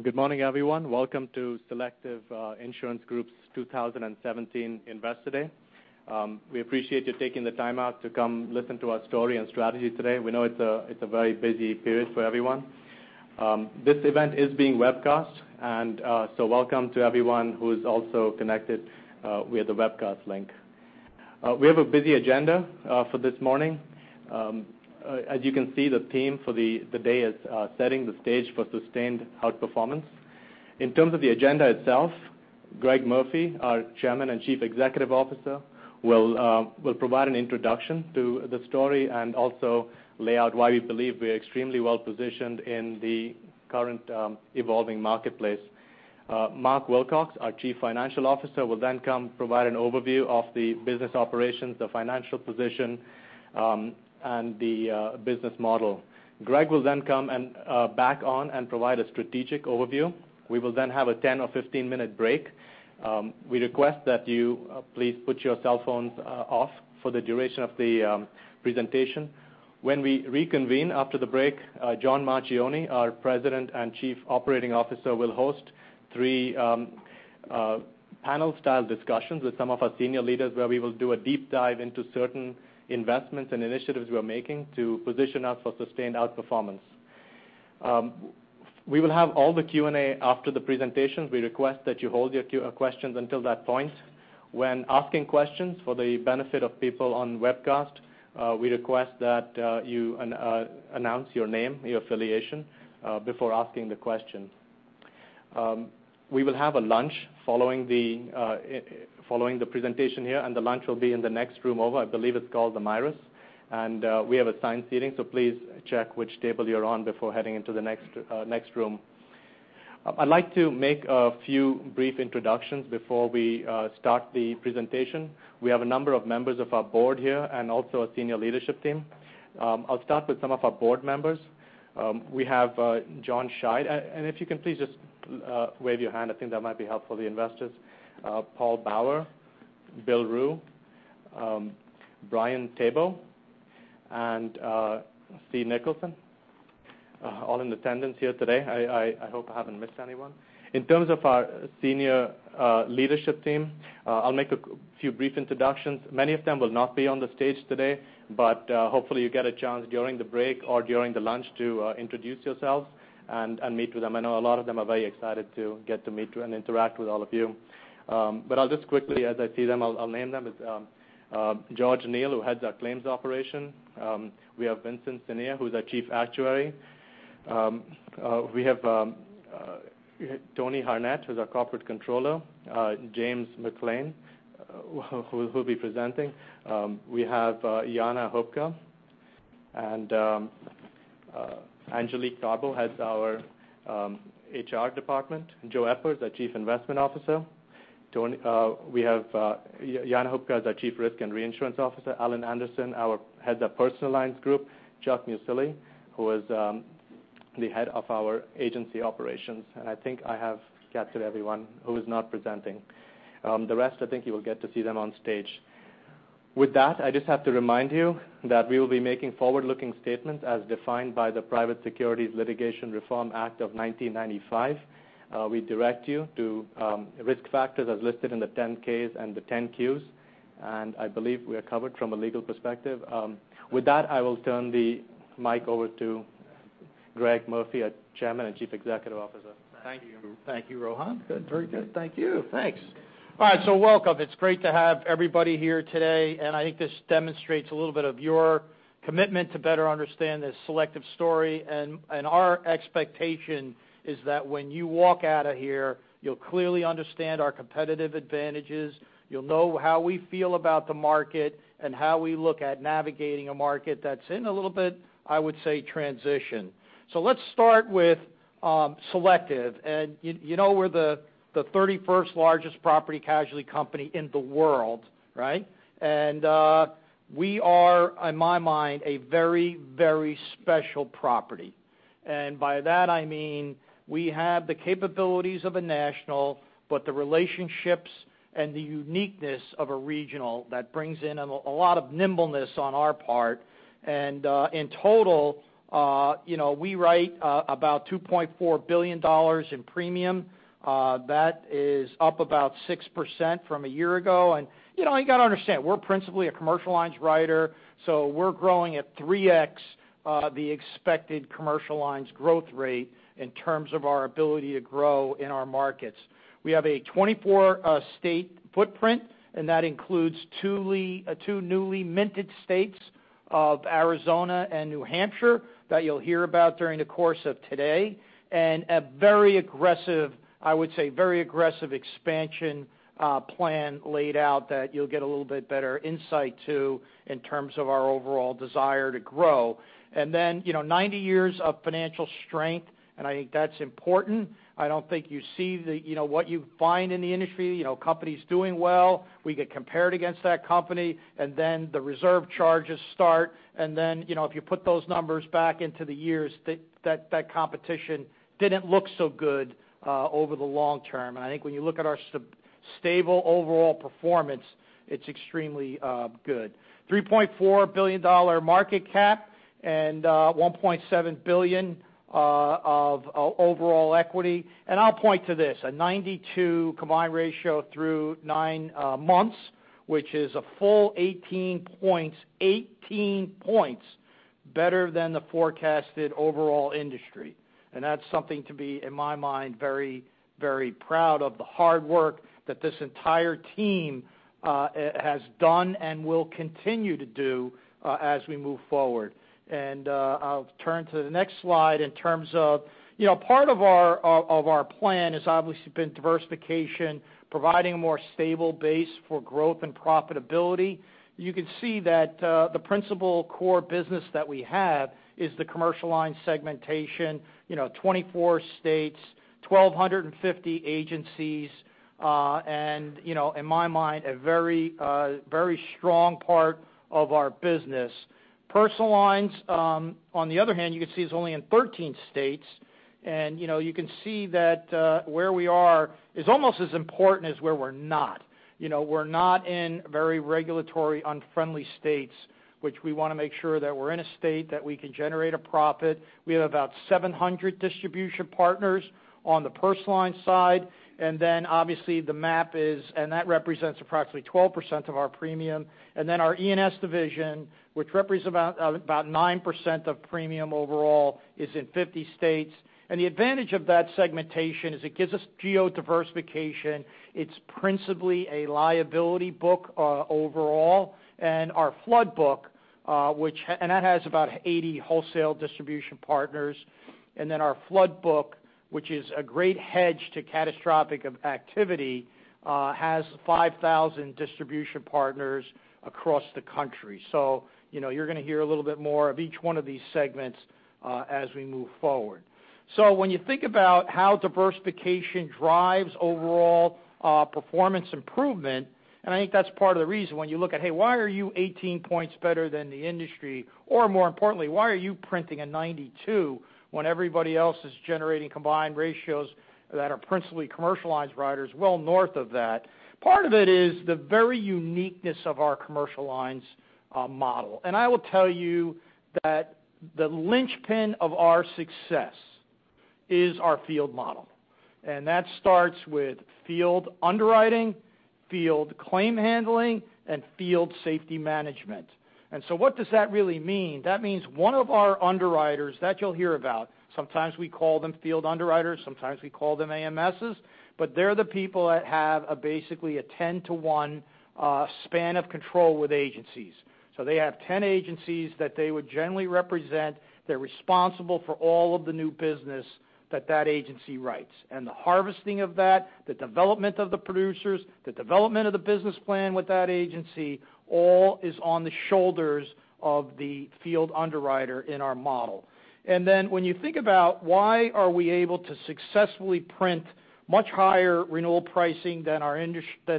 Good morning, everyone. Welcome to Selective Insurance Group's 2017 Investor Day. We appreciate you taking the time out to come listen to our story and strategy today. We know it's a very busy period for everyone. This event is being webcast. Welcome to everyone who is also connected via the webcast link. We have a busy agenda for this morning. As you can see, the theme for the day is Setting the Stage for Sustained Outperformance. In terms of the agenda itself, Greg Murphy, our Chairman and Chief Executive Officer, will provide an introduction to the story and also lay out why we believe we're extremely well-positioned in the current evolving marketplace. Mark Wilcox, our Chief Financial Officer, will come provide an overview of the business operations, the financial position, and the business model. Greg will come back on and provide a strategic overview. We will have a 10 or 15-minute break. We request that you please put your cell phones off for the duration of the presentation. When we reconvene after the break, John Marchioni, our President and Chief Operating Officer, will host three panel-style discussions with some of our senior leaders where we will do a deep dive into certain investments and initiatives we are making to position us for sustained outperformance. We will have all the Q&A after the presentation. We request that you hold your questions until that point. When asking questions for the benefit of people on the webcast, we request that you announce your name, your affiliation before asking the question. We will have a lunch following the presentation here. The lunch will be in the next room over. I believe it's called the Mirus. We have assigned seating, please check which table you're on before heading into the next room. I'd like to make a few brief introductions before we start the presentation. We have a number of members of our board here and also our senior leadership team. I'll start with some of our board members. We have John Scheid. If you can please just wave your hand. I think that might be helpful for the investors. Paul Bauer, Bill Rue, Brian Tebo, and Steve Nicholson, all in attendance here today. I hope I haven't missed anyone. In terms of our senior leadership team, I'll make a few brief introductions. Many of them will not be on the stage today, hopefully you get a chance during the break or during the lunch to introduce yourselves and meet with them. I know a lot of them are very excited to get to meet you and interact with all of you. I'll just quickly, as I see them, I'll name them. George Neale, who heads our claims operation. We have Vincent Senia, who's our Chief Actuary. We have Tony Harnett, who's our Corporate Controller. James McLain, who'll be presenting. We have Jana Hupka and Angelique Tarble heads our HR department. Joe Eppers, our Chief Investment Officer. Jana Hupka is our Chief Risk & Reinsurance Officer. Allen Anderson heads our Personal Lines group. Chuck Mucilli, who is the head of our agency operations. I think I have captured everyone who is not presenting. The rest, I think you will get to see them on stage. With that, I just have to remind you that we will be making forward-looking statements as defined by the Private Securities Litigation Reform Act of 1995. We direct you to risk factors as listed in the 10-Ks and the 10-Qs, and I believe we are covered from a legal perspective. With that, I will turn the mic over to Greg Murphy, our Chairman and Chief Executive Officer. Thank you, Rohan. Good. Very good. Thank you. Thanks. All right, welcome. It's great to have everybody here today, and I think this demonstrates a little bit of your commitment to better understand this Selective story. Our expectation is that when you walk out of here, you'll clearly understand our competitive advantages. You'll know how we feel about the market and how we look at navigating a market that's in a little bit, I would say, transition. Let's start with Selective. You know we're the 31st largest property casualty company in the world, right? We are, in my mind, a very special property. By that I mean we have the capabilities of a national, but the relationships and the uniqueness of a regional that brings in a lot of nimbleness on our part. In total, we write about $2.4 billion in premium. That is up about 6% from a year ago. You've got to understand, we're principally a commercial lines writer, we're growing at 3x the expected commercial lines growth rate in terms of our ability to grow in our markets. We have a 24-state footprint, and that includes two newly minted states of Arizona and New Hampshire that you'll hear about during the course of today. A very aggressive, I would say, very aggressive expansion plan laid out that you'll get a little bit better insight to in terms of our overall desire to grow. 90 years of financial strength, and I think that's important. I don't think you see what you find in the industry, companies doing well. We get compared against that company, and then the reserve charges start. If you put those numbers back into the years, that competition didn't look so good over the long term. I think when you look at our Stable overall performance. It's extremely good. $3.4 billion market cap and $1.7 billion of overall equity. I'll point to this, a 92 combined ratio through nine months, which is a full 18 points better than the forecasted overall industry. That's something to be, in my mind, very, very proud of the hard work that this entire team has done and will continue to do as we move forward. I'll turn to the next slide in terms of, part of our plan has obviously been diversification, providing a more stable base for growth and profitability. You can see that the principal core business that we have is the commercial line segmentation, 24 states, 1,250 agencies. In my mind, a very strong part of our business. Personal lines, on the other hand, you can see is only in 13 states, and you can see that where we are is almost as important as where we're not. We're not in very regulatory unfriendly states, which we want to make sure that we're in a state that we can generate a profit. We have about 700 distribution partners on the personal line side. That represents approximately 12% of our premium. Our E&S division, which represents about 9% of premium overall, is in 50 states. The advantage of that segmentation is it gives us geo-diversification. It's principally a liability book overall. Our flood book, and that has about 80 wholesale distribution partners. Our flood book, which is a great hedge to catastrophic activity has 5,000 distribution partners across the country. You're going to hear a little bit more of each one of these segments as we move forward. When you think about how diversification drives overall performance improvement, and I think that's part of the reason when you look at, hey, why are you 18 points better than the industry? Or more importantly, why are you printing a 92 when everybody else is generating combined ratios that are principally commercial lines riders well north of that? Part of it is the very uniqueness of our commercial lines model. I will tell you that the linchpin of our success is our field model, and that starts with field underwriting, field claim handling, and field safety management. What does that really mean? That means one of our underwriters that you'll hear about, sometimes we call them field underwriters, sometimes we call them AMSs, but they're the people that have basically a 10 to one span of control with agencies. They have 10 agencies that they would generally represent. They're responsible for all of the new business that that agency writes. The harvesting of that, the development of the producers, the development of the business plan with that agency, all is on the shoulders of the field underwriter in our model. When you think about why are we able to successfully print much higher renewal pricing than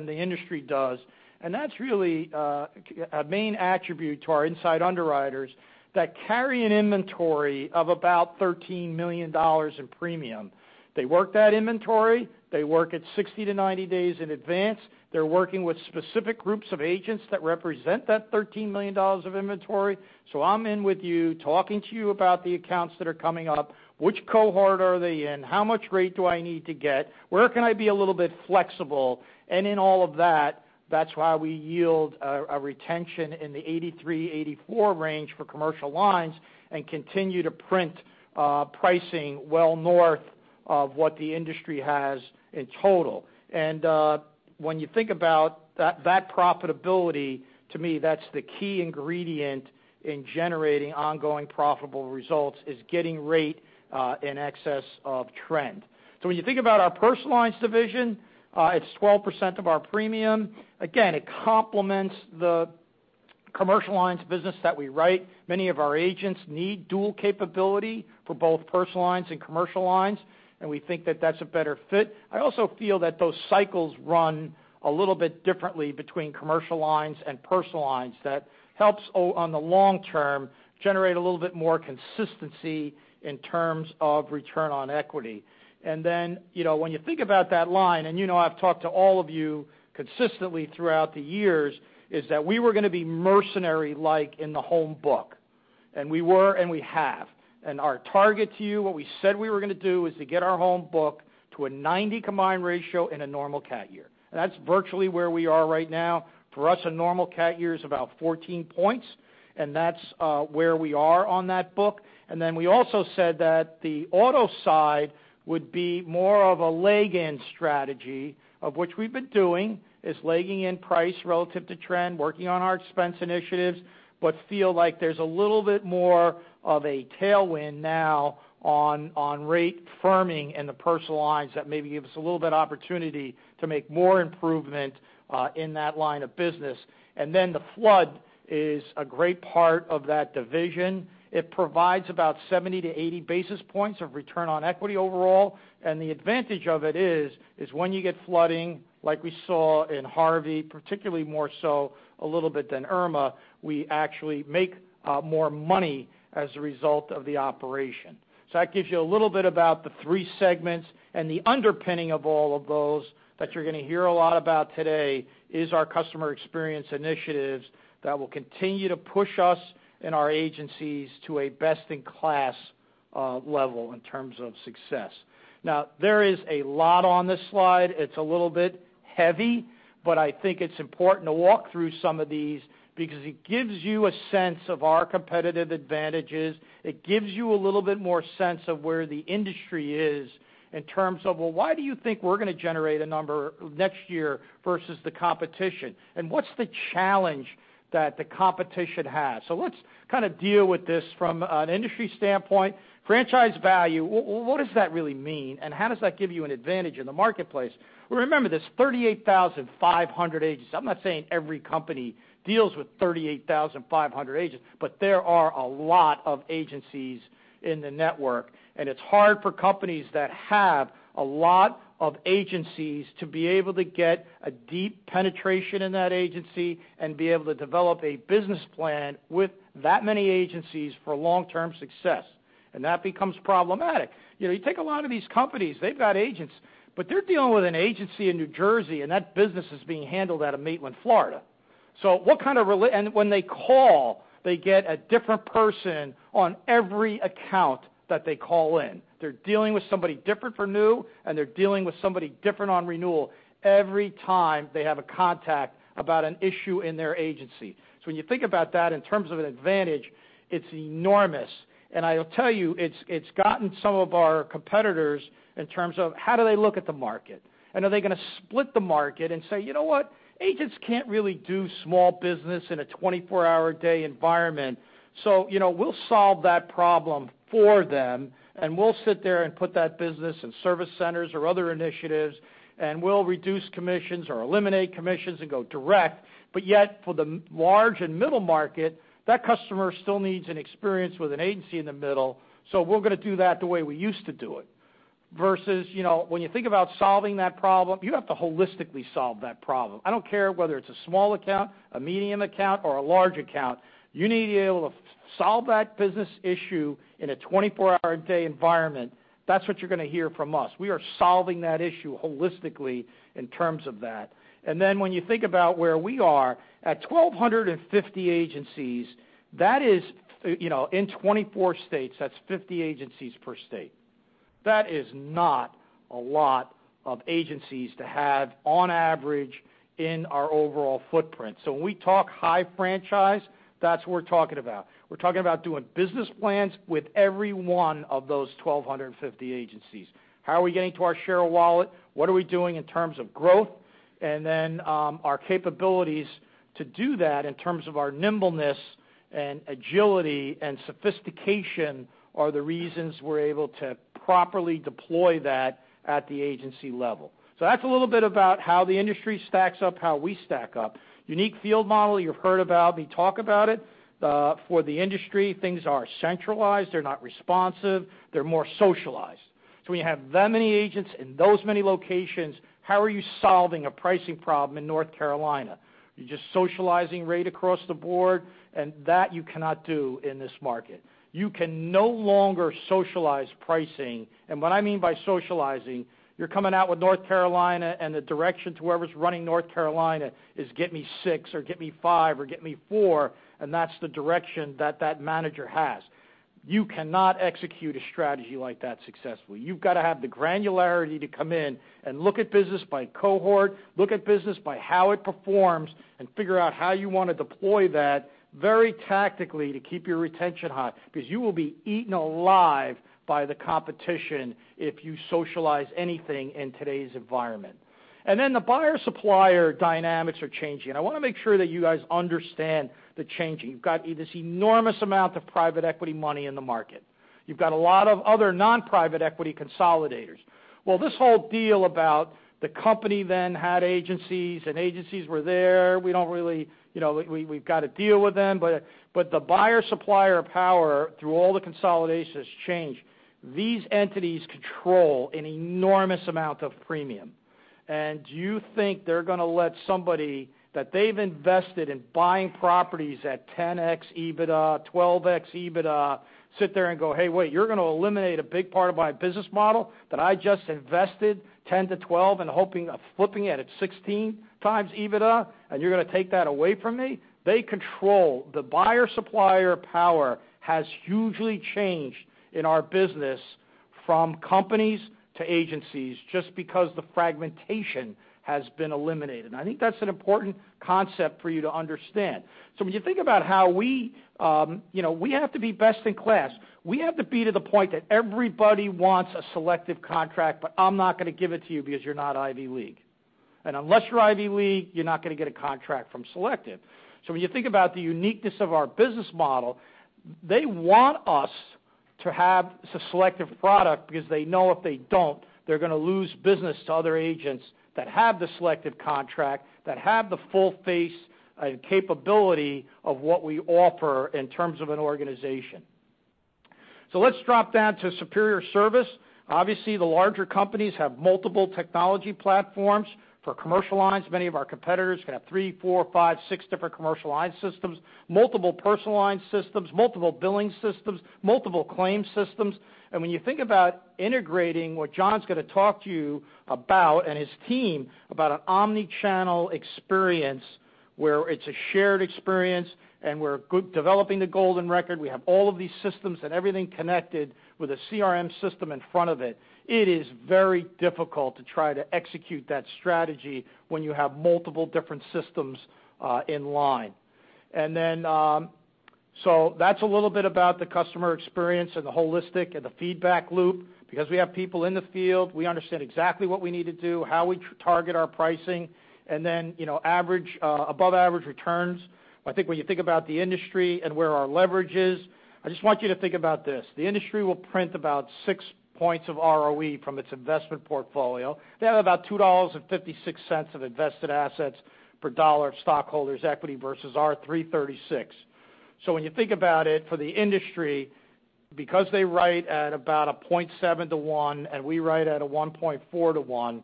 the industry does, and that's really a main attribute to our inside underwriters that carry an inventory of about $13 million in premium. They work that inventory. They work it 60 to 90 days in advance. They're working with specific groups of agents that represent that $13 million of inventory. I'm in with you talking to you about the accounts that are coming up, which cohort are they in? How much rate do I need to get? Where can I be a little bit flexible? In all of that's why we yield a retention in the 83-84 range for commercial lines and continue to print pricing well north of what the industry has in total. When you think about that profitability, to me, that's the key ingredient in generating ongoing profitable results, is getting rate in excess of trend. When you think about our personal lines division, it's 12% of our premium. Again, it complements the commercial lines business that we write. Many of our agents need dual capability for both personal lines and commercial lines, and we think that that's a better fit. I also feel that those cycles run a little bit differently between commercial lines and personal lines. That helps on the long term generate a little bit more consistency in terms of return on equity. Then when you think about that line, you know I've talked to all of you consistently throughout the years, is that we were going to be mercenary-like in the home book, and we were, and we have. Our target to you, what we said we were going to do is to get our home book to a 90 combined ratio in a normal cat year. That's virtually where we are right now. For us, a normal cat year is about 14 points, and that's where we are on that book. Then we also said that the auto side would be more of a leg-in strategy, of which we've been doing, is legging in price relative to trend, working on our expense initiatives, but feel like there's a little bit more of a tailwind now on rate firming in the personal lines that maybe give us a little bit of opportunity to make more improvement in that line of business. Then the flood is a great part of that division. It provides about 70 to 80 basis points of return on equity overall. And the advantage of it is when you get flooding, like we saw in Harvey, particularly more so a little bit than Irma, we actually make more money as a result of the operation. That gives you a little bit about the three segments. The underpinning of all of those that you're going to hear a lot about today is our customer experience initiatives that will continue to push us and our agencies to a best-in-class level in terms of success. Now, there is a lot on this slide. It's a little bit heavy, but I think it's important to walk through some of these because it gives you a sense of our competitive advantages. It gives you a little bit more sense of where the industry is in terms of, well, why do you think we're going to generate a number next year versus the competition? What's the challenge that the competition has? Let's kind of deal with this from an industry standpoint. Franchise value, what does that really mean, and how does that give you an advantage in the marketplace? Remember, there's 38,500 agents. I'm not saying every company deals with 38,500 agents, but there are a lot of agencies in the network, and it's hard for companies that have a lot of agencies to be able to get a deep penetration in that agency and be able to develop a business plan with that many agencies for long-term success. That becomes problematic. You take a lot of these companies, they've got agents, but they're dealing with an agency in New Jersey, and that business is being handled out of Maitland, Florida. And when they call, they get a different person on every account that they call in. They're dealing with somebody different for new, and they're dealing with somebody different on renewal every time they have a contact about an issue in their agency. When you think about that in terms of an advantage, it's enormous. I'll tell you, it's gotten some of our competitors in terms of how do they look at the market? Are they going to split the market and say, "You know what? Agents can't really do small business in a 24-hour-a-day environment, so we'll solve that problem for them, and we'll sit there and put that business in service centers or other initiatives, and we'll reduce commissions or eliminate commissions and go direct." Yet for the large and middle market, that customer still needs an experience with an agency in the middle, so we're going to do that the way we used to do it. Versus when you think about solving that problem, you have to holistically solve that problem. I don't care whether it's a small account, a medium account, or a large account, you need to be able to solve that business issue in a 24-hour-a-day environment. That's what you're going to hear from us. We are solving that issue holistically in terms of that. When you think about where we are, at 1,250 agencies, that is in 24 states, that's 50 agencies per state. That is not a lot of agencies to have on average in our overall footprint. When we talk high franchise, that's what we're talking about. We're talking about doing business plans with every one of those 1,250 agencies. How are we getting to our share of wallet? What are we doing in terms of growth? Our capabilities to do that in terms of our nimbleness and agility and sophistication are the reasons we're able to properly deploy that at the agency level. That's a little bit about how the industry stacks up, how we stack up. Unique field model, you've heard about me talk about it. For the industry, things are centralized. They're not responsive. They're more socialized. When you have that many agents in those many locations, how are you solving a pricing problem in North Carolina? You're just socializing rate across the board, and that you cannot do in this market. You can no longer socialize pricing. What I mean by socializing, you're coming out with North Carolina, and the direction to whoever's running North Carolina is get me six or get me five or get me four, and that's the direction that that manager has. You cannot execute a strategy like that successfully. You've got to have the granularity to come in and look at business by cohort, look at business by how it performs, and figure out how you want to deploy that very tactically to keep your retention high because you will be eaten alive by the competition if you socialize anything in today's environment. The buyer-supplier dynamics are changing. I want to make sure that you guys understand the changing. You've got this enormous amount of private equity money in the market. You've got a lot of other non-private equity consolidators. Well, this whole deal about the company then had agencies, and agencies were there. We've got to deal with them. The buyer-supplier power through all the consolidations change. These entities control an enormous amount of premium. Do you think they're going to let somebody that they've invested in buying properties at 10x EBITDA, 12x EBITDA, sit there and go, "Hey, wait, you're going to eliminate a big part of my business model that I just invested 10 to 12 and hoping of flipping it at 16 times EBITDA, and you're going to take that away from me?" They control. The buyer-supplier power has hugely changed in our business from companies to agencies just because the fragmentation has been eliminated. I think that's an important concept for you to understand. When you think about how we have to be best in class, we have to be to the point that everybody wants a Selective contract, but I'm not going to give it to you because you're not Ivy League. Unless you're Ivy League, you're not going to get a contract from Selective. When you think about the uniqueness of our business model, they want us to have a Selective product because they know if they don't, they're going to lose business to other agents that have the Selective contract, that have the full face and capability of what we offer in terms of an organization. Let's drop down to superior service. Obviously, the larger companies have multiple technology platforms for commercial lines. Many of our competitors could have three, four, five, six different commercial line systems, multiple personal line systems, multiple billing systems, multiple claims systems. When you think about integrating what John's going to talk to you about, and his team, about an omnichannel experience where it's a shared experience and we're developing the golden record. We have all of these systems and everything connected with a CRM system in front of it. It is very difficult to try to execute that strategy when you have multiple different systems in line. That's a little bit about the customer experience and the holistic and the feedback loop, because we have people in the field. We understand exactly what we need to do, how we target our pricing, and then above average returns. I think when you think about the industry and where our leverage is, I just want you to think about this. The industry will print about six points of ROE from its investment portfolio. They have about $2.56 of invested assets per dollar of stockholders' equity versus our 336. When you think about it, for the industry, because they write at about a 0.7 to 1 and we write at a 1.4 to 1,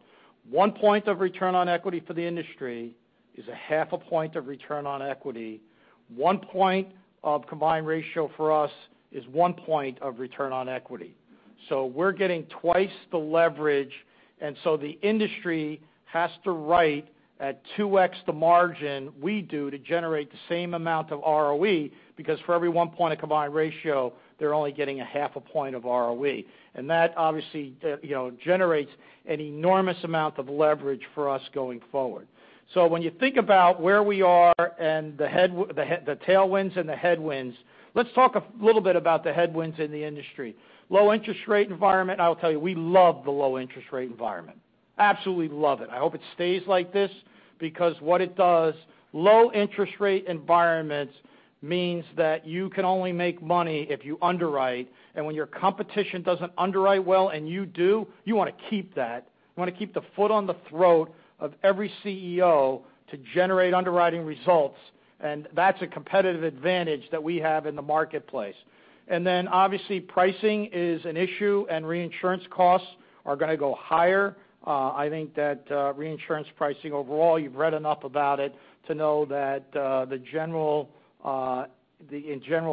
one point of return on equity for the industry is a half a point of return on equity. One point of combined ratio for us is one point of return on equity. We're getting twice the leverage, the industry has to write at 2x the margin we do to generate the same amount of ROE, because for every one point of combined ratio, they're only getting a half a point of ROE. That obviously generates an enormous amount of leverage for us going forward. When you think about where we are and the tailwinds and the headwinds, let's talk a little bit about the headwinds in the industry. Low interest rate environment, I'll tell you, we love the low interest rate environment. Absolutely love it. I hope it stays like this because what it does, low interest rate environments means that you can only make money if you underwrite. When your competition doesn't underwrite well and you do, you want to keep that. You want to keep the foot on the throat of every CEO to generate underwriting results, and that's a competitive advantage that we have in the marketplace. Obviously pricing is an issue and reinsurance costs are going to go higher. I think that reinsurance pricing overall, you've read enough about it to know that the general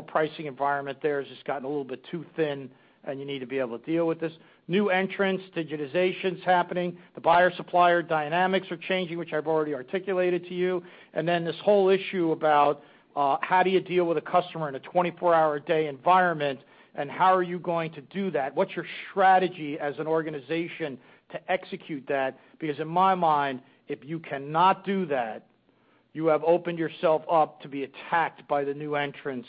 pricing environment there has just gotten a little bit too thin and you need to be able to deal with this. New entrants, digitization's happening. The buyer-supplier dynamics are changing, which I've already articulated to you. This whole issue about how do you deal with a customer in a 24-hour-a-day environment, and how are you going to do that? What's your strategy as an organization to execute that? Because in my mind, if you cannot do that, you have opened yourself up to be attacked by the new entrants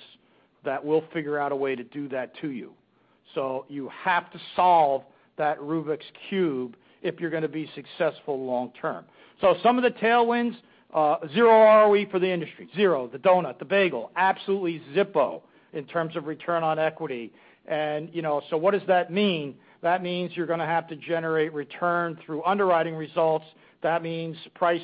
that will figure out a way to do that to you. You have to solve that Rubik's Cube if you're going to be successful long term. Some of the tailwinds, zero ROE for the industry. Zero. The donut, the bagel, absolutely zippo in terms of return on equity. What does that mean? That means you're going to have to generate return through underwriting results. That means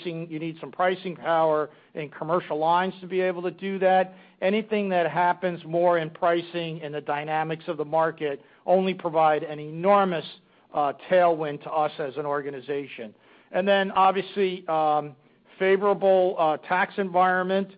you need some pricing power in commercial lines to be able to do that. Anything that happens more in pricing and the dynamics of the market only provide an enormous tailwind to us as an organization. Obviously, favorable tax environment.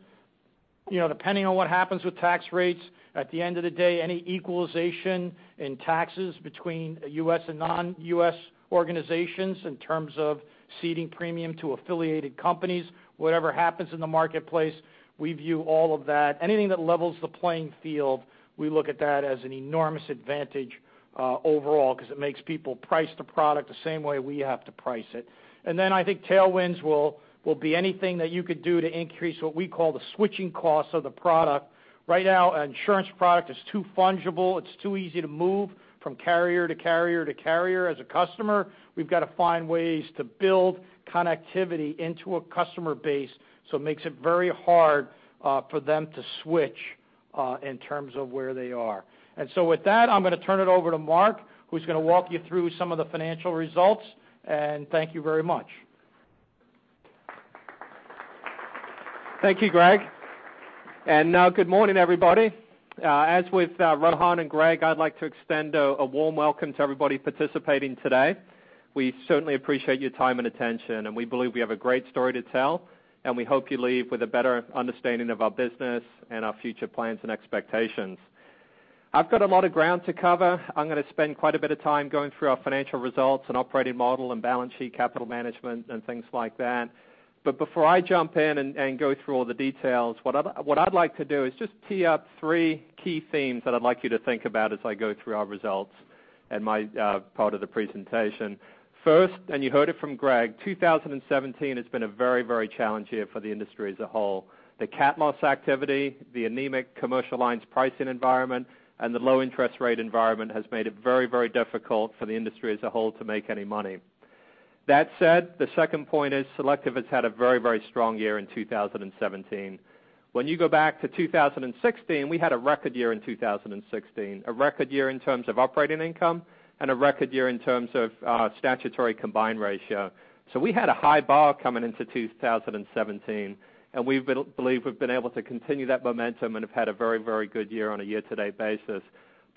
Depending on what happens with tax rates, at the end of the day, any equalization in taxes between U.S. and non-U.S. organizations in terms of ceding premium to affiliated companies, whatever happens in the marketplace, we view all of that. Anything that levels the playing field, we look at that as an enormous advantage overall because it makes people price the product the same way we have to price it. I think tailwinds will be anything that you could do to increase what we call the switching cost of the product. Right now, an insurance product is too fungible. It's too easy to move from carrier to carrier to carrier as a customer. We've got to find ways to build connectivity into a customer base, so it makes it very hard for them to switch in terms of where they are. With that, I'm going to turn it over to Mark, who's going to walk you through some of the financial results, and thank you very much. Thank you, Greg. Good morning, everybody. As with Rohan and Greg, I'd like to extend a warm welcome to everybody participating today. We certainly appreciate your time and attention, and we believe we have a great story to tell, and we hope you leave with a better understanding of our business and our future plans and expectations. I've got a lot of ground to cover. I'm going to spend quite a bit of time going through our financial results and operating model and balance sheet capital management and things like that. Before I jump in and go through all the details, what I'd like to do is just tee up three key themes that I'd like you to think about as I go through our results and my part of the presentation. First, you heard it from Greg, 2017 has been a very challenge year for the industry as a whole. The cat loss activity, the anemic commercial lines pricing environment, and the low interest rate environment has made it very difficult for the industry as a whole to make any money. That said, the second point is Selective has had a very strong year in 2017. When you go back to 2016, we had a record year in 2016. A record year in terms of operating income and a record year in terms of statutory combined ratio. We had a high bar coming into 2017, and we believe we've been able to continue that momentum and have had a very good year on a year-to-date basis.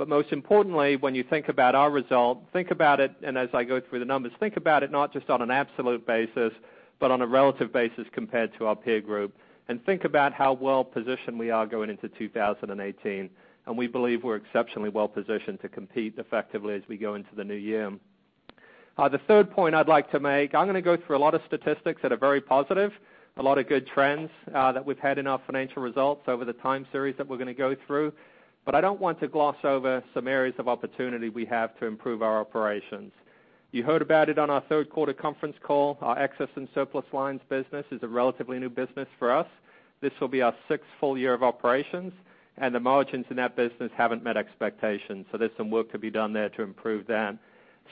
Most importantly, when you think about our result, think about it, and as I go through the numbers, think about it not just on an absolute basis, but on a relative basis compared to our peer group, and think about how well-positioned we are going into 2018. We believe we're exceptionally well-positioned to compete effectively as we go into the new year. The third point I'd like to make, I'm going to go through a lot of statistics that are very positive, a lot of good trends that we've had in our financial results over the time series that we're going to go through. I don't want to gloss over some areas of opportunity we have to improve our operations. You heard about it on our third quarter conference call. Our Excess and Surplus lines business is a relatively new business for us. This will be our sixth full year of operations, and the margins in that business haven't met expectations, there's some work to be done there to improve that.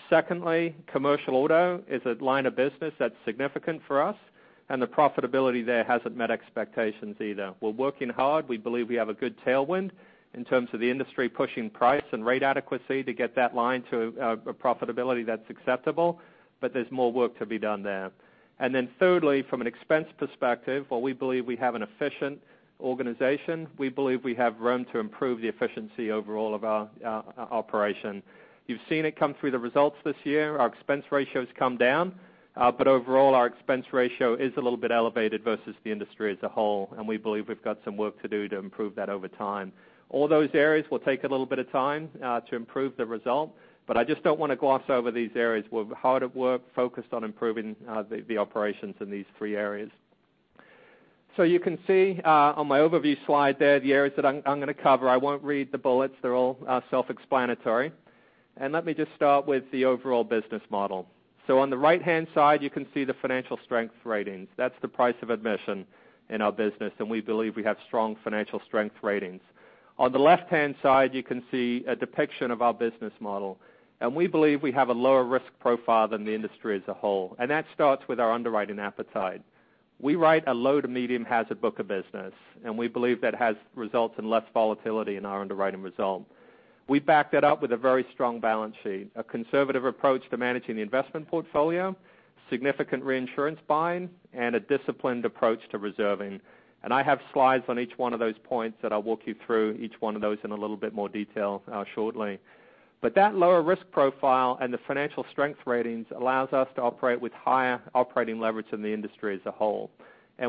Secondly, commercial auto is a line of business that's significant for us, and the profitability there hasn't met expectations either. We're working hard. We believe we have a good tailwind in terms of the industry pushing price and rate adequacy to get that line to a profitability that's acceptable, there's more work to be done there. Then thirdly, from an expense perspective, while we believe we have an efficient organization, we believe we have room to improve the efficiency overall of our operation. You've seen it come through the results this year. Our expense ratio has come down. Overall, our expense ratio is a little bit elevated versus the industry as a whole, and we believe we've got some work to do to improve that over time. All those areas will take a little bit of time to improve the result, but I just don't want to gloss over these areas. We're hard at work, focused on improving the operations in these three areas. You can see on my overview slide there, the areas that I'm going to cover. I won't read the bullets. They're all self-explanatory. Let me just start with the overall business model. On the right-hand side, you can see the financial strength ratings. That's the price of admission in our business, and we believe we have strong financial strength ratings. On the left-hand side, you can see a depiction of our business model. We believe we have a lower risk profile than the industry as a whole, and that starts with our underwriting appetite. We write a low to medium hazard book of business, and we believe that has resulted in less volatility in our underwriting result. We back that up with a very strong balance sheet, a conservative approach to managing the investment portfolio, significant reinsurance buying, and a disciplined approach to reserving. I have slides on each one of those points that I'll walk you through each one of those in a little bit more detail shortly. That lower risk profile and the financial strength ratings allows us to operate with higher operating leverage in the industry as a whole.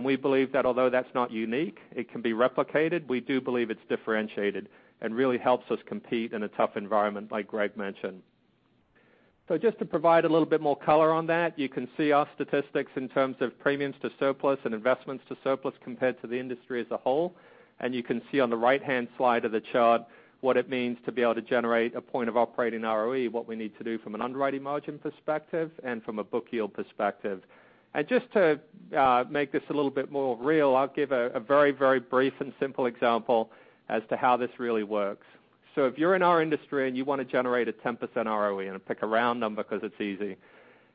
We believe that although that's not unique, it can be replicated. We do believe it's differentiated and really helps us compete in a tough environment, like Greg mentioned. Just to provide a little bit more color on that, you can see our statistics in terms of premiums to surplus and investments to surplus compared to the industry as a whole. You can see on the right-hand side of the chart what it means to be able to generate a point of operating ROE, what we need to do from an underwriting margin perspective and from a book yield perspective. Just to make this a little bit more real, I'll give a very brief and simple example as to how this really works. If you're in our industry and you want to generate a 10% ROE, I pick a round number because it's easy,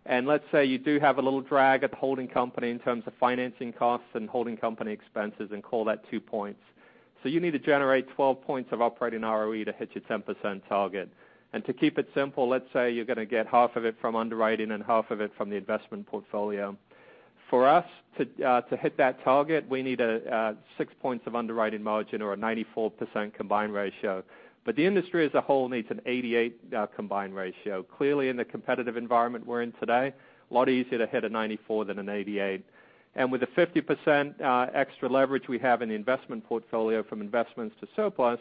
and let's say you do have a little drag at the holding company in terms of financing costs and holding company expenses and call that two points. You need to generate 12 points of operating ROE to hit your 10% target. To keep it simple, let's say you're going to get half of it from underwriting and half of it from the investment portfolio. For us to hit that target, we need six points of underwriting margin or a 94% combined ratio. The industry as a whole needs an 88 combined ratio. Clearly, in the competitive environment we're in today, a lot easier to hit a 94 than an 88. With the 50% extra leverage we have in the investment portfolio from investments to surplus,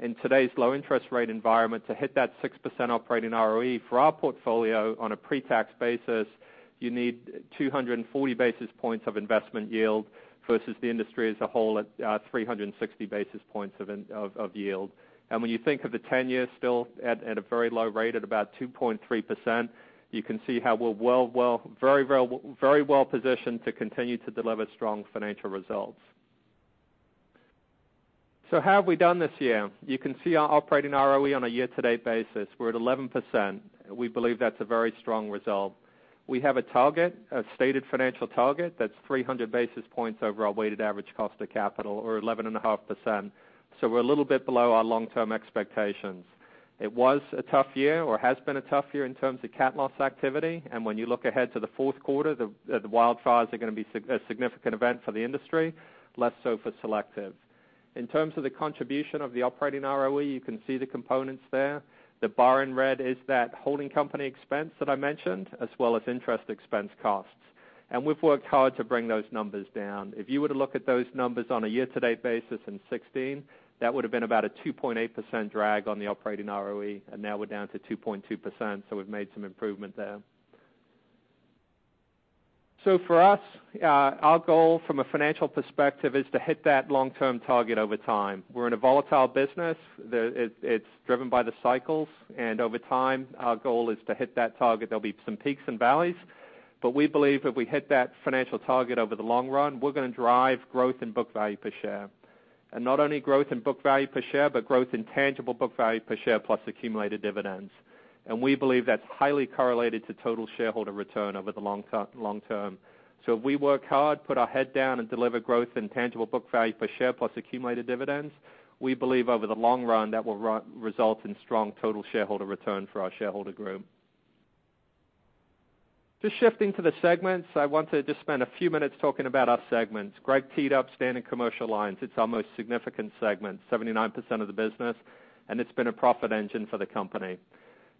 in today's low interest rate environment, to hit that 6% operating ROE for our portfolio on a pre-tax basis, you need 240 basis points of investment yield versus the industry as a whole at 360 basis points of yield. When you think of the 10-year still at a very low rate at about 2.3%, you can see how we're very well-positioned to continue to deliver strong financial results. How have we done this year? You can see our operating ROE on a year-to-date basis. We're at 11%. We believe that's a very strong result. We have a target, a stated financial target, that's 300 basis points over our weighted average cost of capital or 11.5%. We're a little bit below our long-term expectations. It was a tough year or has been a tough year in terms of cat loss activity. When you look ahead to the fourth quarter, the wildfires are going to be a significant event for the industry, less so for Selective. In terms of the contribution of the operating ROE, you can see the components there. The bar in red is that holding company expense that I mentioned, as well as interest expense costs. We've worked hard to bring those numbers down. If you were to look at those numbers on a year-to-date basis in 2016, that would have been about a 2.8% drag on the operating ROE, and now we're down to 2.2%. We've made some improvement there. For us, our goal from a financial perspective is to hit that long-term target over time. We're in a volatile business. It's driven by the cycles. Over time, our goal is to hit that target. There'll be some peaks and valleys, but we believe if we hit that financial target over the long run, we're going to drive growth in book value per share. Not only growth in book value per share, but growth in tangible book value per share plus accumulated dividends. We believe that's highly correlated to total shareholder return over the long term. If we work hard, put our head down and deliver growth in tangible book value per share plus accumulated dividends, we believe over the long run that will result in strong total shareholder return for our shareholder group. Just shifting to the segments, I want to just spend a few minutes talking about our segments. Greg teed up Standard Commercial Lines. It's our most significant segment, 79% of the business. It's been a profit engine for the company.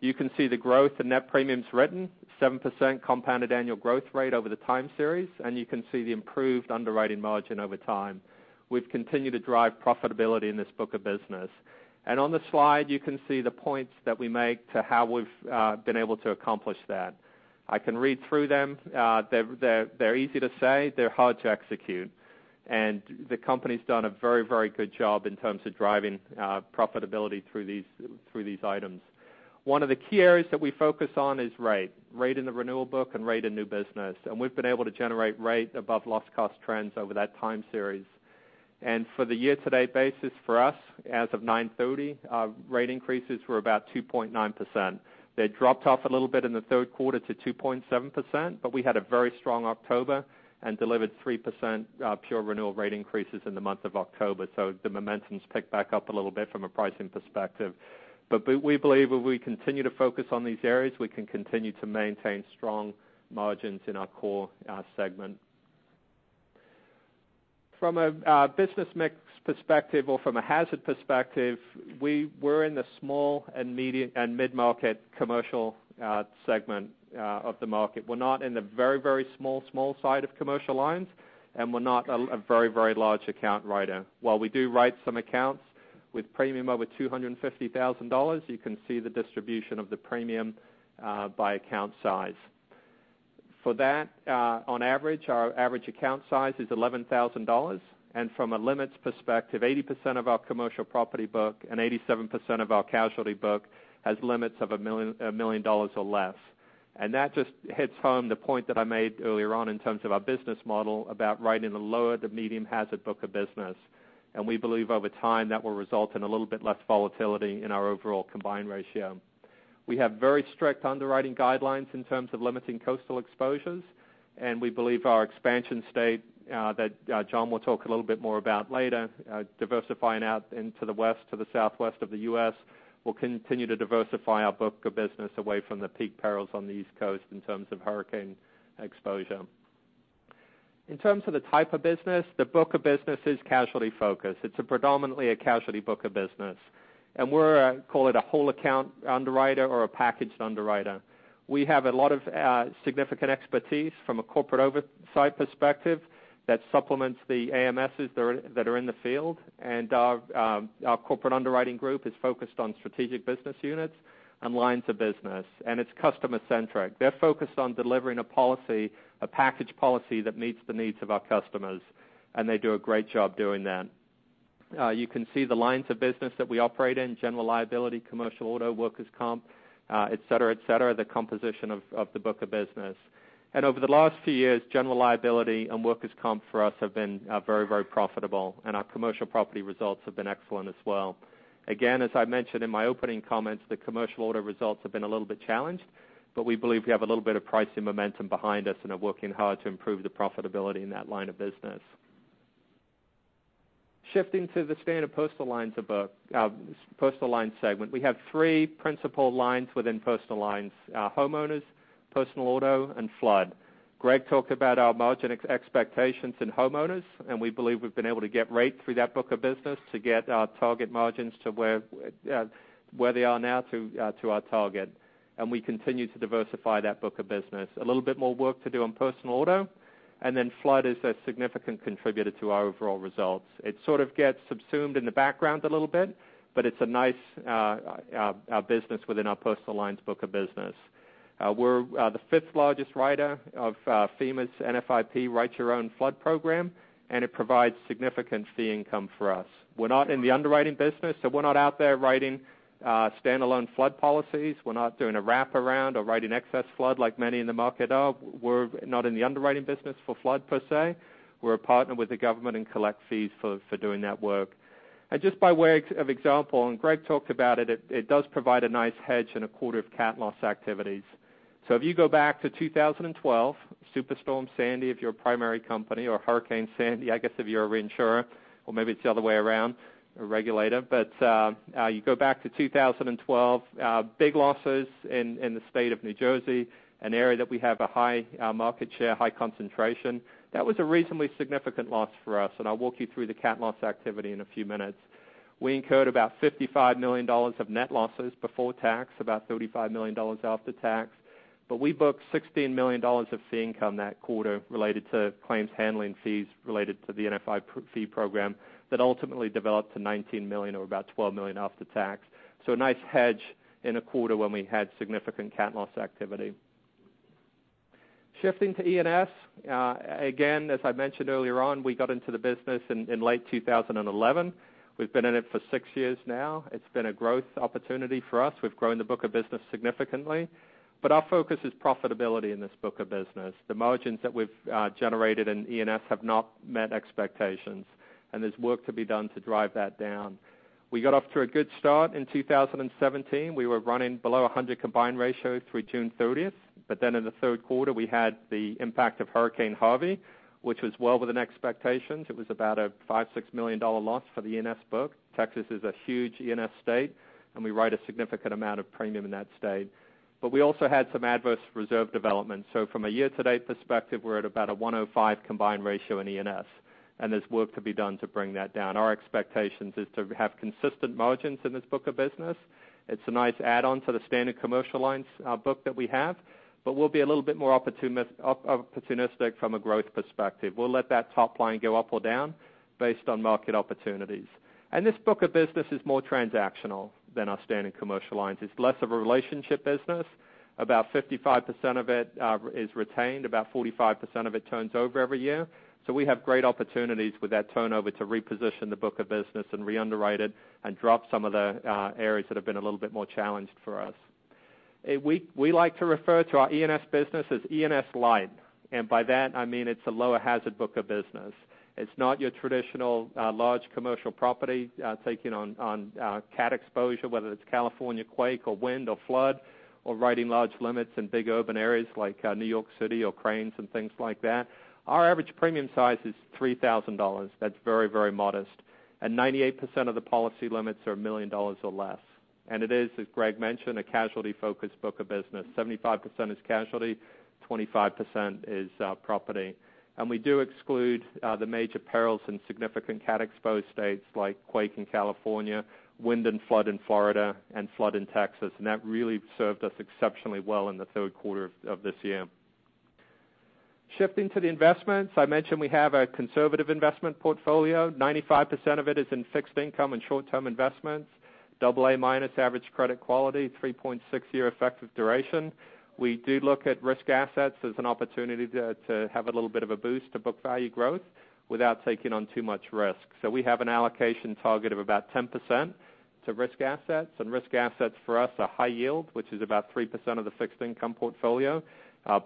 You can see the growth in net premiums written, 7% compounded annual growth rate over the time series. You can see the improved underwriting margin over time. We've continued to drive profitability in this book of business. On the slide, you can see the points that we make to how we've been able to accomplish that. I can read through them. They're easy to say. They're hard to execute. The company's done a very good job in terms of driving profitability through these items. One of the key areas that we focus on is rate in the renewal book and rate in new business. We've been able to generate rate above loss cost trends over that time series. For the year-to-date basis for us, as of 9/30, our rate increases were about 2.9%. They dropped off a little bit in the third quarter to 2.7%. We had a very strong October and delivered 3% pure renewal rate increases in the month of October. The momentum's picked back up a little bit from a pricing perspective. We believe if we continue to focus on these areas, we can continue to maintain strong margins in our core segment. From a business mix perspective or from a hazard perspective, we're in the small and mid-market commercial segment of the market. We're not in the very small side of commercial lines, and we're not a very large account writer. While we do write some accounts with premium over $250,000, you can see the distribution of the premium by account size. For that, on average, our average account size is $11,000, and from a limits perspective, 80% of our commercial property book and 87% of our casualty book has limits of $1 million or less. That just hits home the point that I made earlier on in terms of our business model about writing the lower to medium hazard book of business. We believe over time, that will result in a little bit less volatility in our overall combined ratio. We have very strict underwriting guidelines in terms of limiting coastal exposures. We believe our expansion state that John will talk a little bit more about later, diversifying out into the West to the Southwest of the U.S., will continue to diversify our book of business away from the peak perils on the East Coast in terms of hurricane exposure. In terms of the type of business, the book of business is casualty focused. It's predominantly a casualty book of business. We're a, call it a whole account underwriter or a packaged underwriter. We have a lot of significant expertise from a corporate oversight perspective that supplements the AMSs that are in the field. Our corporate underwriting group is focused on strategic business units and lines of business. It's customer centric. They're focused on delivering a package policy that meets the needs of our customers, and they do a great job doing that. You can see the lines of business that we operate in, general liability, commercial auto, workers' comp, et cetera, the composition of the book of business. Over the last few years, general liability and workers' comp for us have been very profitable, and our commercial property results have been excellent as well. Again, as I mentioned in my opening comments, the commercial auto results have been a little bit challenged. We believe we have a little bit of pricing momentum behind us and are working hard to improve the profitability in that line of business. Shifting to the standard personal lines segment, we have three principal lines within personal lines, homeowners, personal auto, and flood. Greg talked about our margin expectations in homeowners, and we believe we've been able to get rate through that book of business to get our target margins to where they are now to our target. We continue to diversify that book of business. A little bit more work to do on personal auto. Then flood is a significant contributor to our overall results. It sort of gets subsumed in the background a little bit, but it's a nice business within our personal lines book of business. We're the fifth largest writer of FEMA's NFIP Write Your Own Flood program, and it provides significant fee income for us. We're not in the underwriting business, so we're not out there writing standalone flood policies. We're not doing a wraparound or writing excess flood like many in the market are. We're not in the underwriting business for flood per se. We're a partner with the government and collect fees for doing that work. Just by way of example, and Greg talked about it does provide a nice hedge in a quarter of cat loss activities. If you go back to 2012, Superstorm Sandy, if you're a primary company, or Hurricane Sandy, I guess if you're a reinsurer, or maybe it's the other way around, a regulator. You go back to 2012, big losses in the state of New Jersey, an area that we have a high market share, high concentration. That was a reasonably significant loss for us, and I'll walk you through the cat loss activity in a few minutes. We incurred about $55 million of net losses before tax, about $35 million after tax. We booked $16 million of fee income that quarter related to claims handling fees related to the NFIP program that ultimately developed to $19 million or about $12 million after tax. A nice hedge in a quarter when we had significant cat loss activity. Shifting to E&S. Again, as I mentioned earlier on, we got into the business in late 2011. We've been in it for six years now. It's been a growth opportunity for us. We've grown the book of business significantly. Our focus is profitability in this book of business. The margins that we've generated in E&S have not met expectations, and there's work to be done to drive that down. We got off to a good start in 2017. We were running below 100 combined ratio through June 30th, in the third quarter, we had the impact of Hurricane Harvey, which was well within expectations. It was about a five, $6 million loss for the E&S book. Texas is a huge E&S state, and we write a significant amount of premium in that state. We also had some adverse reserve development. From a year-to-date perspective, we're at about a 105 combined ratio in E&S. There's work to be done to bring that down. Our expectations is to have consistent margins in this book of business. It's a nice add-on to the Standard Commercial Lines book that we have, we'll be a little bit more opportunistic from a growth perspective. We'll let that top line go up or down based on market opportunities. This book of business is more transactional than our Standard Commercial Lines. It's less of a relationship business. About 55% of it is retained, about 45% of it turns over every year. We have great opportunities with that turnover to reposition the book of business and re-underwrite it and drop some of the areas that have been a little bit more challenged for us. We like to refer to our E&S business as E&S light. By that I mean it's a lower hazard book of business. It's not your traditional large commercial property taking on cat exposure, whether it's California quake or wind or flood, or writing large limits in big open areas like New York City or cranes and things like that. Our average premium size is $3,000. That's very modest. 98% of the policy limits are $1 million or less. It is, as Greg mentioned, a casualty focused book of business. 75% is casualty, 25% is property. We do exclude the major perils in significant cat exposed states like quake in California, wind and flood in Florida, and flood in Texas, and that really served us exceptionally well in the third quarter of this year. Shifting to the investments, I mentioned we have a conservative investment portfolio. 95% of it is in fixed income and short-term investments, AA minus average credit quality, 3.6 year effective duration. We do look at risk assets as an opportunity to have a little bit of a boost to book value growth without taking on too much risk. We have an allocation target of about 10% to risk assets. Risk assets for us are high yield, which is about 3% of the fixed income portfolio,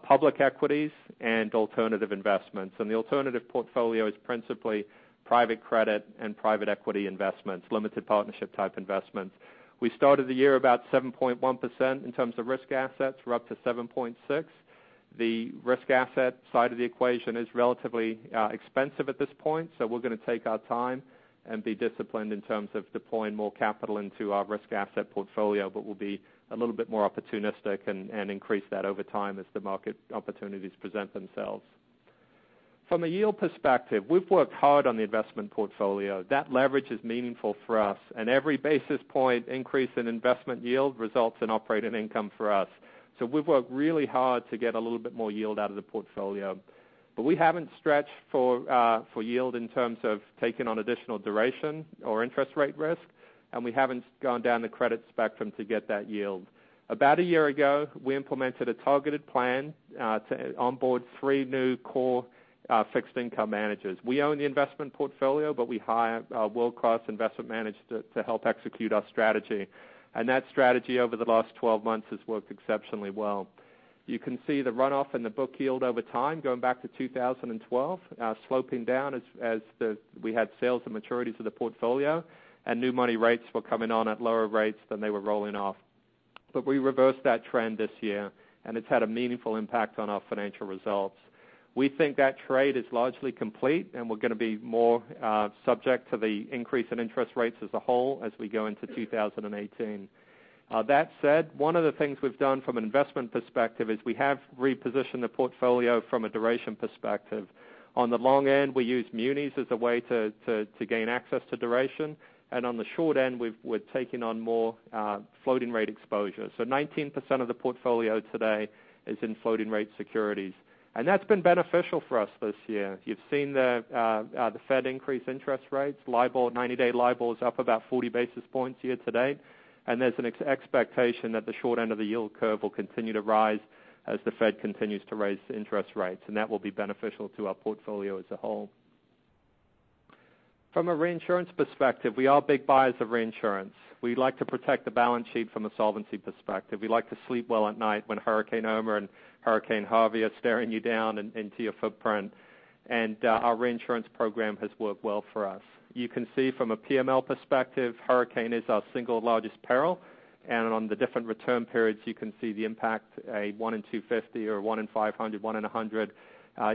public equities and alternative investments. The alternative portfolio is principally private credit and private equity investments, limited partnership type investments. We started the year about 7.1% in terms of risk assets. We're up to 7.6. The risk asset side of the equation is relatively expensive at this point. We're going to take our time and be disciplined in terms of deploying more capital into our risk asset portfolio, but we'll be a little bit more opportunistic and increase that over time as the market opportunities present themselves. From a yield perspective, we've worked hard on the investment portfolio. That leverage is meaningful for us, and every basis point increase in investment yield results in operating income for us. We've worked really hard to get a little bit more yield out of the portfolio, but we haven't stretched for yield in terms of taking on additional duration or interest rate risk, and we haven't gone down the credit spectrum to get that yield. About a year ago, we implemented a targeted plan to onboard three new core fixed income managers. We own the investment portfolio, but we hire world-class investment managers to help execute our strategy. That strategy over the last 12 months has worked exceptionally well. You can see the runoff in the book yield over time going back to 2012, sloping down as we had sales and maturities of the portfolio and new money rates were coming on at lower rates than they were rolling off. We reversed that trend this year and it's had a meaningful impact on our financial results. We think that trade is largely complete and we're going to be more subject to the increase in interest rates as a whole as we go into 2018. That said, one of the things we've done from an investment perspective is we have repositioned the portfolio from a duration perspective. On the long end, we use munis as a way to gain access to duration. On the short end, we're taking on more floating rate exposure. 19% of the portfolio today is in floating rate securities, and that's been beneficial for us this year. You've seen the Fed increase interest rates. 90-day LIBOR is up about 40 basis points year to date, there's an expectation that the short end of the yield curve will continue to rise as the Fed continues to raise interest rates, that will be beneficial to our portfolio as a whole. From a reinsurance perspective, we are big buyers of reinsurance. We like to protect the balance sheet from a solvency perspective. We like to sleep well at night when Hurricane Irma and Hurricane Harvey are staring you down into your footprint. Our reinsurance program has worked well for us. You can see from a PML perspective, hurricane is our single largest peril. On the different return periods, you can see the impact a one in 250 or one in 500, one in 100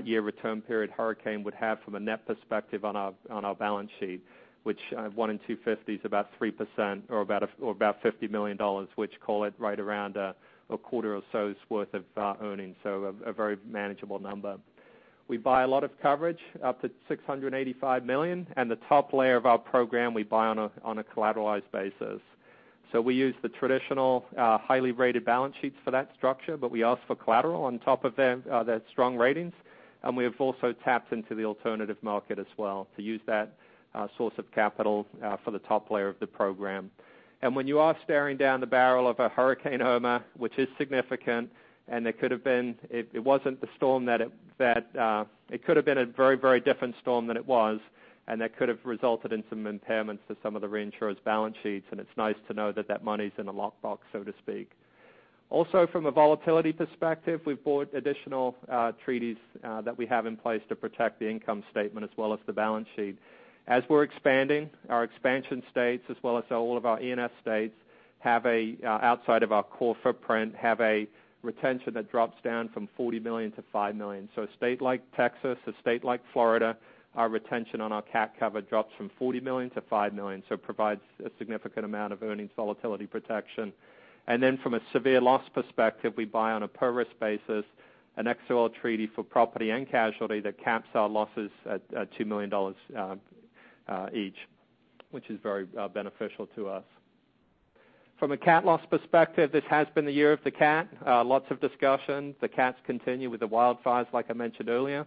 year return period hurricane would have from a net perspective on our balance sheet, which one in 250 is about 3% or about $50 million, which call it right around a quarter or so's worth of earnings. A very manageable number. We buy a lot of coverage, up to $685 million, the top layer of our program we buy on a collateralized basis. We use the traditional highly rated balance sheets for that structure, we ask for collateral on top of their strong ratings, we have also tapped into the alternative market as well to use that source of capital for the top layer of the program. When you are staring down the barrel of a Hurricane Irma, which is significant, it could have been a very different storm than it was, that could have resulted in some impairments to some of the reinsurers' balance sheets, it's nice to know that that money's in a lockbox, so to speak. Also from a volatility perspective, we've bought additional treaties that we have in place to protect the income statement as well as the balance sheet. As we're expanding, our expansion states as well as all of our E&S states outside of our core footprint have a retention that drops down from $40 million to $5 million. A state like Texas, a state like Florida, our retention on our cat cover drops from $40 million to $5 million. It provides a significant amount of earnings volatility protection. From a severe loss perspective, we buy on a per risk basis an excess of loss treaty for property and casualty that caps our losses at $2 million each, which is very beneficial to us. From a cat loss perspective, this has been the year of the cat. Lots of discussion. The cats continue with the wildfires, like I mentioned earlier.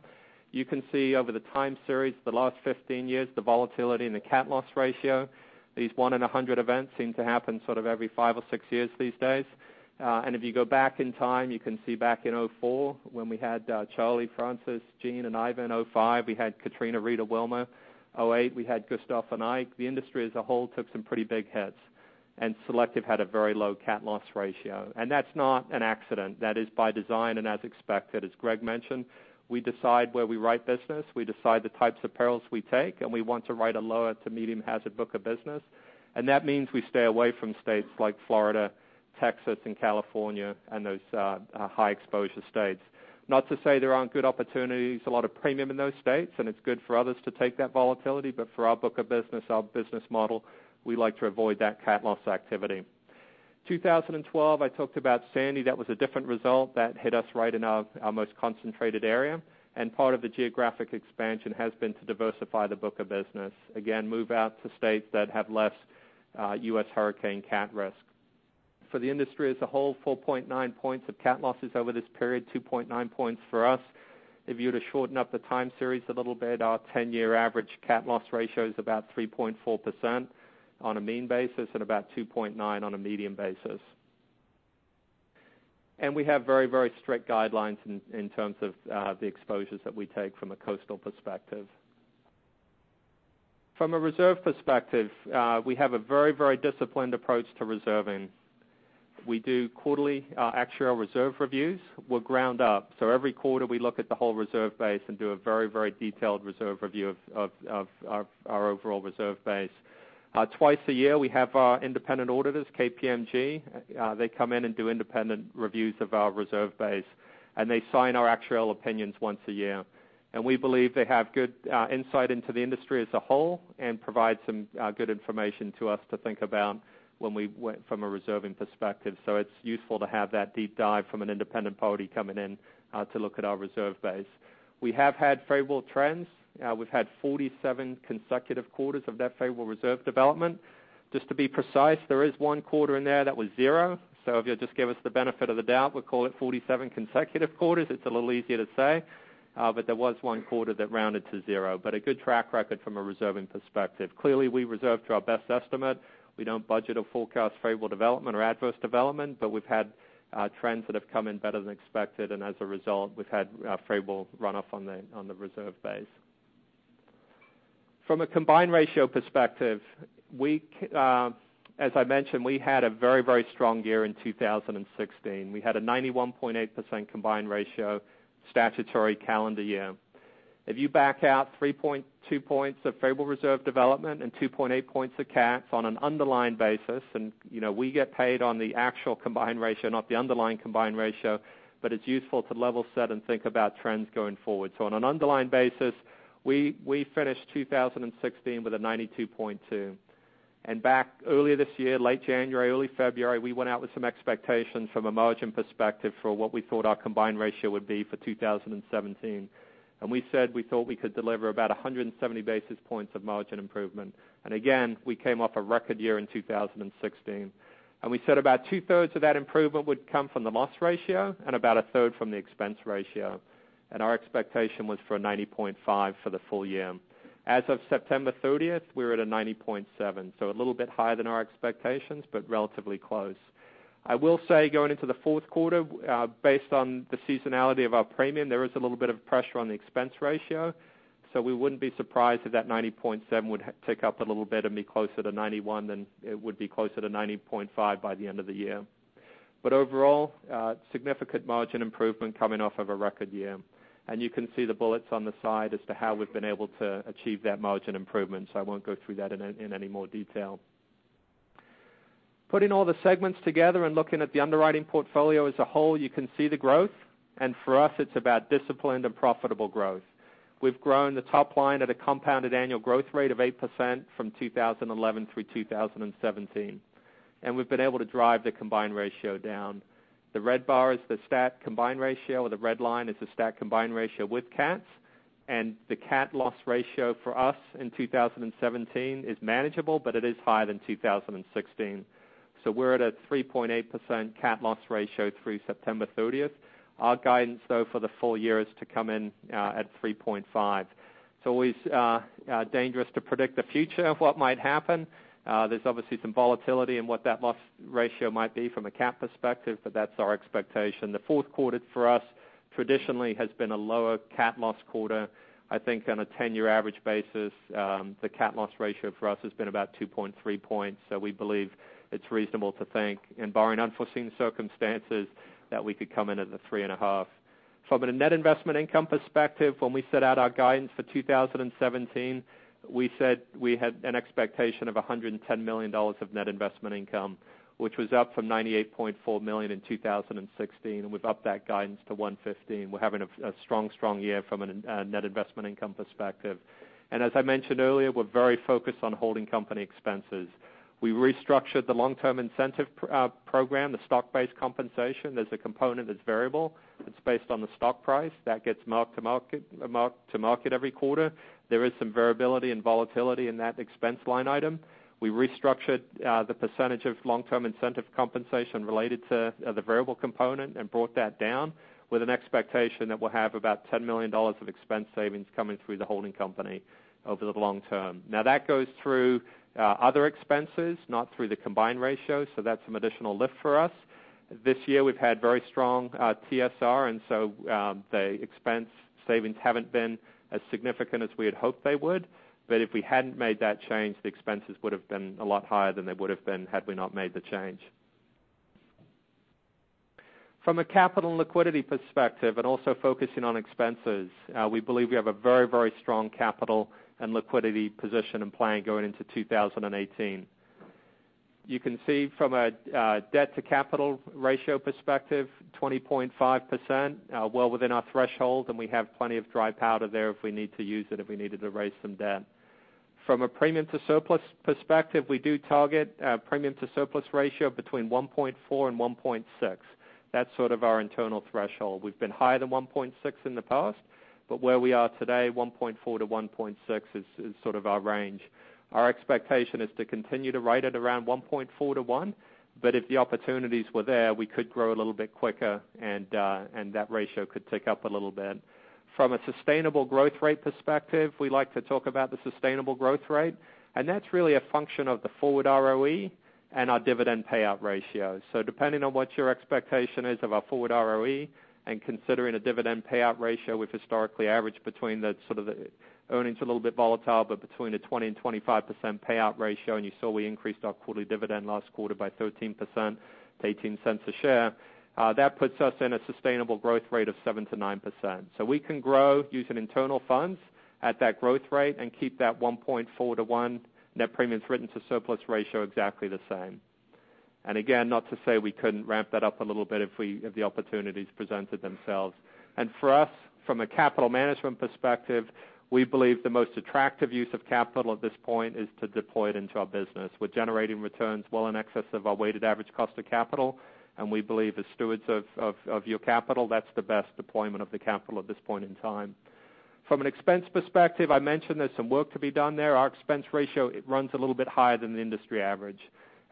You can see over the time series, the last 15 years, the volatility in the cat loss ratio. These one in 100 events seem to happen sort of every five or six years these days. If you go back in time, you can see back in 2004 when we had Charley, Frances, Jeanne, and Ivan. 2005, we had Katrina, Rita, Wilma. 2008, we had Gustav and Ike. The industry as a whole took some pretty big hits, Selective had a very low cat loss ratio. That's not an accident. That is by design and as expected. As Greg mentioned, we decide where we write business, we decide the types of perils we take, and we want to write a low to medium hazard book of business. That means we stay away from states like Florida, Texas, and California, and those high exposure states. Not to say there aren't good opportunities, a lot of premium in those states, and it's good for others to take that volatility. For our book of business, our business model, we like to avoid that cat loss activity. 2012, I talked about Sandy. That was a different result. That hit us right in our most concentrated area. Part of the geographic expansion has been to diversify the book of business. Again, move out to states that have less U.S. hurricane cat risk. For the industry as a whole, 4.9 points of cat losses over this period, 2.9 points for us. If you were to shorten up the time series a little bit, our 10-year average cat loss ratio is about 3.4% on a mean basis and about 2.9 on a medium basis. We have very strict guidelines in terms of the exposures that we take from a coastal perspective. From a reserve perspective, we have a very disciplined approach to reserving. We do quarterly actuarial reserve reviews. We're ground up. Every quarter, we look at the whole reserve base and do a very detailed reserve review of our overall reserve base. Twice a year, we have our independent auditors, KPMG. They come in and do independent reviews of our reserve base, and they sign our actuarial opinions once a year. We believe they have good insight into the industry as a whole and provide some good information to us to think about from a reserving perspective. It's useful to have that deep dive from an independent party coming in to look at our reserve base. We have had favorable trends. We've had 47 consecutive quarters of that favorable reserve development. Just to be precise, there is one quarter in there that was zero. If you'll just give us the benefit of the doubt, we'll call it 47 consecutive quarters. It's a little easier to say, but there was one quarter that rounded to zero. A good track record from a reserving perspective. Clearly, we reserve to our best estimate. We don't budget or forecast favorable development or adverse development, but we've had trends that have come in better than expected, and as a result, we've had favorable runoff on the reserve base. From a combined ratio perspective, as I mentioned, we had a very strong year in 2016. We had a 91.8% combined ratio statutory calendar year. If you back out 3.2 points of favorable reserve development and 2.8 points of cats on an underlying basis, and we get paid on the actual combined ratio, not the underlying combined ratio, but it's useful to level set and think about trends going forward. On an underlying basis, we finished 2016 with a 92.2. Back earlier this year, late January, early February, we went out with some expectations from a margin perspective for what we thought our combined ratio would be for 2017. We said we thought we could deliver about 170 basis points of margin improvement. Again, we came off a record year in 2016. We said about two-thirds of that improvement would come from the loss ratio and about a third from the expense ratio. Our expectation was for a 90.5 for the full year. As of September 30th, we were at a 90.7. A little bit higher than our expectations, but relatively close. I will say going into the fourth quarter, based on the seasonality of our premium, there is a little bit of pressure on the expense ratio. We wouldn't be surprised if that 90.7 would tick up a little bit and be closer to 91 than it would be closer to 90.5 by the end of the year. Overall, significant margin improvement coming off of a record year. You can see the bullets on the side as to how we've been able to achieve that margin improvement, I won't go through that in any more detail. Putting all the segments together and looking at the underwriting portfolio as a whole, you can see the growth. For us, it's about disciplined and profitable growth. We've grown the top line at a compounded annual growth rate of 8% from 2011 through 2017. We've been able to drive the combined ratio down. The red bar is the stat combined ratio, or the red line is the stat combined ratio with cats. The cat loss ratio for us in 2017 is manageable, but it is higher than 2016. We're at a 3.8% cat loss ratio through September 30th. Our guidance, though, for the full year is to come in at 3.5. It's always dangerous to predict the future of what might happen. There's obviously some volatility in what that loss ratio might be from a cat perspective, but that's our expectation. The fourth quarter for us traditionally has been a lower cat loss quarter. I think on a 10-year average basis, the cat loss ratio for us has been about 2.3 points. We believe it's reasonable to think, barring unforeseen circumstances, that we could come in at the 3.5. From a net investment income perspective, when we set out our guidance for 2017, we said we had an expectation of $110 million of net investment income, which was up from $98.4 million in 2016, and we've upped that guidance to $115 million. We're having a strong year from a net investment income perspective. As I mentioned earlier, we're very focused on holding company expenses. We restructured the long-term incentive program, the stock-based compensation. There's a component that's variable. It's based on the stock price that gets marked to market every quarter. There is some variability and volatility in that expense line item. We restructured the percentage of long-term incentive compensation related to the variable component and brought that down with an expectation that we'll have about $10 million of expense savings coming through the holding company over the long term. That goes through other expenses, not through the combined ratio, so that's some additional lift for us. This year, we've had very strong TSR, the expense savings haven't been as significant as we had hoped they would. If we hadn't made that change, the expenses would have been a lot higher than they would have been had we not made the change. From a capital and liquidity perspective and also focusing on expenses, we believe we have a very strong capital and liquidity position and plan going into 2018. You can see from a debt to capital ratio perspective, 20.5%, well within our threshold, and we have plenty of dry powder there if we need to use it, if we needed to raise some debt. From a premium to surplus perspective, we do target a premium to surplus ratio between 1.4 and 1.6. That's sort of our internal threshold. We've been higher than 1.6 in the past, but where we are today, 1.4 to 1.6 is our range. Our expectation is to continue to ride at around 1.4 to 1, but if the opportunities were there, we could grow a little bit quicker, and that ratio could tick up a little bit. From a sustainable growth rate perspective, we like to talk about the sustainable growth rate, and that's really a function of the forward ROE and our dividend payout ratio. Depending on what your expectation is of our forward ROE and considering a dividend payout ratio, we've historically averaged between the earnings a little bit volatile, but between a 20% and 25% payout ratio, and you saw we increased our quarterly dividend last quarter by 13% to $0.18 a share. That puts us in a sustainable growth rate of 7%-9%. We can grow using internal funds at that growth rate and keep that 1.4 to 1 net premiums written to surplus ratio exactly the same. Again, not to say we couldn't ramp that up a little bit if the opportunities presented themselves. For us, from a capital management perspective, we believe the most attractive use of capital at this point is to deploy it into our business. We're generating returns well in excess of our weighted average cost of capital, and we believe as stewards of your capital, that's the best deployment of the capital at this point in time. From an expense perspective, I mentioned there's some work to be done there. Our expense ratio, it runs a little bit higher than the industry average.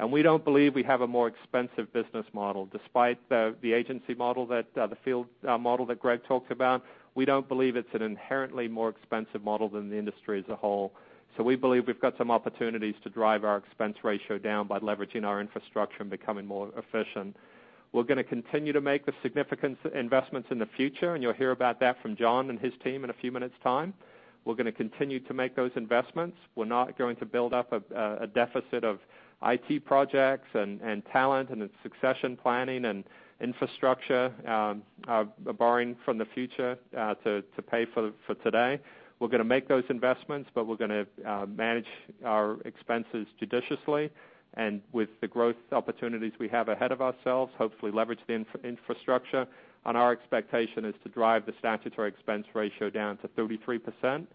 We don't believe we have a more expensive business model despite the agency model that, the field model that Greg talked about. We don't believe it's an inherently more expensive model than the industry as a whole. We believe we've got some opportunities to drive our expense ratio down by leveraging our infrastructure and becoming more efficient. We're going to continue to make the significant investments in the future, and you'll hear about that from John and his team in a few minutes time. We're going to continue to make those investments. We're not going to build up a deficit of IT projects and talent and succession planning and infrastructure, borrowing from the future to pay for today. We're going to make those investments, but we're going to manage our expenses judiciously and with the growth opportunities we have ahead of ourselves, hopefully leverage the infrastructure. Our expectation is to drive the statutory expense ratio down to 33%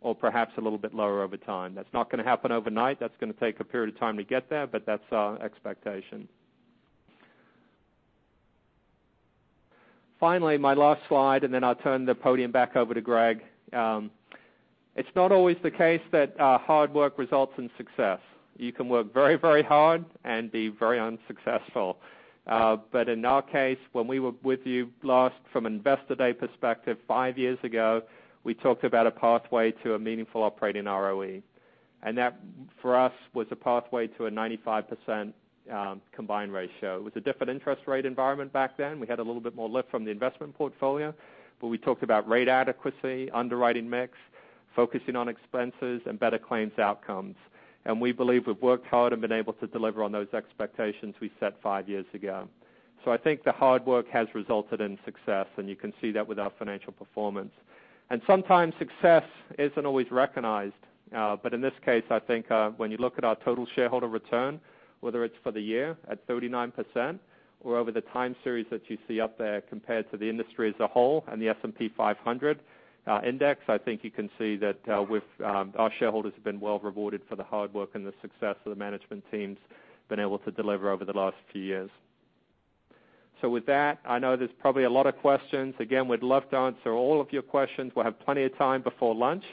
or perhaps a little bit lower over time. That's not going to happen overnight. That's going to take a period of time to get there, but that's our expectation. Finally, my last slide, then I'll turn the podium back over to Greg. It's not always the case that hard work results in success. You can work very hard and be very unsuccessful. In our case, when we were with you last from Investor Day perspective, 5 years ago, we talked about a pathway to a meaningful operating ROE. That, for us, was a pathway to a 95% combined ratio. It was a different interest rate environment back then. We had a little bit more lift from the investment portfolio, but we talked about rate adequacy, underwriting mix, focusing on expenses, and better claims outcomes. We believe we've worked hard and been able to deliver on those expectations we set 5 years ago. I think the hard work has resulted in success, and you can see that with our financial performance. Sometimes success isn't always recognized. In this case, I think when you look at our total shareholder return, whether it's for the year at 39% or over the time series that you see up there compared to the industry as a whole and the S&P 500 index, I think you can see that our shareholders have been well rewarded for the hard work and the success the management team's been able to deliver over the last few years. With that, I know there's probably a lot of questions. Again, we'd love to answer all of your questions. We'll have plenty of time before lunch.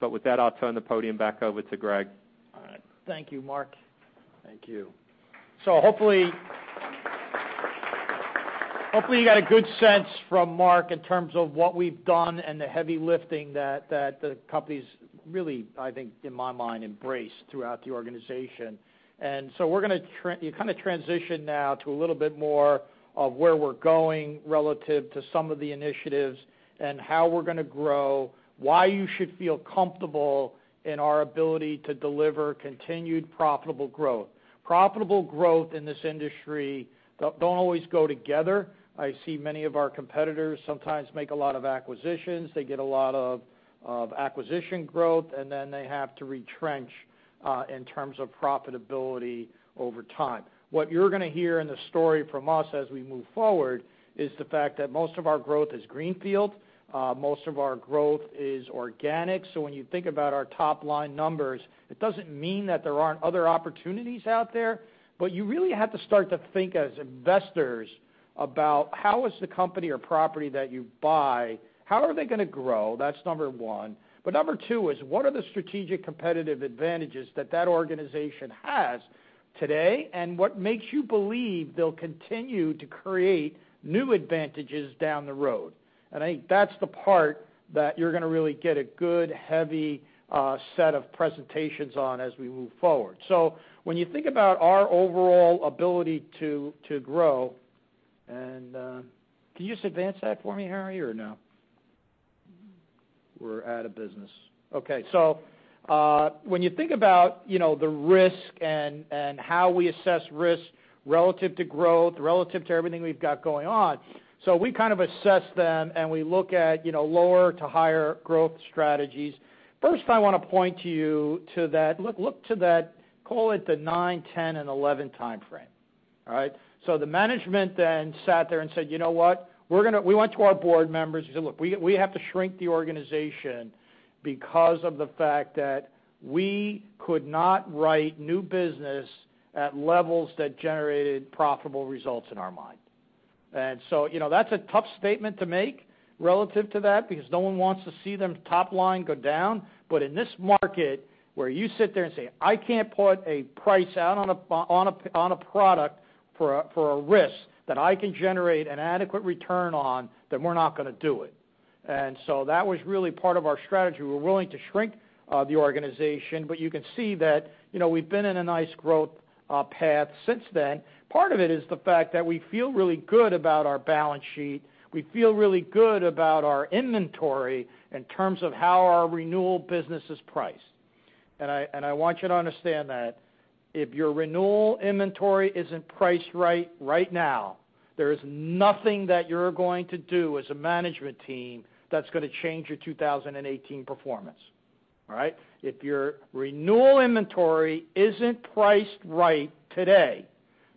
With that, I'll turn the podium back over to Greg. All right. Thank you, Mark. Thank you. Hopefully you got a good sense from Mark in terms of what we've done and the heavy lifting that the company's really, I think, in my mind, embraced throughout the organization. You kind of transition now to a little bit more of where we're going relative to some of the initiatives and how we're going to grow, why you should feel comfortable in our ability to deliver continued profitable growth. Profitable growth in this industry don't always go together. I see many of our competitors sometimes make a lot of acquisitions. They get a lot of acquisition growth, and then they have to retrench in terms of profitability over time. What you're going to hear in the story from us as we move forward is the fact that most of our growth is greenfield. Most of our growth is organic. When you think about our top-line numbers, it doesn't mean that there aren't other opportunities out there, but you really have to start to think as investors about how is the company or property that you buy, how are they going to grow? That's number 1. Number 2 is what are the strategic competitive advantages that that organization has today, and what makes you believe they'll continue to create new advantages down the road? I think that's the part that you're going to really get a good, heavy set of presentations on as we move forward. When you think about our overall ability to grow and can you just advance that for me, Harry, or no? We're out of business. Okay, when you think about the risk and how we assess risk relative to growth, relative to everything we've got going on, we kind of assess them, and we look at lower to higher growth strategies. First, I want to point you to that. Look to that, call it the nine, 10, and 11 timeframe. All right? The management then sat there and said, "You know what? We went to our board members and said, 'Look, we have to shrink the organization because of the fact that we could not write new business at levels that generated profitable results in our mind.'" That's a tough statement to make relative to that because no one wants to see their top line go down. In this market where you sit there and say, "I can't put a price out on a product for a risk that I can generate an adequate return on, then we're not going to do it." That was really part of our strategy. We're willing to shrink the organization, but you can see that we've been in a nice growth path since then. Part of it is the fact that we feel really good about our balance sheet. We feel really good about our inventory in terms of how our renewal business is priced. I want you to understand that if your renewal inventory isn't priced right now, there is nothing that you're going to do as a management team that's going to change your 2018 performance. All right. If your renewal inventory isn't priced right today,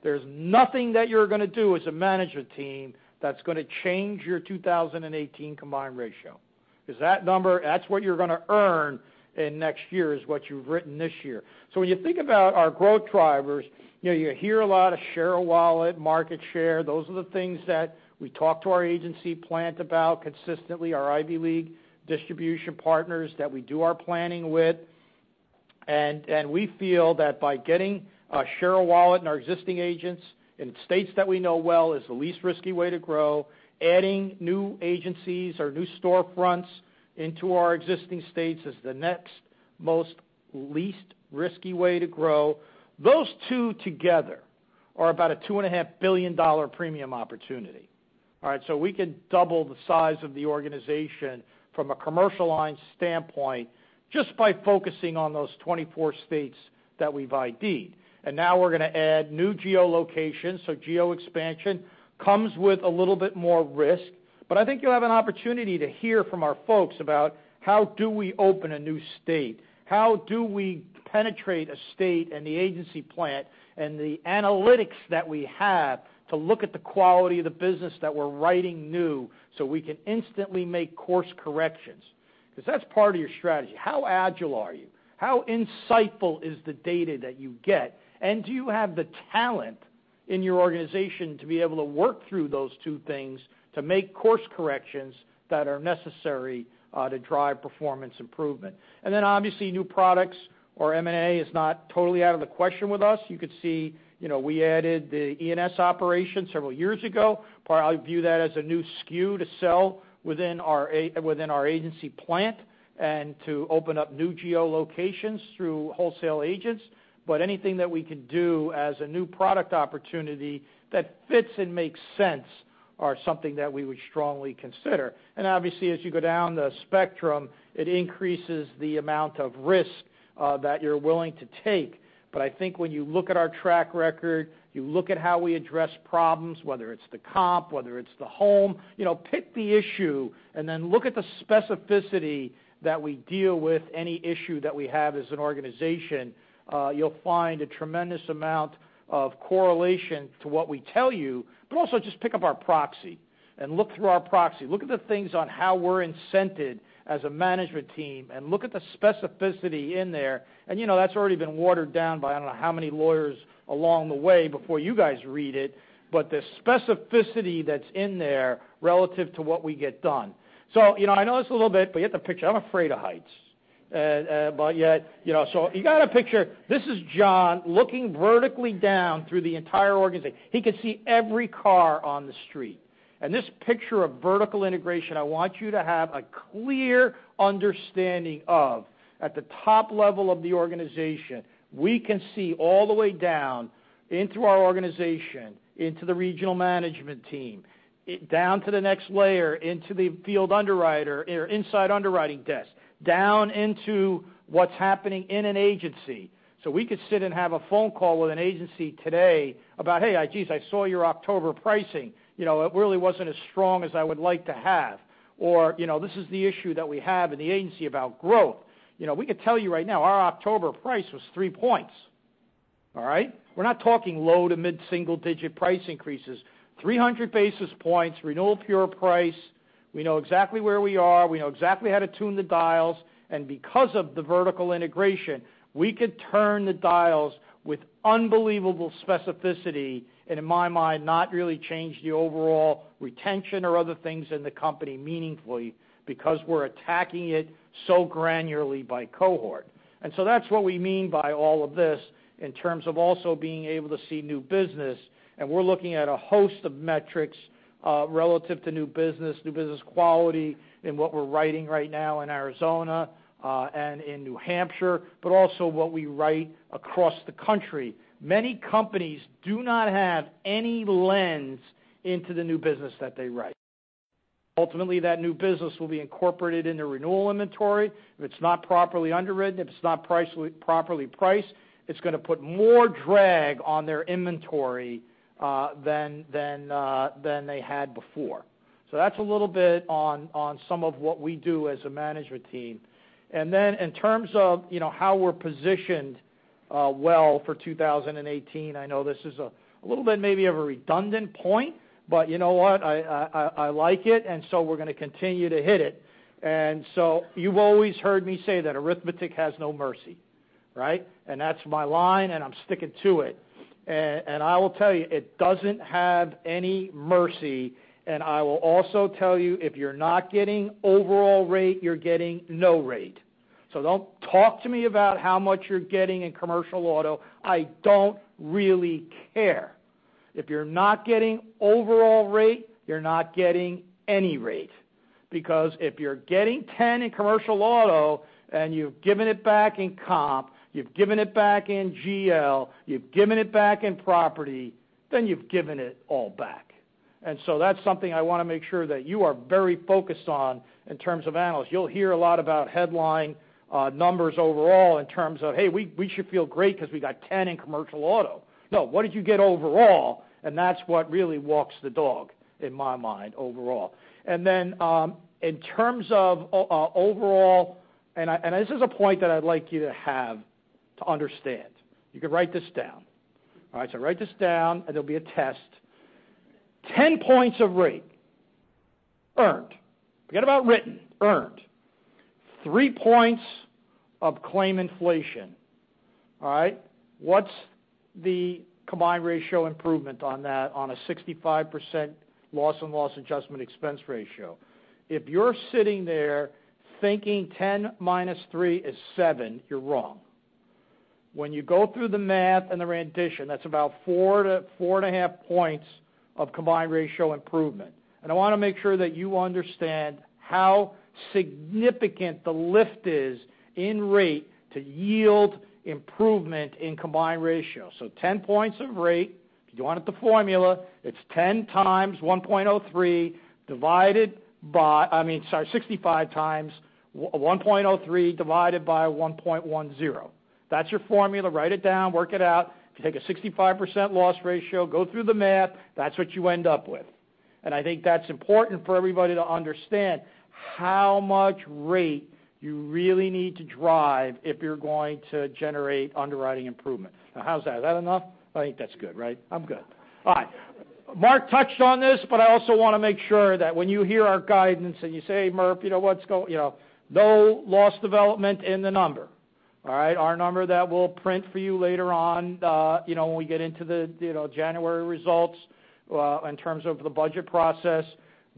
there's nothing that you're going to do as a management team that's going to change your 2018 combined ratio because that number, that's what you're going to earn in next year is what you've written this year. When you think about our growth drivers, you hear a lot of share of wallet, market share. Those are the things that we talk to our agency plant about consistently, our Ivy League distribution partners that we do our planning with. We feel that by getting a share of wallet in our existing agents in states that we know well is the least risky way to grow. Adding new agencies or new storefronts into our existing states is the next most least risky way to grow. Those two together are about a $2.5 billion premium opportunity. All right. We could double the size of the organization from a commercial line standpoint just by focusing on those 24 states that we've ID'd. Now we're going to add new geo-locations. Geo expansion comes with a little bit more risk, but I think you'll have an opportunity to hear from our folks about how do we open a new state? How do we penetrate a state and the agency plant and the analytics that we have to look at the quality of the business that we're writing new so we can instantly make course corrections. Because that's part of your strategy. How agile are you? How insightful is the data that you get? Do you have the talent in your organization to be able to work through those two things to make course corrections that are necessary to drive performance improvement? Obviously new products or M&A is not totally out of the question with us. You could see we added the E&S operation several years ago. I view that as a new SKU to sell within our agency plant and to open up new geo-locations through wholesale agents. Anything that we can do as a new product opportunity that fits and makes sense are something that we would strongly consider. Obviously, as you go down the spectrum, it increases the amount of risk that you're willing to take. I think when you look at our track record, you look at how we address problems, whether it's the comp, whether it's the home. Pick the issue and then look at the specificity that we deal with any issue that we have as an organization. You'll find a tremendous amount of correlation to what we tell you. Also just pick up our proxy and look through our proxy. Look at the things on how we're incented as a management team, and look at the specificity in there. That's already been watered down by I don't know how many lawyers along the way before you guys read it. The specificity that's in there relative to what we get done. I know this is a little bit, you get the picture. I'm afraid of heights. Yet, you got a picture. This is John looking vertically down through the entire organization. He could see every car on the street. This picture of vertical integration, I want you to have a clear understanding of, at the top level of the organization, we can see all the way down into our organization, into the regional management team, down to the next layer, into the field underwriter or inside underwriting desk, down into what's happening in an agency. We could sit and have a phone call with an agency today about, "Hey, geez, I saw your October pricing. It really wasn't as strong as I would like to have." Or, "This is the issue that we have in the agency about growth." We could tell you right now, our October price was 3 points. All right? We're not talking low to mid-single-digit price increases. 300 basis points, renewal pure price. We know exactly where we are, we know exactly how to tune the dials. Because of the vertical integration, we could turn the dials with unbelievable specificity and, in my mind, not really change the overall retention or other things in the company meaningfully because we're attacking it so granularly by cohort. That's what we mean by all of this in terms of also being able to see new business, and we're looking at a host of metrics relative to new business, new business quality in what we're writing right now in Arizona, and in New Hampshire, but also what we write across the country. Many companies do not have any lens into the new business that they write. Ultimately, that new business will be incorporated in their renewal inventory. If it's not properly underwritten, if it's not properly priced, it's going to put more drag on their inventory than they had before. That's a little bit on some of what we do as a management team. Then in terms of how we're positioned well for 2018, I know this is a little bit maybe of a redundant point, you know what? I like it, we're going to continue to hit it. You've always heard me say that arithmetic has no mercy, right? That's my line, and I'm sticking to it. I will tell you, it doesn't have any mercy, and I will also tell you, if you're not getting overall rate, you're getting no rate. Don't talk to me about how much you're getting in commercial auto. I don't really care. If you're not getting overall rate, you're not getting any rate. If you're getting 10 in commercial auto and you've given it back in comp, you've given it back in GL, you've given it back in property, then you've given it all back. That's something I want to make sure that you are very focused on in terms of analysts. You'll hear a lot about headline numbers overall in terms of, "Hey, we should feel great because we got 10 in commercial auto." No, what did you get overall? That's what really walks the dog, in my mind, overall. Then, in terms of overall, this is a point that I'd like you to have to understand. You can write this down. All right, write this down, and there'll be a test. 10 points of rate earned. Forget about written, earned. Three points of claim inflation. All right? What's the combined ratio improvement on that on a 65% loss and loss adjustment expense ratio? If you're sitting there thinking 10 minus three is seven, you're wrong. When you go through the math and the rendition, that's about four to four and a half points of combined ratio improvement. I want to make sure that you understand how significant the lift is in rate to yield improvement in combined ratio. 10 points of rate, if you wanted the formula, it's 10 times 1.03 divided by 65 times 1.03 divided by 1.10. That's your formula. Write it down. Work it out. If you take a 65% loss ratio, go through the math, that's what you end up with. I think that's important for everybody to understand how much rate you really need to drive if you're going to generate underwriting improvement. Now how's that? Is that enough? I think that's good, right? I'm good. All right. Mark touched on this, I also want to make sure that when you hear our guidance and you say, "Murph, what's No loss development in the number." All right? Our number that we'll print for you later on, when we get into the January results, in terms of the budget process,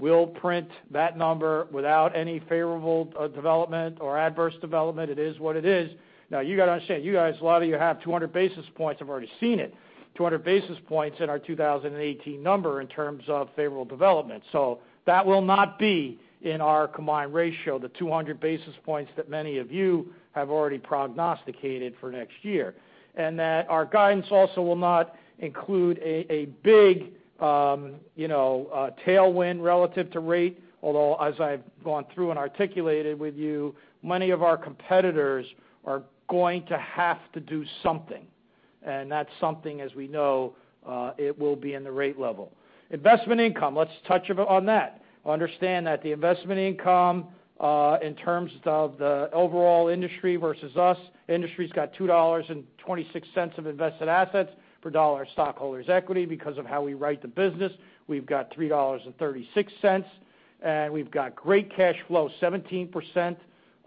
we'll print that number without any favorable development or adverse development. It is what it is. Now you got to understand, you guys, a lot of you have 200 basis points have already seen it, 200 basis points in our 2018 number in terms of favorable development. That will not be in our combined ratio, the 200 basis points that many of you have already prognosticated for next year. Our guidance also will not include a big tailwind relative to rate, although, as I've gone through and articulated with you, many of our competitors are going to have to do something. That something, as we know, it will be in the rate level. Investment income, let's touch on that. Understand that the investment income, in terms of the overall industry versus us, industry's got $2.26 of invested assets per dollar of stockholders' equity because of how we write the business. We've got $3.36, and we've got great cash flow, 17%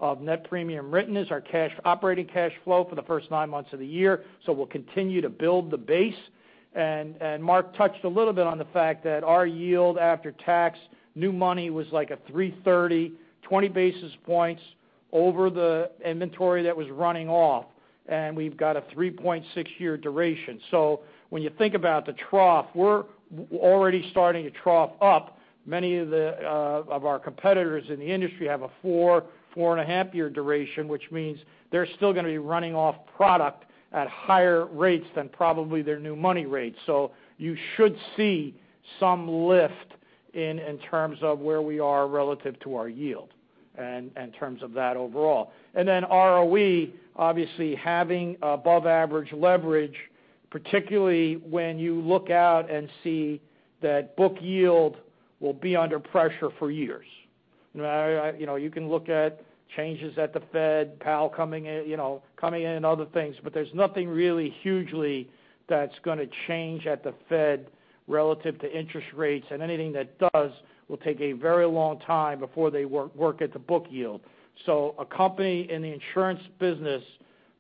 of net premium written is our operating cash flow for the first nine months of the year, we'll continue to build the base. Mark touched a little bit on the fact that our yield after tax, new money was like a 330, 20 basis points over the inventory that was running off. We've got a 3.6-year duration. When you think about the trough, we're already starting to trough up. Many of our competitors in the industry have a four, 4.5-year duration, which means they're still going to be running off product at higher rates than probably their new money rates. You should see some lift in terms of where we are relative to our yield and in terms of that overall. ROE, obviously having above average leverage, particularly when you look out and see that book yield will be under pressure for years. You can look at changes at the Fed, Powell coming in, and other things, there's nothing really hugely that's going to change at the Fed relative to interest rates, and anything that does will take a very long time before they work at the book yield. A company in the insurance business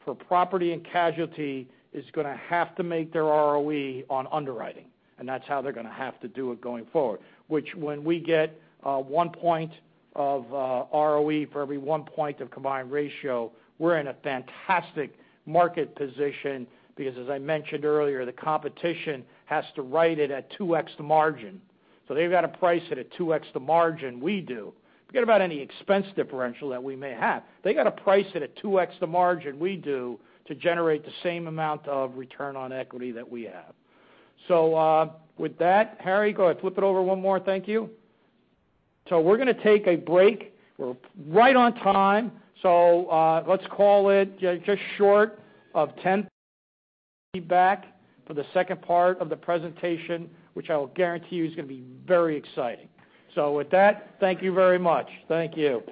for property and casualty is going to have to make their ROE on underwriting, and that's how they're going to have to do it going forward. Which when we get one point of ROE for every one point of combined ratio, we're in a fantastic market position because as I mentioned earlier, the competition has to write it at 2x the margin. They've got to price it at 2x the margin we do. Forget about any expense differential that we may have. They got to price it at 2x the margin we do to generate the same amount of return on equity that we have. With that, Harry, go ahead, flip it over one more. Thank you. We're going to take a break. We're right on time. Let's call it just short of 10:00 A.M. Be back for the second part of the presentation, which I will guarantee you is going to be very exciting. With that, thank you very much. Thank you.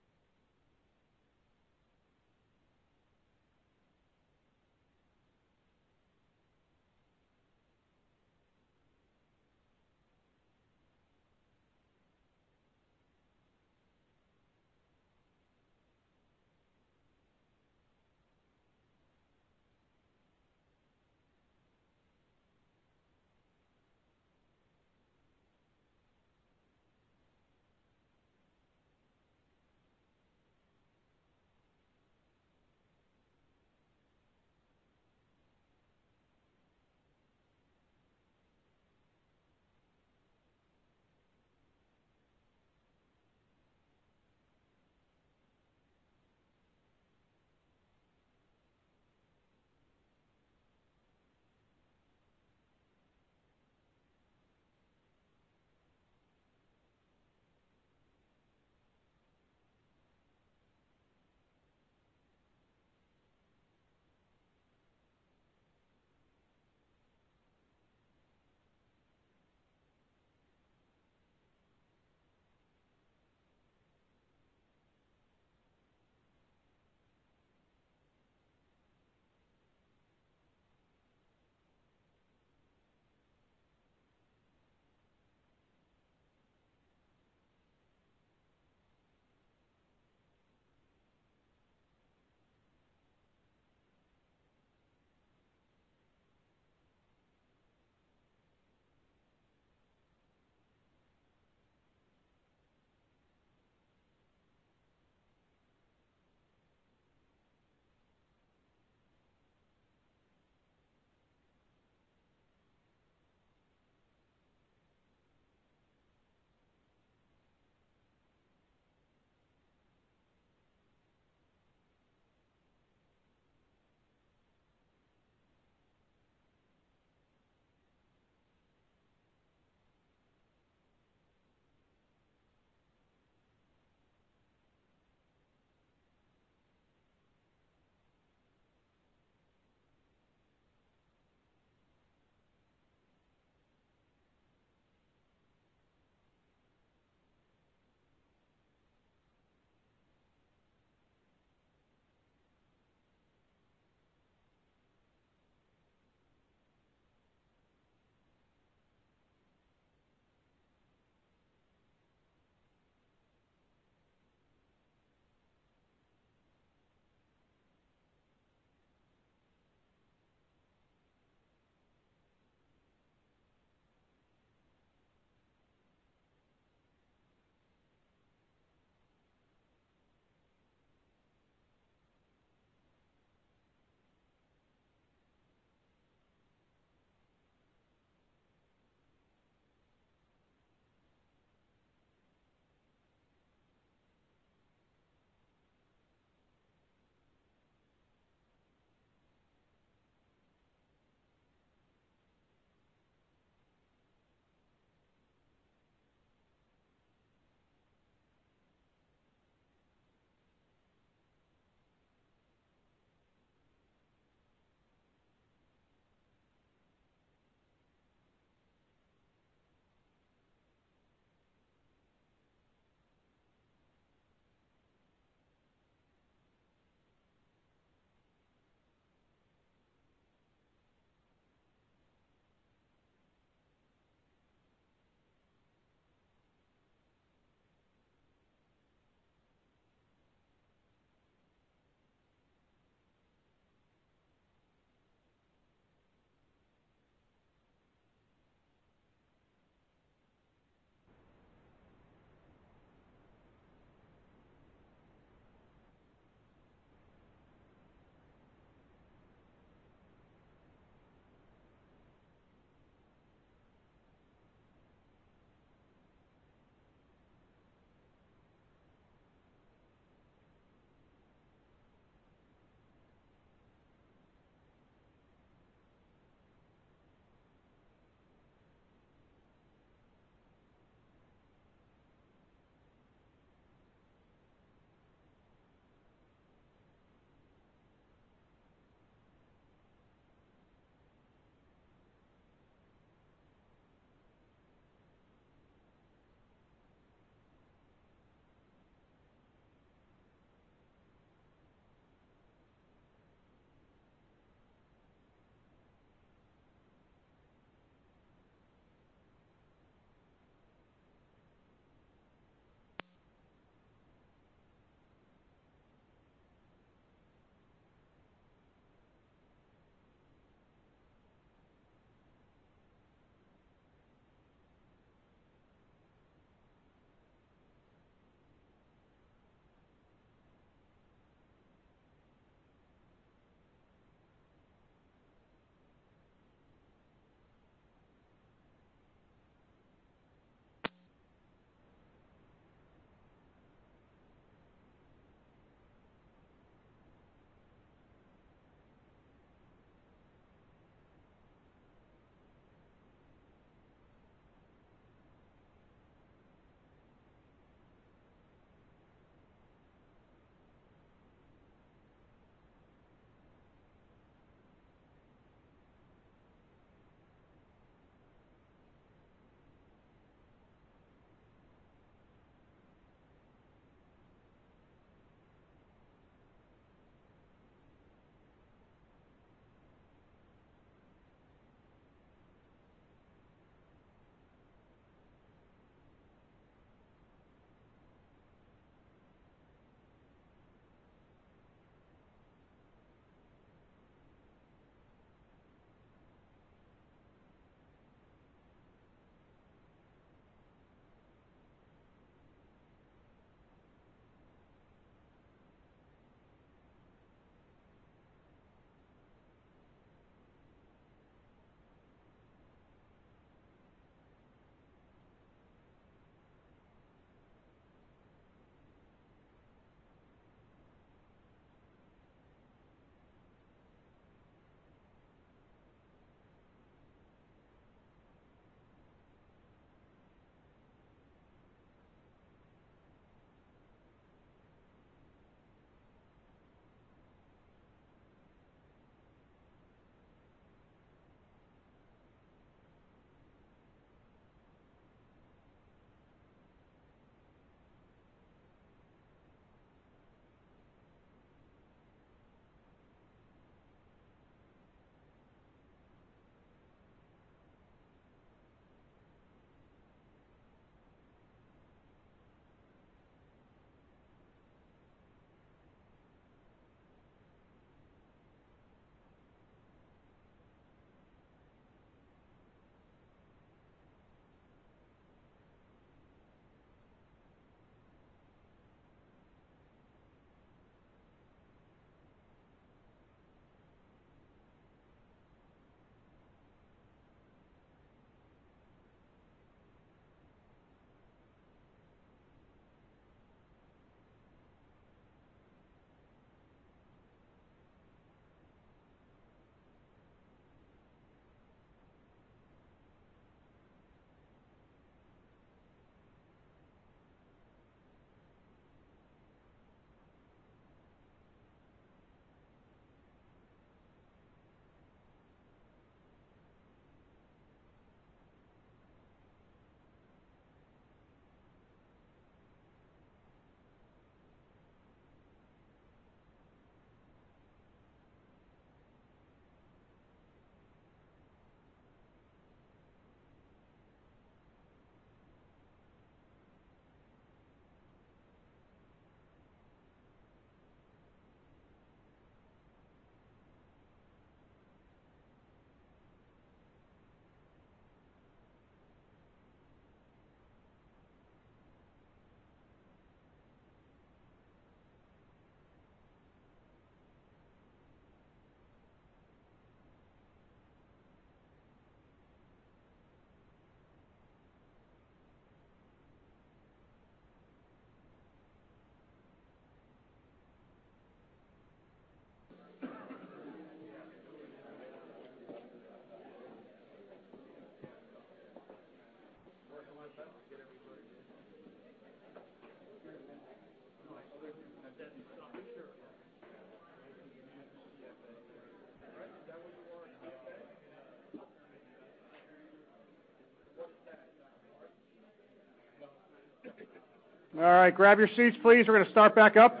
All right, grab your seats please. We're going to start back up.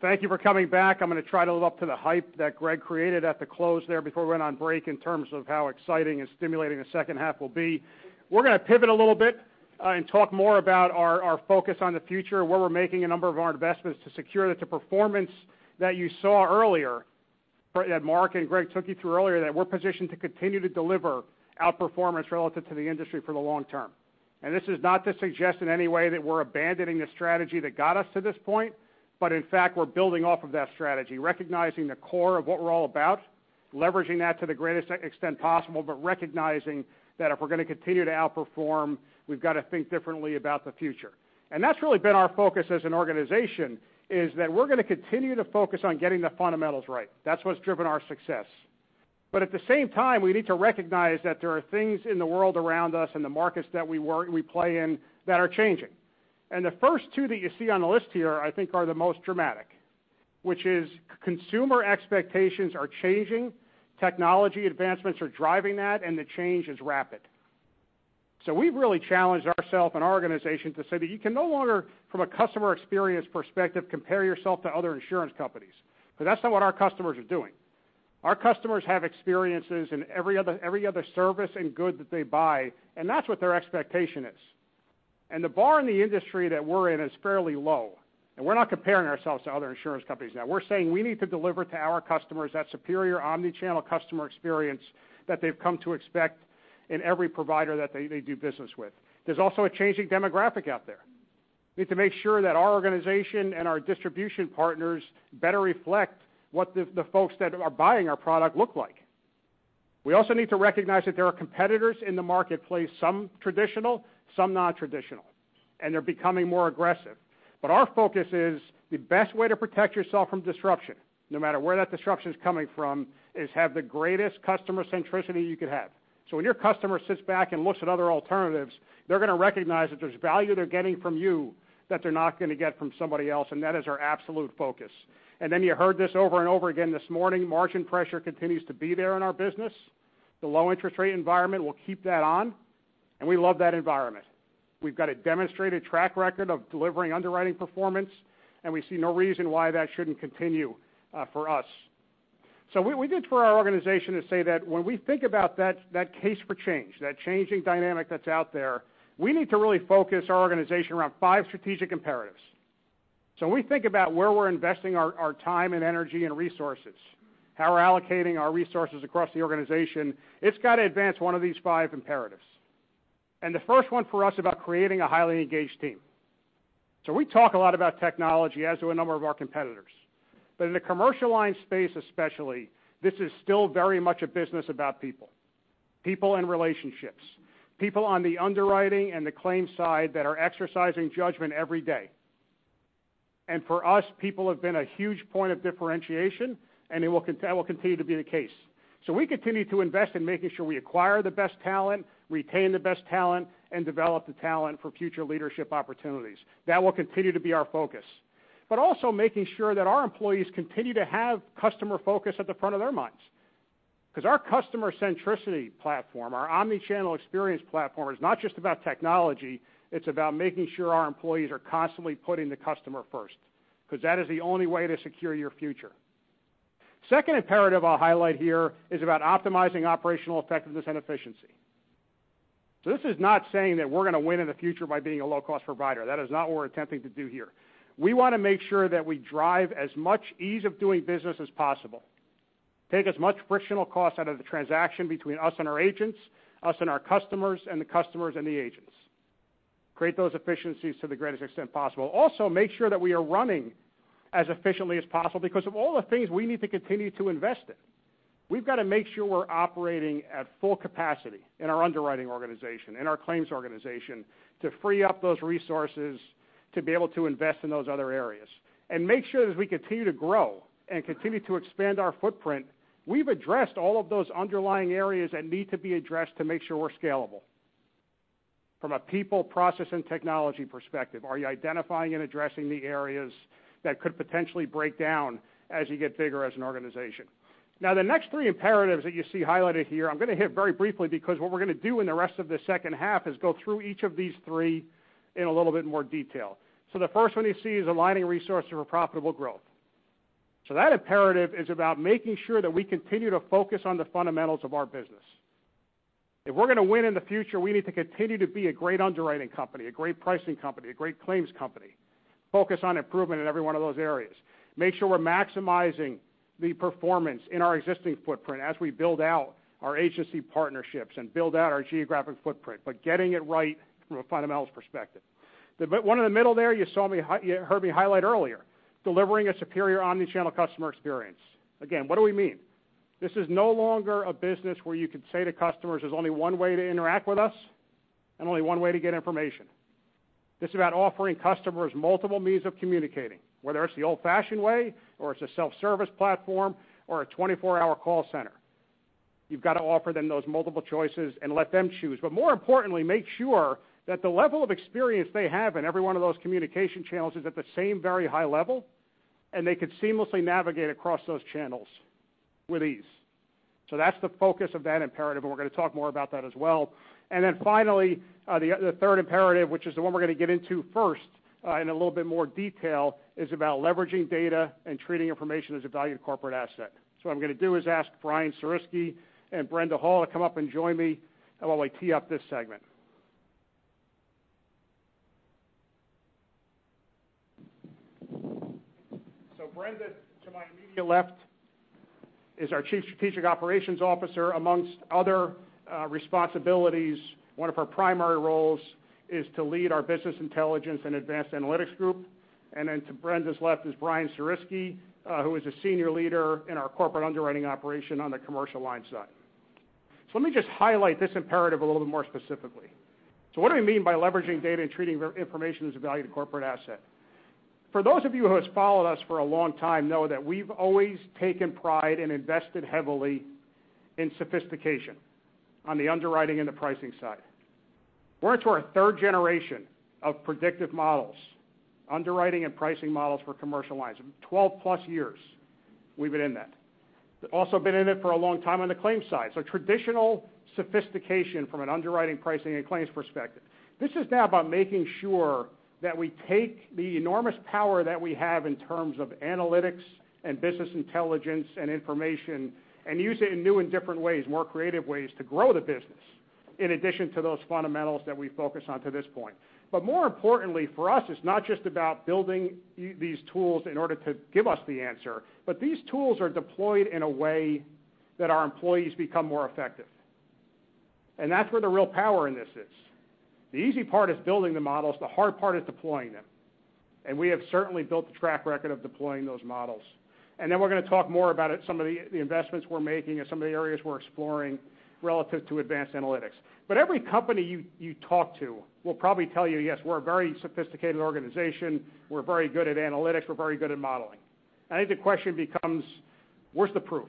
Thank you for coming back. I'm going to try to live up to the hype that Greg created at the close there before we went on break in terms of how exciting and stimulating the second half will be. We're going to pivot a little bit, and talk more about our focus on the future, where we're making a number of our investments to secure that the performance that you saw earlier, that Mark and Greg took you through earlier, that we're positioned to continue to deliver outperformance relative to the industry for the long term. This is not to suggest in any way that we're abandoning the strategy that got us to this point, but in fact, we're building off of that strategy, recognizing the core of what we're all about, leveraging that to the greatest extent possible, but recognizing that if we're going to continue to outperform, we've got to think differently about the future. That's really been our focus as an organization, is that we're going to continue to focus on getting the fundamentals right. That's what's driven our success. At the same time, we need to recognize that there are things in the world around us and the markets that we play in that are changing. The first two that you see on the list here, I think are the most dramatic, which is consumer expectations are changing, technology advancements are driving that, and the change is rapid. We've really challenged ourself and our organization to say that you can no longer, from a customer experience perspective, compare yourself to other insurance companies, because that's not what our customers are doing. Our customers have experiences in every other service and good that they buy, and that's what their expectation is. The bar in the industry that we're in is fairly low, and we're not comparing ourselves to other insurance companies now. We're saying we need to deliver to our customers that superior omnichannel customer experience that they've come to expect in every provider that they do business with. There's also a changing demographic out there. We need to make sure that our organization and our distribution partners better reflect what the folks that are buying our product look like. We also need to recognize that there are competitors in the marketplace, some traditional, some non-traditional, and they're becoming more aggressive. Our focus is the best way to protect yourself from disruption, no matter where that disruption is coming from, is have the greatest customer centricity you could have. When your customer sits back and looks at other alternatives, they're going to recognize that there's value they're getting from you that they're not going to get from somebody else, and that is our absolute focus. You heard this over and over again this morning, margin pressure continues to be there in our business. The low interest rate environment will keep that on, and we love that environment. We've got a demonstrated track record of delivering underwriting performance, and we see no reason why that shouldn't continue for us. We did for our organization to say that when we think about that case for change, that changing dynamic that's out there, we need to really focus our organization around five strategic imperatives. When we think about where we're investing our time and energy and resources, how we're allocating our resources across the organization, it's got to advance one of these five imperatives. The first one for us is about creating a highly engaged team. We talk a lot about technology as do a number of our competitors. In the commercial line space especially, this is still very much a business about people and relationships, people on the underwriting and the claims side that are exercising judgment every day. For us, people have been a huge point of differentiation, and that will continue to be the case. We continue to invest in making sure we acquire the best talent, retain the best talent, and develop the talent for future leadership opportunities. That will continue to be our focus. Also making sure that our employees continue to have customer focus at the front of their minds, because our customer centricity platform, our omnichannel experience platform is not just about technology, it's about making sure our employees are constantly putting the customer first, because that is the only way to secure your future. Second imperative I'll highlight here is about optimizing operational effectiveness and efficiency. This is not saying that we're going to win in the future by being a low-cost provider. That is not what we're attempting to do here. We want to make sure that we drive as much ease of doing business as possible, take as much frictional cost out of the transaction between us and our agents, us and our customers, and the customers and the agents. Create those efficiencies to the greatest extent possible. Also, make sure that we are running as efficiently as possible because of all the things we need to continue to invest in. We've got to make sure we're operating at full capacity in our underwriting organization, in our claims organization, to free up those resources to be able to invest in those other areas. Make sure that as we continue to grow and continue to expand our footprint, we've addressed all of those underlying areas that need to be addressed to make sure we're scalable from a people, process, and technology perspective. Are you identifying and addressing the areas that could potentially break down as you get bigger as an organization? The next three imperatives that you see highlighted here, I'm going to hit very briefly because what we're going to do in the rest of the second half is go through each of these three in a little bit more detail. The first one you see is aligning resources for profitable growth. That imperative is about making sure that we continue to focus on the fundamentals of our business. If we're going to win in the future, we need to continue to be a great underwriting company, a great pricing company, a great claims company. Focus on improvement in every one of those areas. Make sure we're maximizing the performance in our existing footprint as we build out our agency partnerships and build out our geographic footprint, getting it right from a fundamentals perspective. The one in the middle there you heard me highlight earlier, delivering a superior omnichannel customer experience. Again, what do we mean? This is no longer a business where you can say to customers there's only one way to interact with us and only one way to get information. This is about offering customers multiple means of communicating, whether it's the old-fashioned way or it's a self-service platform or a 24-hour call center. You've got to offer them those multiple choices and let them choose. More importantly, make sure that the level of experience they have in every one of those communication channels is at the same very high level, and they could seamlessly navigate across those channels with ease. That's the focus of that imperative, and we're going to talk more about that as well. Finally, the third imperative, which is the one we're going to get into first in a little bit more detail, is about leveraging data and treating information as a valued corporate asset. What I'm going to do is ask Brian Sarisky and Brenda Hall to come up and join me while I tee up this segment. Brenda, to my immediate left, is our Chief Strategic Operations Officer, amongst other responsibilities. One of her primary roles is to lead our business intelligence and advanced analytics group. To Brenda's left is Brian Sarisky, who is a senior leader in our corporate underwriting operation on the commercial line side. Let me just highlight this imperative a little bit more specifically. What do we mean by leveraging data and treating information as a valued corporate asset? For those of you who has followed us for a long time know that we've always taken pride and invested heavily in sophistication on the underwriting and the pricing side. We're into our third generation of predictive models, underwriting and pricing models for commercial lines. 12 plus years we've been in that. Also been in it for a long time on the claims side. Traditional sophistication from an underwriting, pricing, and claims perspective. This is now about making sure that we take the enormous power that we have in terms of analytics and business intelligence and information, and use it in new and different ways, more creative ways to grow the business, in addition to those fundamentals that we focused on to this point. More importantly for us, it's not just about building these tools in order to give us the answer, but these tools are deployed in a way that our employees become more effective. That's where the real power in this is. The easy part is building the models. The hard part is deploying them. We have certainly built the track record of deploying those models. We're going to talk more about some of the investments we're making and some of the areas we're exploring relative to advanced analytics. Every company you talk to will probably tell you, yes, we're a very sophisticated organization. We're very good at analytics. We're very good at modeling. I think the question becomes, where's the proof?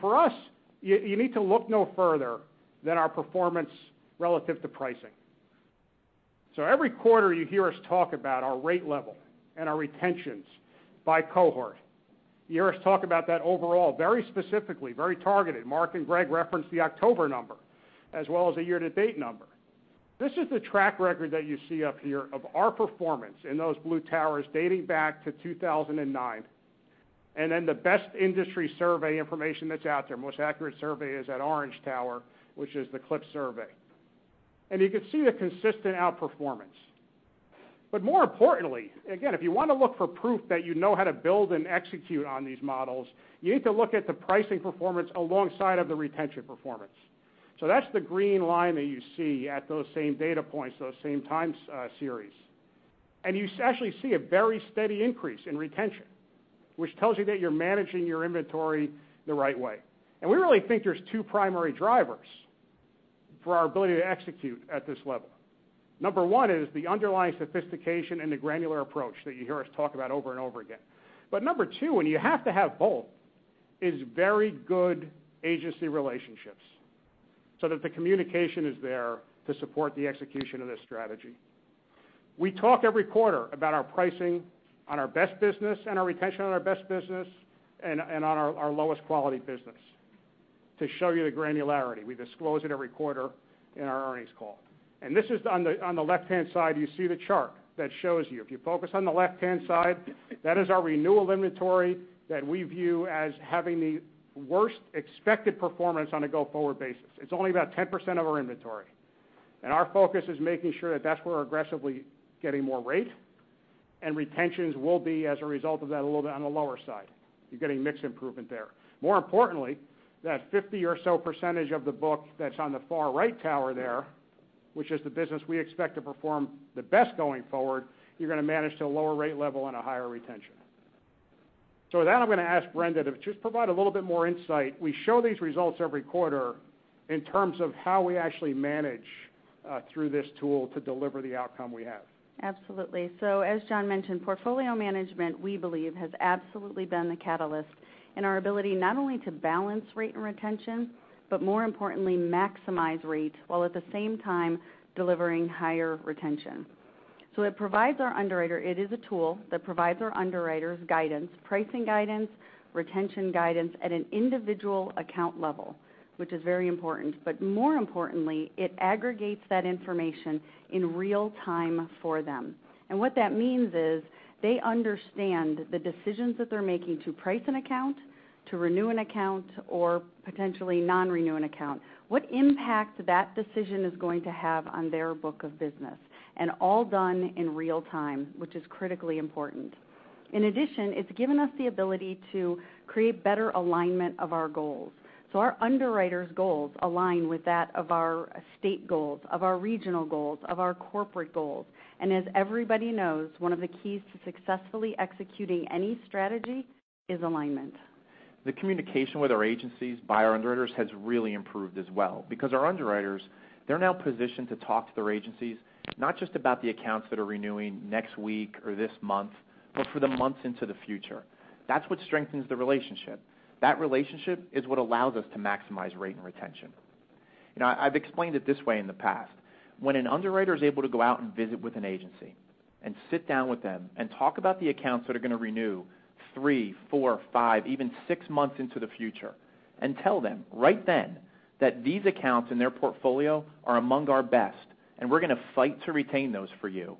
For us, you need to look no further than our performance relative to pricing. Every quarter you hear us talk about our rate level and our retentions by cohort. You hear us talk about that overall very specifically, very targeted. Mark and Greg referenced the October number as well as the year-to-date number. This is the track record that you see up here of our performance in those blue towers dating back to 2009. The best industry survey information that's out there, most accurate survey is that orange tower, which is the CIAB Survey. You can see the consistent outperformance. More importantly, again, if you want to look for proof that you know how to build and execute on these models, you need to look at the pricing performance alongside of the retention performance. That's the green line that you see at those same data points, those same time series. You actually see a very steady increase in retention, which tells you that you're managing your inventory the right way. We really think there's two primary drivers for our ability to execute at this level. Number one is the underlying sophistication and the granular approach that you hear us talk about over and over again. Number two, and you have to have both, is very good agency relationships so that the communication is there to support the execution of this strategy. We talk every quarter about our pricing on our best business and our retention on our best business and on our lowest quality business to show you the granularity. We disclose it every quarter in our earnings call. On the left-hand side, you see the chart that shows you. If you focus on the left-hand side, that is our renewal inventory that we view as having the worst expected performance on a go-forward basis. It's only about 10% of our inventory. Our focus is making sure that's where we're aggressively getting more rate, and retentions will be, as a result of that, a little bit on the lower side. You're getting mix improvement there. More importantly, that 50 or so percentage of the book that's on the far right tower there, which is the business we expect to perform the best going forward, you're going to manage to a lower rate level and a higher retention. With that, I'm going to ask Brenda to just provide a little bit more insight. We show these results every quarter in terms of how we actually manage through this tool to deliver the outcome we have. Absolutely. As John mentioned, portfolio management, we believe, has absolutely been the catalyst in our ability not only to balance rate and retention, more importantly, maximize rate while at the same time delivering higher retention. It is a tool that provides our underwriters guidance, pricing guidance, retention guidance at an individual account level, which is very important. More importantly, it aggregates that information in real time for them. What that means is they understand the decisions that they're making to price an account, to renew an account, or potentially non-renew an account, what impact that decision is going to have on their book of business, and all done in real time, which is critically important. In addition, it's given us the ability to create better alignment of our goals. Our underwriters' goals align with that of our state goals, of our regional goals, of our corporate goals. As everybody knows, one of the keys to successfully executing any strategy is alignment. The communication with our agencies by our underwriters has really improved as well because our underwriters, they're now positioned to talk to their agencies, not just about the accounts that are renewing next week or this month, but for the months into the future. That's what strengthens the relationship. That relationship is what allows us to maximize rate and retention. I've explained it this way in the past. When an underwriter is able to go out and visit with an agency and sit down with them and talk about the accounts that are going to renew three, four, five, even six months into the future, and tell them right then that these accounts in their portfolio are among our best, and we're going to fight to retain those for you.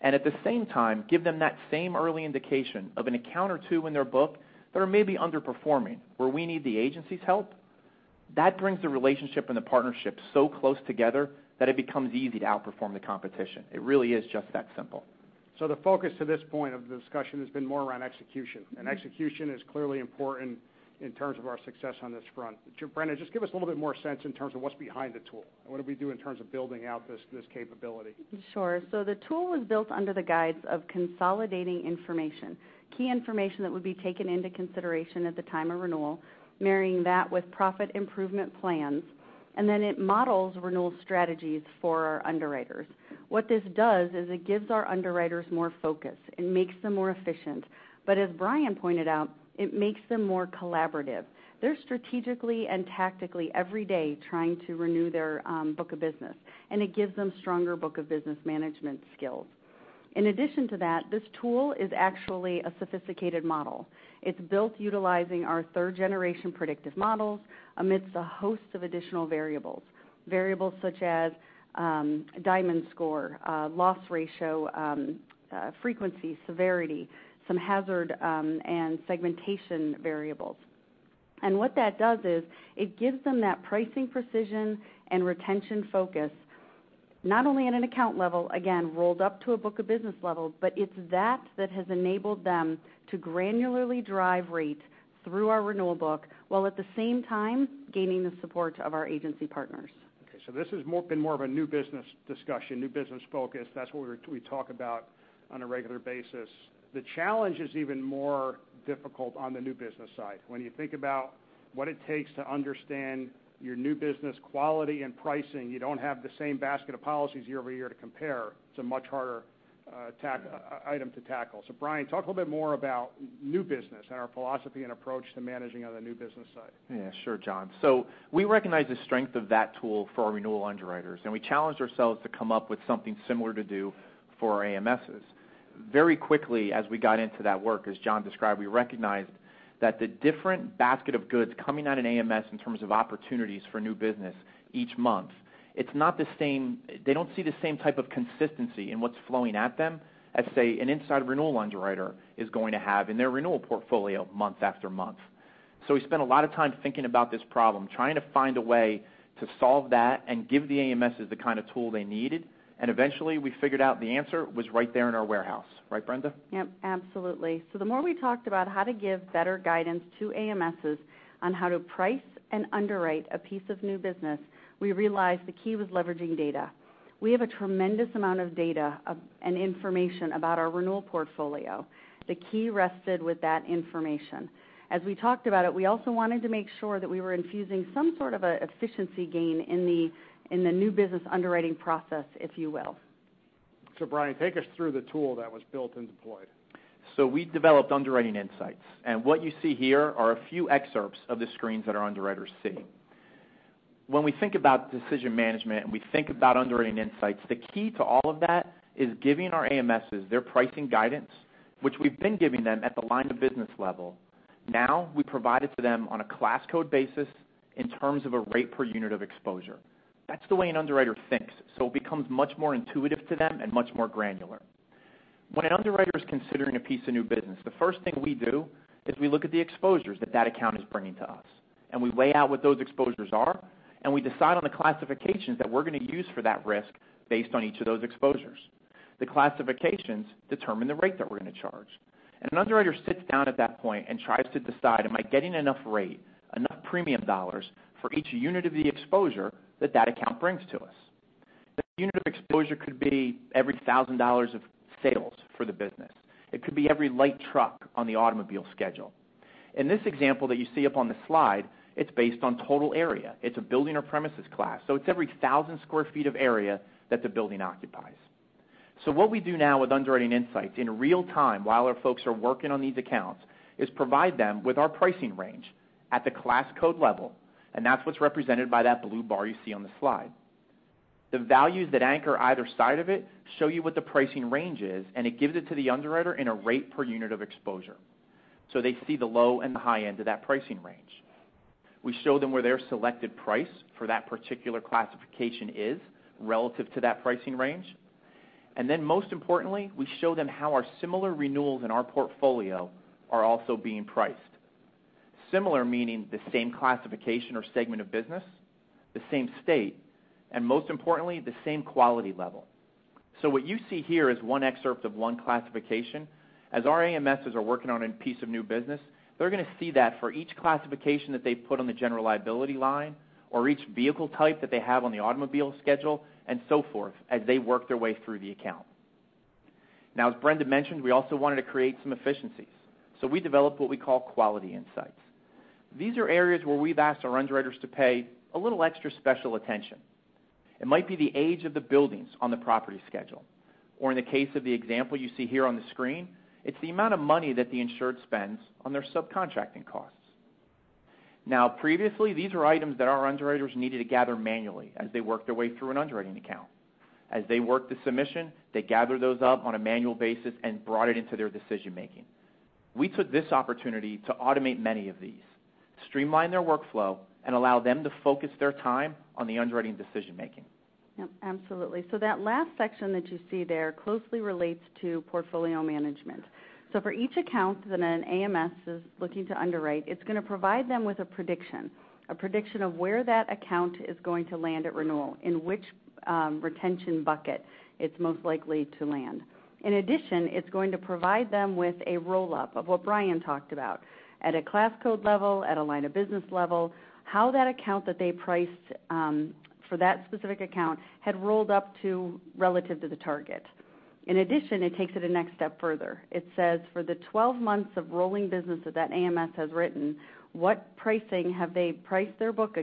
At the same time, give them that same early indication of an account or two in their book that are maybe underperforming, where we need the agency's help. That brings the relationship and the partnership so close together that it becomes easy to outperform the competition. It really is just that simple. The focus to this point of the discussion has been more around execution. Execution is clearly important in terms of our success on this front. Brenda, just give us a little bit more sense in terms of what's behind the tool, and what do we do in terms of building out this capability. Sure. The tool was built under the guise of consolidating information, key information that would be taken into consideration at the time of renewal, marrying that with profit improvement plans, and then it models renewal strategies for our underwriters. What this does is it gives our underwriters more focus and makes them more efficient. As Brian pointed out, it makes them more collaborative. They're strategically and tactically every day trying to renew their book of business, and it gives them stronger book of business management skills. In addition to that, this tool is actually a sophisticated model. It's built utilizing our third-generation predictive models amidst a host of additional variables. Variables such as Diamond Score, loss ratio, frequency, severity, some hazard and segmentation variables. What that does is, it gives them that pricing precision and retention focus, not only at an account level, again, rolled up to a book of business level, but it's that that has enabled them to granularly drive rates through our renewal book, while at the same time gaining the support of our agency partners. Okay, this has been more of a new business discussion, new business focus. That's what we talk about on a regular basis. The challenge is even more difficult on the new business side. When you think about what it takes to understand your new business quality and pricing, you don't have the same basket of policies year-over-year to compare. It's a much harder item to tackle. Brian, talk a little bit more about new business and our philosophy and approach to managing on the new business side. Sure, John. We recognize the strength of that tool for our renewal underwriters, and we challenged ourselves to come up with something similar to do for our AMSs. Very quickly, as we got into that work, as John described, we recognized that the different basket of goods coming out an AMS in terms of opportunities for new business each month, they don't see the same type of consistency in what's flowing at them as, say, an inside renewal underwriter is going to have in their renewal portfolio month after month. We spent a lot of time thinking about this problem, trying to find a way to solve that and give the AMSs the kind of tool they needed, and eventually, we figured out the answer was right there in our warehouse. Right, Brenda? Yep, absolutely. The more we talked about how to give better guidance to AMSs on how to price and underwrite a piece of new business, we realized the key was leveraging data. We have a tremendous amount of data and information about our renewal portfolio. The key rested with that information. As we talked about it, we also wanted to make sure that we were infusing some sort of a efficiency gain in the new business underwriting process, if you will. Brian, take us through the tool that was built and deployed. We developed Underwriting Insights, and what you see here are a few excerpts of the screens that our underwriters see. When we think about decision management, and we think about Underwriting Insights, the key to all of that is giving our AMSs their pricing guidance, which we've been giving them at the line of business level. Now we provide it to them on a class code basis in terms of a rate per unit of exposure. That's the way an underwriter thinks. It becomes much more intuitive to them and much more granular. When an underwriter is considering a piece of new business, the first thing we do is we look at the exposures that that account is bringing to us, and we lay out what those exposures are, and we decide on the classifications that we're going to use for that risk based on each of those exposures. The classifications determine the rate that we're going to charge. An underwriter sits down at that point and tries to decide, am I getting enough rate, enough premium dollars for each unit of the exposure that that account brings to us? The unit of exposure could be every $1,000 of sales for the business. It could be every light truck on the automobile schedule. In this example that you see up on the slide, it's based on total area. It's a building or premises class, it's every 1,000 sq ft of area that the building occupies. What we do now with Underwriting Insights in real time while our folks are working on these accounts, is provide them with our pricing range at the class code level, and that's what's represented by that blue bar you see on the slide. The values that anchor either side of it show you what the pricing range is, and it gives it to the underwriter in a rate per unit of exposure. They see the low and the high end of that pricing range. We show them where their selected price for that particular classification is relative to that pricing range. Most importantly, we show them how our similar renewals in our portfolio are also being priced. Similar meaning the same classification or segment of business, the same state, and most importantly, the same quality level. What you see here is one excerpt of one classification. As our AMSs are working on a piece of new business, they're going to see that for each classification that they put on the general liability line or each vehicle type that they have on the automobile schedule, and so forth, as they work their way through the account. As Brenda mentioned, we also wanted to create some efficiencies, so we developed what we call quality insights. These are areas where we've asked our underwriters to pay a little extra special attention. It might be the age of the buildings on the property schedule, or in the case of the example you see here on the screen, it's the amount of money that the insured spends on their subcontracting costs. Previously, these were items that our underwriters needed to gather manually as they worked their way through an underwriting account. As they worked the submission, they gathered those up on a manual basis and brought it into their decision-making. We took this opportunity to automate many of these, streamline their workflow, and allow them to focus their time on the underwriting decision-making. Yep, absolutely. That last section that you see there closely relates to portfolio management. For each account that an AMS is looking to underwrite, it's going to provide them with a prediction, a prediction of where that account is going to land at renewal, in which retention bucket it's most likely to land. In addition, it's going to provide them with a roll-up of what Brian talked about at a class code level, at a line of business level, how that account that they priced for that specific account had rolled up to relative to the target. In addition, it takes it a next step further. It says for the 12 months of rolling business that that AMS has written, what pricing have they priced their book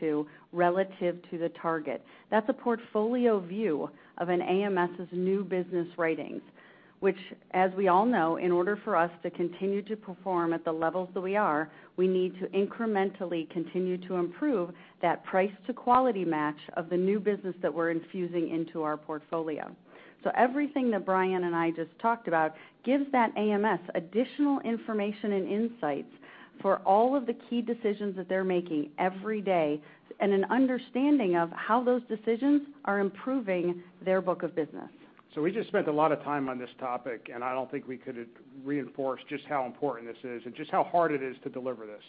to relative to the target? That's a portfolio view of an AMS' new business writings, which, as we all know, in order for us to continue to perform at the levels that we are, we need to incrementally continue to improve that price to quality match of the new business that we're infusing into our portfolio. Everything that Brian and I just talked about gives that AMS additional information and insights for all of the key decisions that they're making every day and an understanding of how those decisions are improving their book of business. We just spent a lot of time on this topic, and I don't think we could reinforce just how important this is and just how hard it is to deliver this.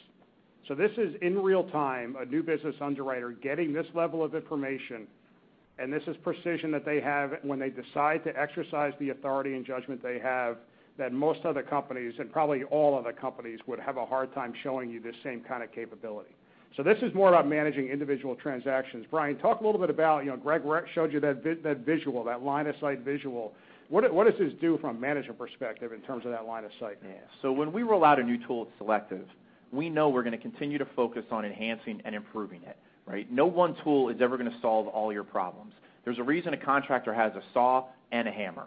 This is in real time, a new business underwriter getting this level of information, and this is precision that they have when they decide to exercise the authority and judgment they have that most other companies, and probably all other companies, would have a hard time showing you this same kind of capability. This is more about managing individual transactions. Brian, talk a little bit about, Greg showed you that visual, that line of sight visual. What does this do from a management perspective in terms of that line of sight? Yeah. When we roll out a new tool at Selective, we know we're going to continue to focus on enhancing and improving it, right? No one tool is ever going to solve all your problems. There's a reason a contractor has a saw and a hammer.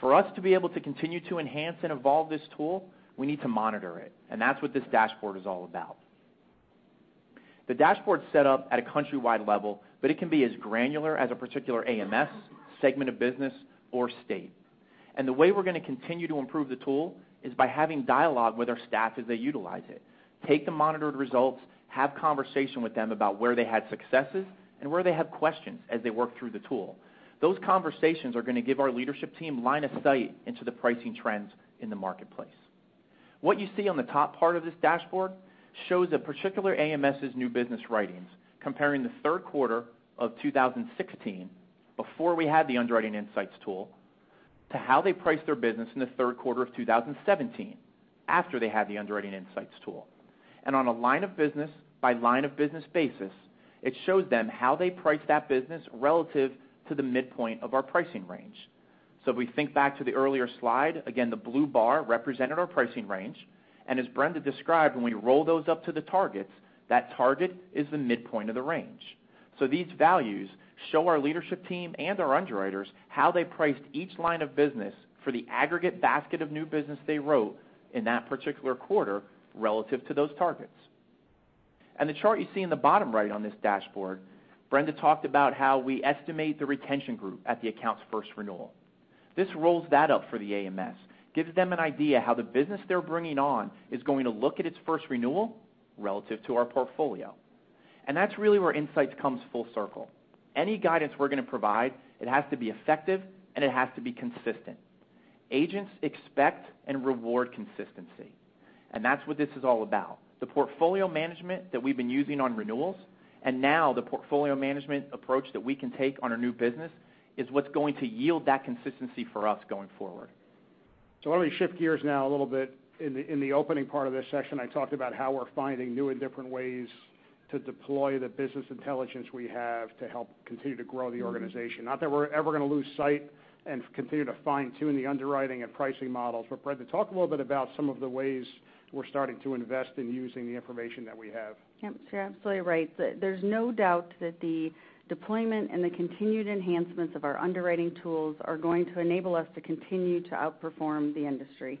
For us to be able to continue to enhance and evolve this tool, we need to monitor it, and that's what this dashboard is all about. The dashboard's set up at a countrywide level, but it can be as granular as a particular AMS, segment of business, or state. The way we're going to continue to improve the tool is by having dialogue with our staff as they utilize it. Take the monitored results, have conversation with them about where they had successes and where they have questions as they work through the tool. Those conversations are going to give our leadership team line of sight into the pricing trends in the marketplace. What you see on the top part of this dashboard shows a particular AMS' new business writings, comparing the third quarter of 2016, before we had the Underwriting Insights tool, to how they priced their business in the third quarter of 2017, after they had the Underwriting Insights tool. On a line of business by line of business basis, it shows them how they priced that business relative to the midpoint of our pricing range. If we think back to the earlier slide, again, the blue bar represented our pricing range. As Brenda described, when we roll those up to the targets, that target is the midpoint of the range. These values show our leadership team and our underwriters how they priced each line of business for the aggregate basket of new business they wrote in that particular quarter relative to those targets. The chart you see in the bottom right on this dashboard, Brenda talked about how we estimate the retention group at the account's first renewal. This rolls that up for the AMS, gives them an idea how the business they're bringing on is going to look at its first renewal relative to our portfolio. That's really where Insights comes full circle. Any guidance we're going to provide, it has to be effective, and it has to be consistent. Agents expect and reward consistency, and that's what this is all about. The portfolio management that we've been using on renewals and now the portfolio management approach that we can take on our new business is what's going to yield that consistency for us going forward. Why don't we shift gears now a little bit. In the opening part of this session, I talked about how we're finding new and different ways to deploy the business intelligence we have to help continue to grow the organization. Not that we're ever going to lose sight and continue to fine-tune the underwriting and pricing models, but Brenda, talk a little bit about some of the ways we're starting to invest in using the information that we have. Yep, you're absolutely right. There's no doubt that the deployment and the continued enhancements of our underwriting tools are going to enable us to continue to outperform the industry.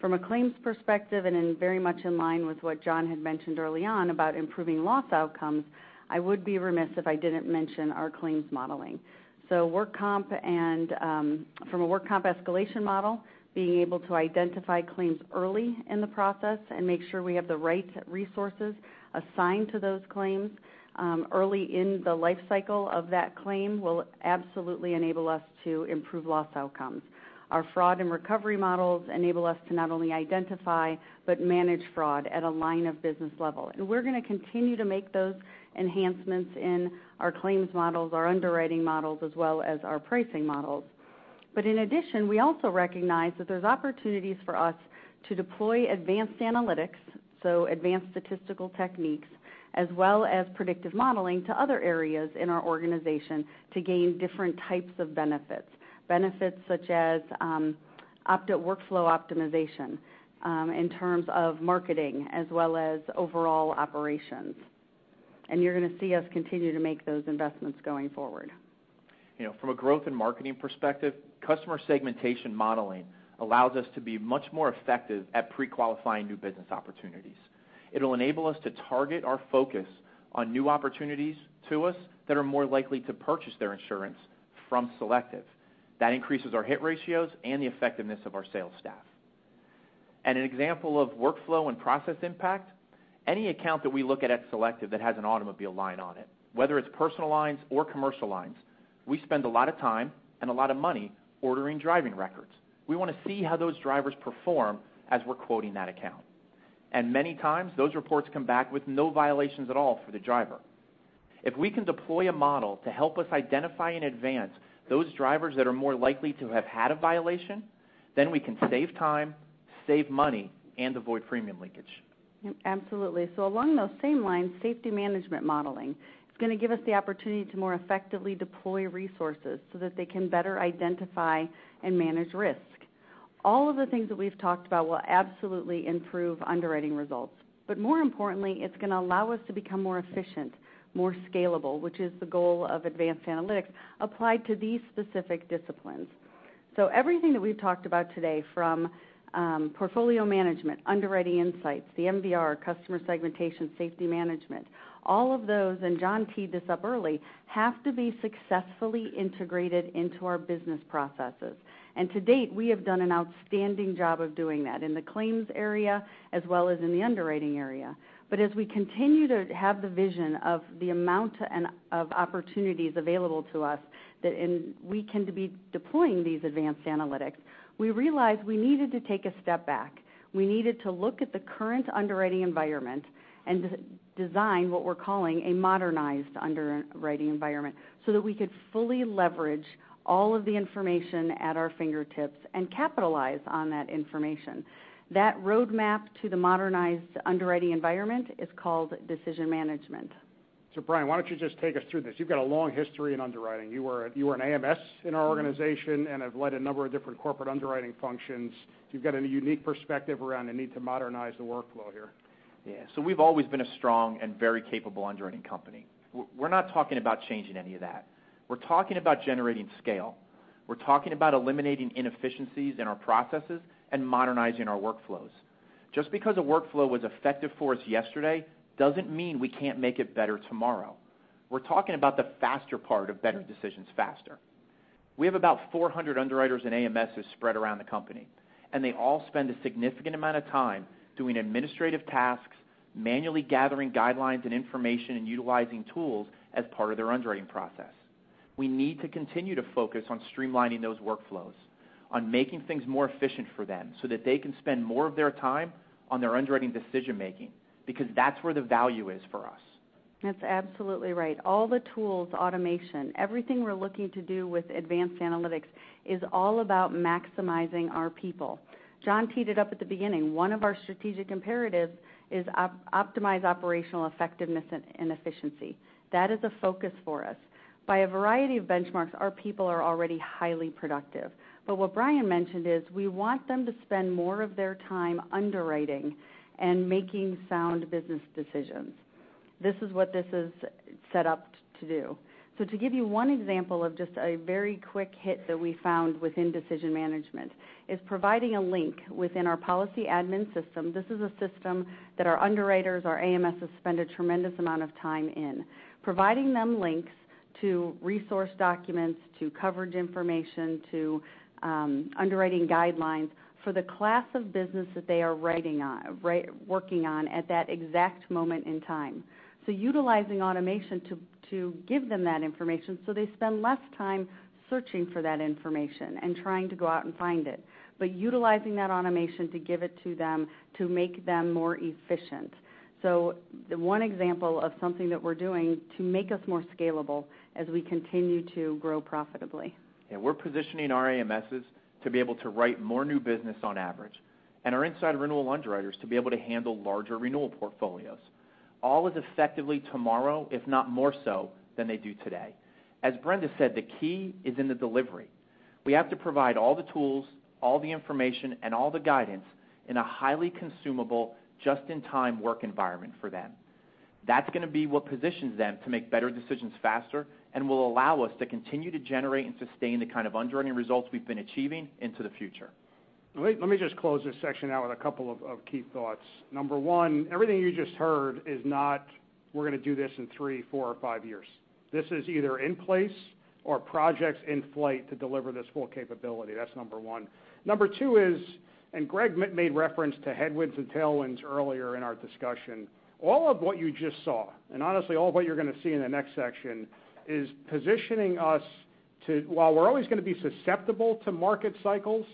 From a claims perspective and in very much in line with what John had mentioned early on about improving loss outcomes, I would be remiss if I didn't mention our claims modeling. From a work comp escalation model, being able to identify claims early in the process and make sure we have the right resources assigned to those claims early in the life cycle of that claim will absolutely enable us to improve loss outcomes. Our fraud and recovery models enable us to not only identify, but manage fraud at a line of business level. We're going to continue to make those enhancements in our claims models, our underwriting models, as well as our pricing models. In addition, we also recognize that there's opportunities for us to deploy advanced analytics, so advanced statistical techniques. As well as predictive modeling to other areas in our organization to gain different types of benefits. Benefits such as opt-out workflow optimization in terms of marketing as well as overall operations. You're going to see us continue to make those investments going forward. From a growth and marketing perspective, customer segmentation modeling allows us to be much more effective at pre-qualifying new business opportunities. It'll enable us to target our focus on new opportunities to us that are more likely to purchase their insurance from Selective. That increases our hit ratios and the effectiveness of our sales staff. An example of workflow and process impact, any account that we look at at Selective that has an automobile line on it, whether it's personal lines or commercial lines, we spend a lot of time and a lot of money ordering driving records. We want to see how those drivers perform as we're quoting that account. Many times, those reports come back with no violations at all for the driver. If we can deploy a model to help us identify in advance those drivers that are more likely to have had a violation, then we can save time, save money, and avoid premium leakage. Absolutely. Along those same lines, safety management modeling is going to give us the opportunity to more effectively deploy resources so that they can better identify and manage risk. All of the things that we've talked about will absolutely improve underwriting results. More importantly, it's going to allow us to become more efficient, more scalable, which is the goal of advanced analytics applied to these specific disciplines. Everything that we've talked about today from portfolio management, Underwriting Insights, the MVR, customer segmentation, safety management, all of those, and John teed this up early, have to be successfully integrated into our business processes. To date, we have done an outstanding job of doing that in the claims area as well as in the underwriting area. As we continue to have the vision of the amount of opportunities available to us, that we can be deploying these advanced analytics, we realized we needed to take a step back. We needed to look at the current underwriting environment and design what we're calling a modernized underwriting environment so that we could fully leverage all of the information at our fingertips and capitalize on that information. That roadmap to the modernized underwriting environment is called decision management. Brian, why don't you just take us through this? You've got a long history in underwriting. You were an AMS in our organization and have led a number of different corporate underwriting functions. You've got a unique perspective around the need to modernize the workflow here. We've always been a strong and very capable underwriting company. We're not talking about changing any of that. We're talking about generating scale. We're talking about eliminating inefficiencies in our processes and modernizing our workflows. Just because a workflow was effective for us yesterday doesn't mean we can't make it better tomorrow. We're talking about the faster part of better decisions faster. We have about 400 underwriters and AMSs spread around the company, and they all spend a significant amount of time doing administrative tasks, manually gathering guidelines and information, and utilizing tools as part of their underwriting process. We need to continue to focus on streamlining those workflows, on making things more efficient for them so that they can spend more of their time on their underwriting decision making, because that's where the value is for us. That's absolutely right. All the tools, automation, everything we're looking to do with advanced analytics is all about maximizing our people. John teed it up at the beginning. One of our strategic imperatives is optimize operational effectiveness and efficiency. That is a focus for us. By a variety of benchmarks, our people are already highly productive. But what Brian mentioned is we want them to spend more of their time underwriting and making sound business decisions. This is what this is set up to do. To give you one example of just a very quick hit that we found within decision management is providing a link within our policy admin system. This is a system that our underwriters, our AMSs, spend a tremendous amount of time in. Providing them links to resource documents, to coverage information, to underwriting guidelines for the class of business that they are working on at that exact moment in time. Utilizing automation to give them that information so they spend less time searching for that information and trying to go out and find it. Utilizing that automation to give it to them to make them more efficient. The one example of something that we're doing to make us more scalable as we continue to grow profitably. Yeah, we're positioning our AMSs to be able to write more new business on average and our inside renewal underwriters to be able to handle larger renewal portfolios, all as effectively tomorrow, if not more so, than they do today. As Brenda said, the key is in the delivery. We have to provide all the tools, all the information, and all the guidance in a highly consumable, just-in-time work environment for them. That's going to be what positions them to make better decisions faster and will allow us to continue to generate and sustain the kind of underwriting results we've been achieving into the future. Let me just close this section out with a couple of key thoughts. Number one, everything you just heard is not we're going to do this in three, four, or five years. This is either in place or projects in flight to deliver this full capability. That's number one. Number two is, Greg made reference to headwinds and tailwinds earlier in our discussion. All of what you just saw, and honestly, all of what you're going to see in the next section is positioning us to, while we're always going to be susceptible to market cycles,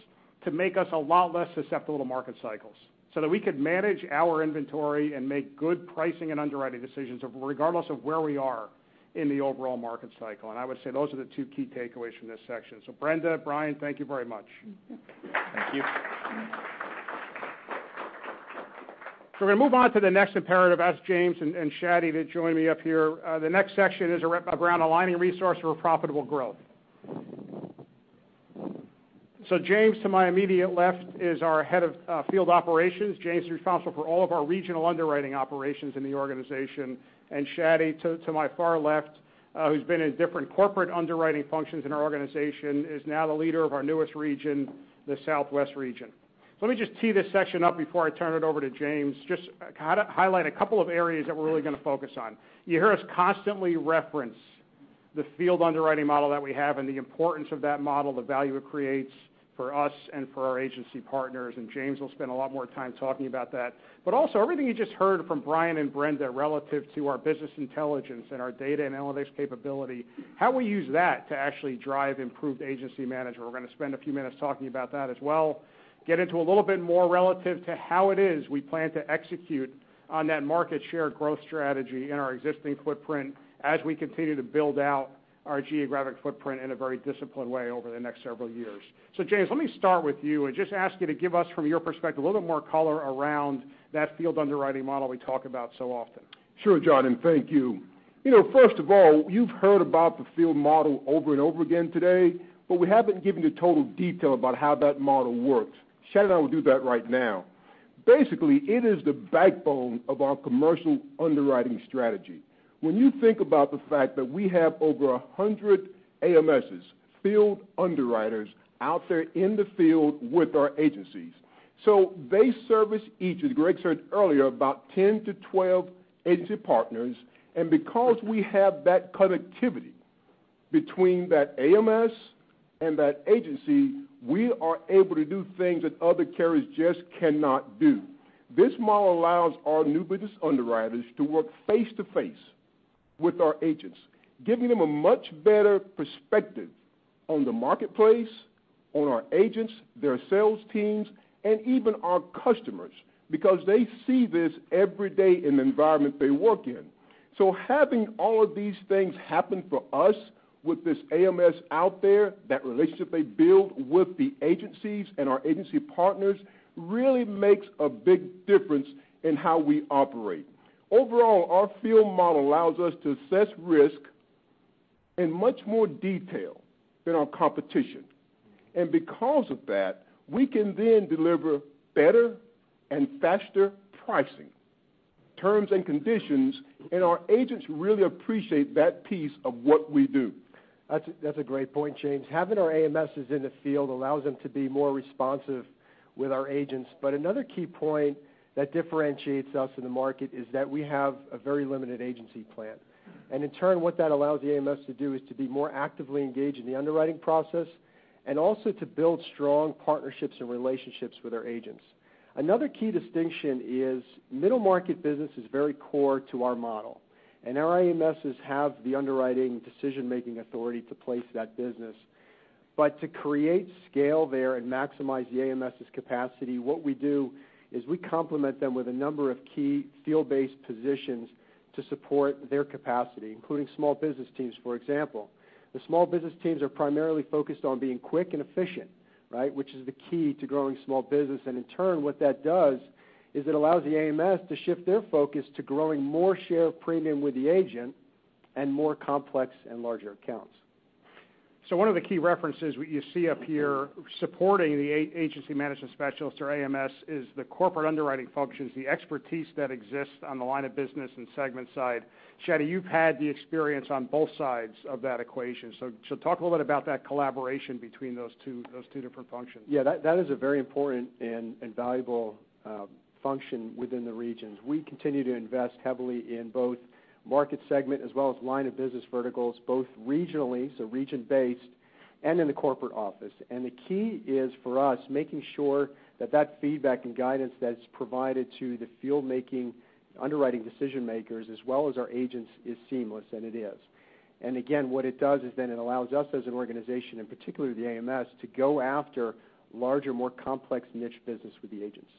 to make us a lot less susceptible to market cycles so that we could manage our inventory and make good pricing and underwriting decisions regardless of where we are in the overall market cycle. I would say those are the two key takeaways from this section. Brenda, Brian, thank you very much. Thank you. We're going to move on to the next imperative, ask James and Shadi to join me up here. The next section is around aligning resource for a profitable growth. James, to my immediate left, is our head of field operations. James is responsible for all of our regional underwriting operations in the organization, and Shadi, to my far left, who's been in different corporate underwriting functions in our organization, is now the leader of our newest region, the Southwest Region. Let me just tee this section up before I turn it over to James. Just highlight a couple of areas that we're really going to focus on. You hear us constantly reference the field underwriting model that we have and the importance of that model, the value it creates for us and for our agency partners, and James will spend a lot more time talking about that. Also everything you just heard from Brian and Brenda relative to our business intelligence and our data and analytics capability, how we use that to actually drive improved agency management. We're going to spend a few minutes talking about that as well. Get into a little bit more relative to how it is we plan to execute on that market share growth strategy in our existing footprint as we continue to build out our geographic footprint in a very disciplined way over the next several years. James, let me start with you and just ask you to give us, from your perspective, a little more color around that field underwriting model we talk about so often. Sure, John, thank you. First of all, you've heard about the field model over and over again today, but we haven't given you total detail about how that model works. Shaddy and I will do that right now. Basically, it is the backbone of our commercial underwriting strategy. When you think about the fact that we have over 100 AMSs, field underwriters out there in the field with our agencies. They service each, as Greg said earlier, about 10 to 12 agency partners. Because we have that connectivity between that AMS and that agency, we are able to do things that other carriers just cannot do. This model allows our new business underwriters to work face-to-face with our agents, giving them a much better perspective on the marketplace, on our agents, their sales teams, and even our customers, because they see this every day in the environment they work in. Having all of these things happen for us with this AMS out there, that relationship they build with the agencies and our agency partners really makes a big difference in how we operate. Overall, our field model allows us to assess risk in much more detail than our competition. Because of that, we can then deliver better and faster pricing, terms and conditions, and our agents really appreciate that piece of what we do. That's a great point, James. Having our AMSs in the field allows them to be more responsive with our agents. Another key point that differentiates us in the market is that we have a very limited agency plan. In turn, what that allows the AMS to do is to be more actively engaged in the underwriting process and also to build strong partnerships and relationships with our agents. Another key distinction is middle market business is very core to our model, and our AMSs have the underwriting decision-making authority to place that business. To create scale there and maximize the AMS's capacity, what we do is we complement them with a number of key field-based positions to support their capacity, including small business teams, for example. The small business teams are primarily focused on being quick and efficient, right, which is the key to growing small business. In turn, what that does is it allows the AMS to shift their focus to growing more share premium with the agent and more complex and larger accounts. one of the key references you see up here supporting the agency management specialist or AMS is the corporate underwriting functions, the expertise that exists on the line of business and segment side. Shaddy, you've had the experience on both sides of that equation. Talk a little bit about that collaboration between those two different functions. That is a very important and valuable function within the regions. We continue to invest heavily in both market segment as well as line of business verticals, both regionally, region based, and in the corporate office. The key is for us, making sure that feedback and guidance that's provided to the field making underwriting decision-makers as well as our agents is seamless, and it is. Again, what it does is then it allows us as an organization, and particularly the AMS, to go after larger, more complex niche business with the agents.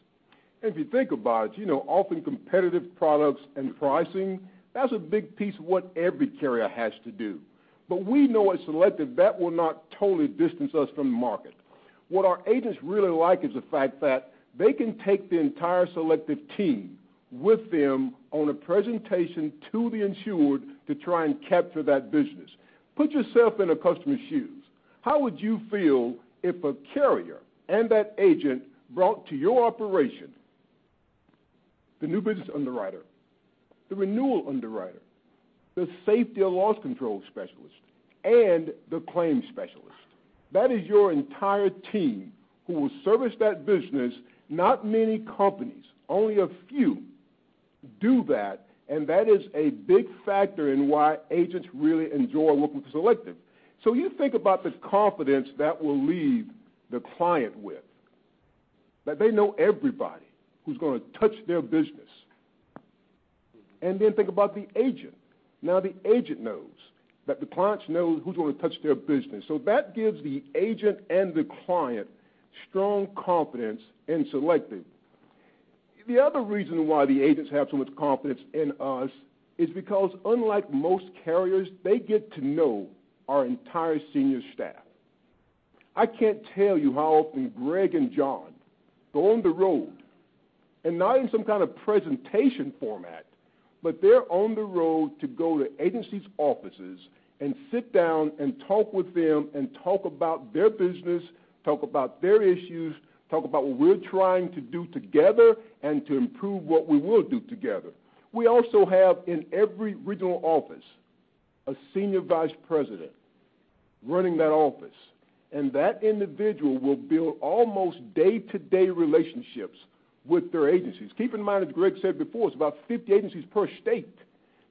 If you think about it, often competitive products and pricing, that's a big piece of what every carrier has to do. We know at Selective, that will not totally distance us from the market. What our agents really like is the fact that they can take the entire Selective team with them on a presentation to the insured to try and capture that business. Put yourself in a customer's shoes. How would you feel if a carrier and that agent brought to your operation the new business underwriter, the renewal underwriter, the safety or loss control specialist, and the claims specialist? That is your entire team who will service that business. Not many companies, only a few, do that, and that is a big factor in why agents really enjoy working with Selective. You think about the confidence that will leave the client with, that they know everybody who's going to touch their business. Think about the agent. Now the agent knows that the clients know who's going to touch their business. That gives the agent and the client strong confidence in Selective. The other reason why the agents have so much confidence in us is because unlike most carriers, they get to know our entire senior staff. I can't tell you how often Greg and John go on the road, and not in some kind of presentation format, but they're on the road to go to agencies' offices and sit down and talk with them and talk about their business, talk about their issues, talk about what we're trying to do together, and to improve what we will do together. We also have, in every regional office, a Senior Vice President running that office, and that individual will build almost day-to-day relationships with their agencies. Keep in mind, as Greg said before, it's about 50 agencies per state,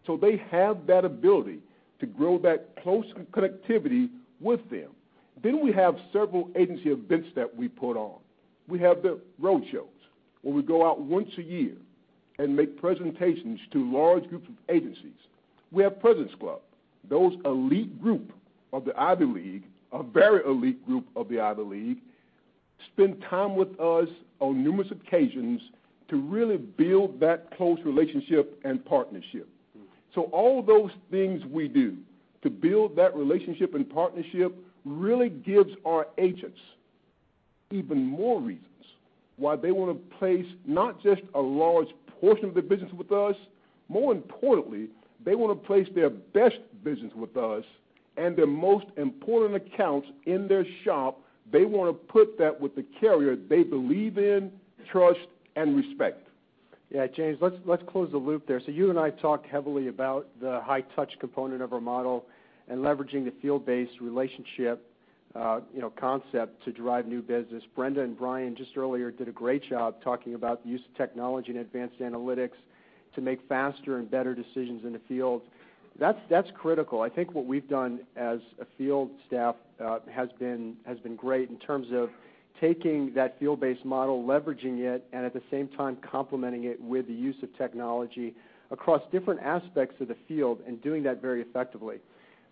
so they have that ability to grow that close connectivity with them. We have several agency events that we put on. We have the road shows, where we go out once a year and make presentations to large groups of agencies. We have President's Club, those elite group of the Ivy League, a very elite group of the Ivy League, spend time with us on numerous occasions to really build that close relationship and partnership. All those things we do to build that relationship and partnership really gives our agents even more reasons why they want to place not just a large portion of their business with us, more importantly, they want to place their best business with us and their most important accounts in their shop, they want to put that with the carrier they believe in, trust, and respect. Yeah. James, let's close the loop there. You and I talked heavily about the high touch component of our model and leveraging the field-based relationship concept to drive new business. Brenda and Brian just earlier did a great job talking about the use of technology and advanced analytics to make faster and better decisions in the field. That's critical. I think what we've done as a field staff has been great in terms of taking that field-based model, leveraging it, and at the same time complementing it with the use of technology across different aspects of the field and doing that very effectively.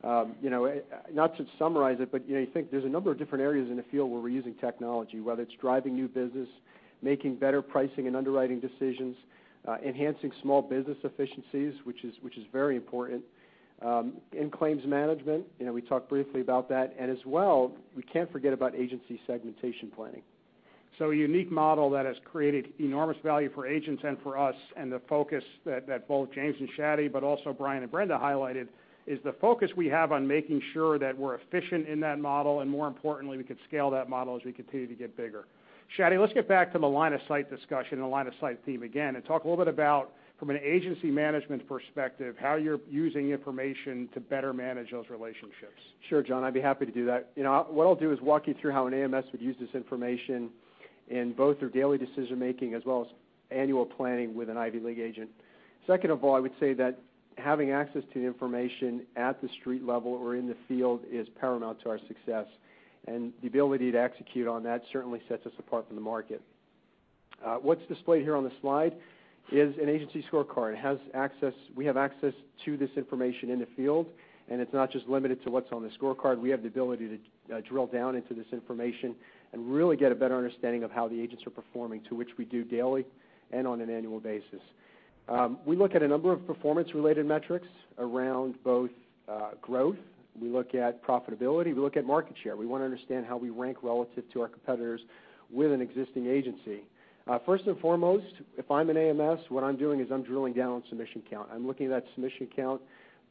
Not to summarize it, but you think there's a number of different areas in the field where we're using technology, whether it's driving new business, making better pricing and underwriting decisions, enhancing small business efficiencies, which is very important, in claims management, we talked briefly about that, and as well, we can't forget about agency segmentation planning. A unique model that has created enormous value for agents and for us, and the focus that both James and Shaddy, but also Brian and Brenda highlighted, is the focus we have on making sure that we're efficient in that model, and more importantly, we can scale that model as we continue to get bigger. Shaddy, let's get back to the line of sight discussion and the line of sight theme again and talk a little bit about, from an agency management perspective, how you're using information to better manage those relationships. Sure, John, I'd be happy to do that. What I'll do is walk you through how an AMS would use this information in both their daily decision making as well as annual planning with an Ivy League agent. Second of all, I would say that having access to the information at the street level or in the field is paramount to our success, and the ability to execute on that certainly sets us apart from the market. What's displayed here on the slide is an agency scorecard. We have access to this information in the field, and it's not just limited to what's on the scorecard. We have the ability to drill down into this information and really get a better understanding of how the agents are performing, to which we do daily and on an annual basis. We look at a number of performance-related metrics around both growth. We look at profitability. We look at market share. We want to understand how we rank relative to our competitors with an existing agency. First and foremost, if I'm an AMS, what I'm doing is I'm drilling down on submission count. I'm looking at that submission count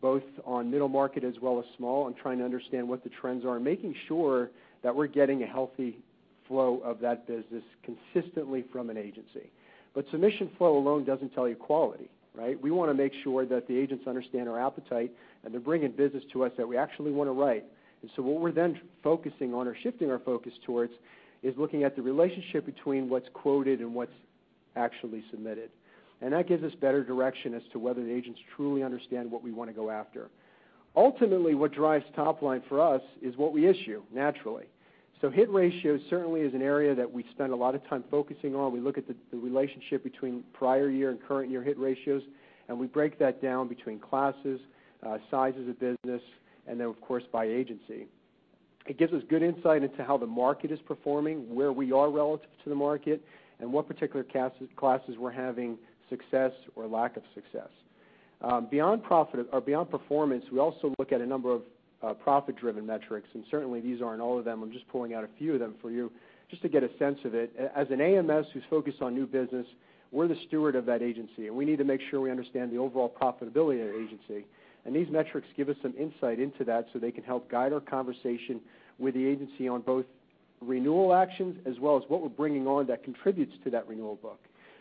both on middle market as well as small and trying to understand what the trends are, making sure that we're getting a healthy flow of that business consistently from an agency. Submission flow alone doesn't tell you quality, right? We want to make sure that the agents understand our appetite and they're bringing business to us that we actually want to write. What we're then focusing on or shifting our focus towards is looking at the relationship between what's quoted and what's actually submitted. That gives us better direction as to whether the agents truly understand what we want to go after. Ultimately, what drives top line for us is what we issue, naturally. Hit ratio certainly is an area that we spend a lot of time focusing on. We look at the relationship between prior year and current year hit ratios, and we break that down between classes, sizes of business, and then of course, by agency. It gives us good insight into how the market is performing, where we are relative to the market, and what particular classes we're having success or lack of success. Beyond performance, we also look at a number of profit-driven metrics, and certainly these aren't all of them. I'm just pulling out a few of them for you just to get a sense of it. As an AMS who's focused on new business, we're the steward of that agency, and we need to make sure we understand the overall profitability of the agency. These metrics give us some insight into that so they can help guide our conversation with the agency on both renewal actions as well as what we're bringing on that contributes to that renewal book.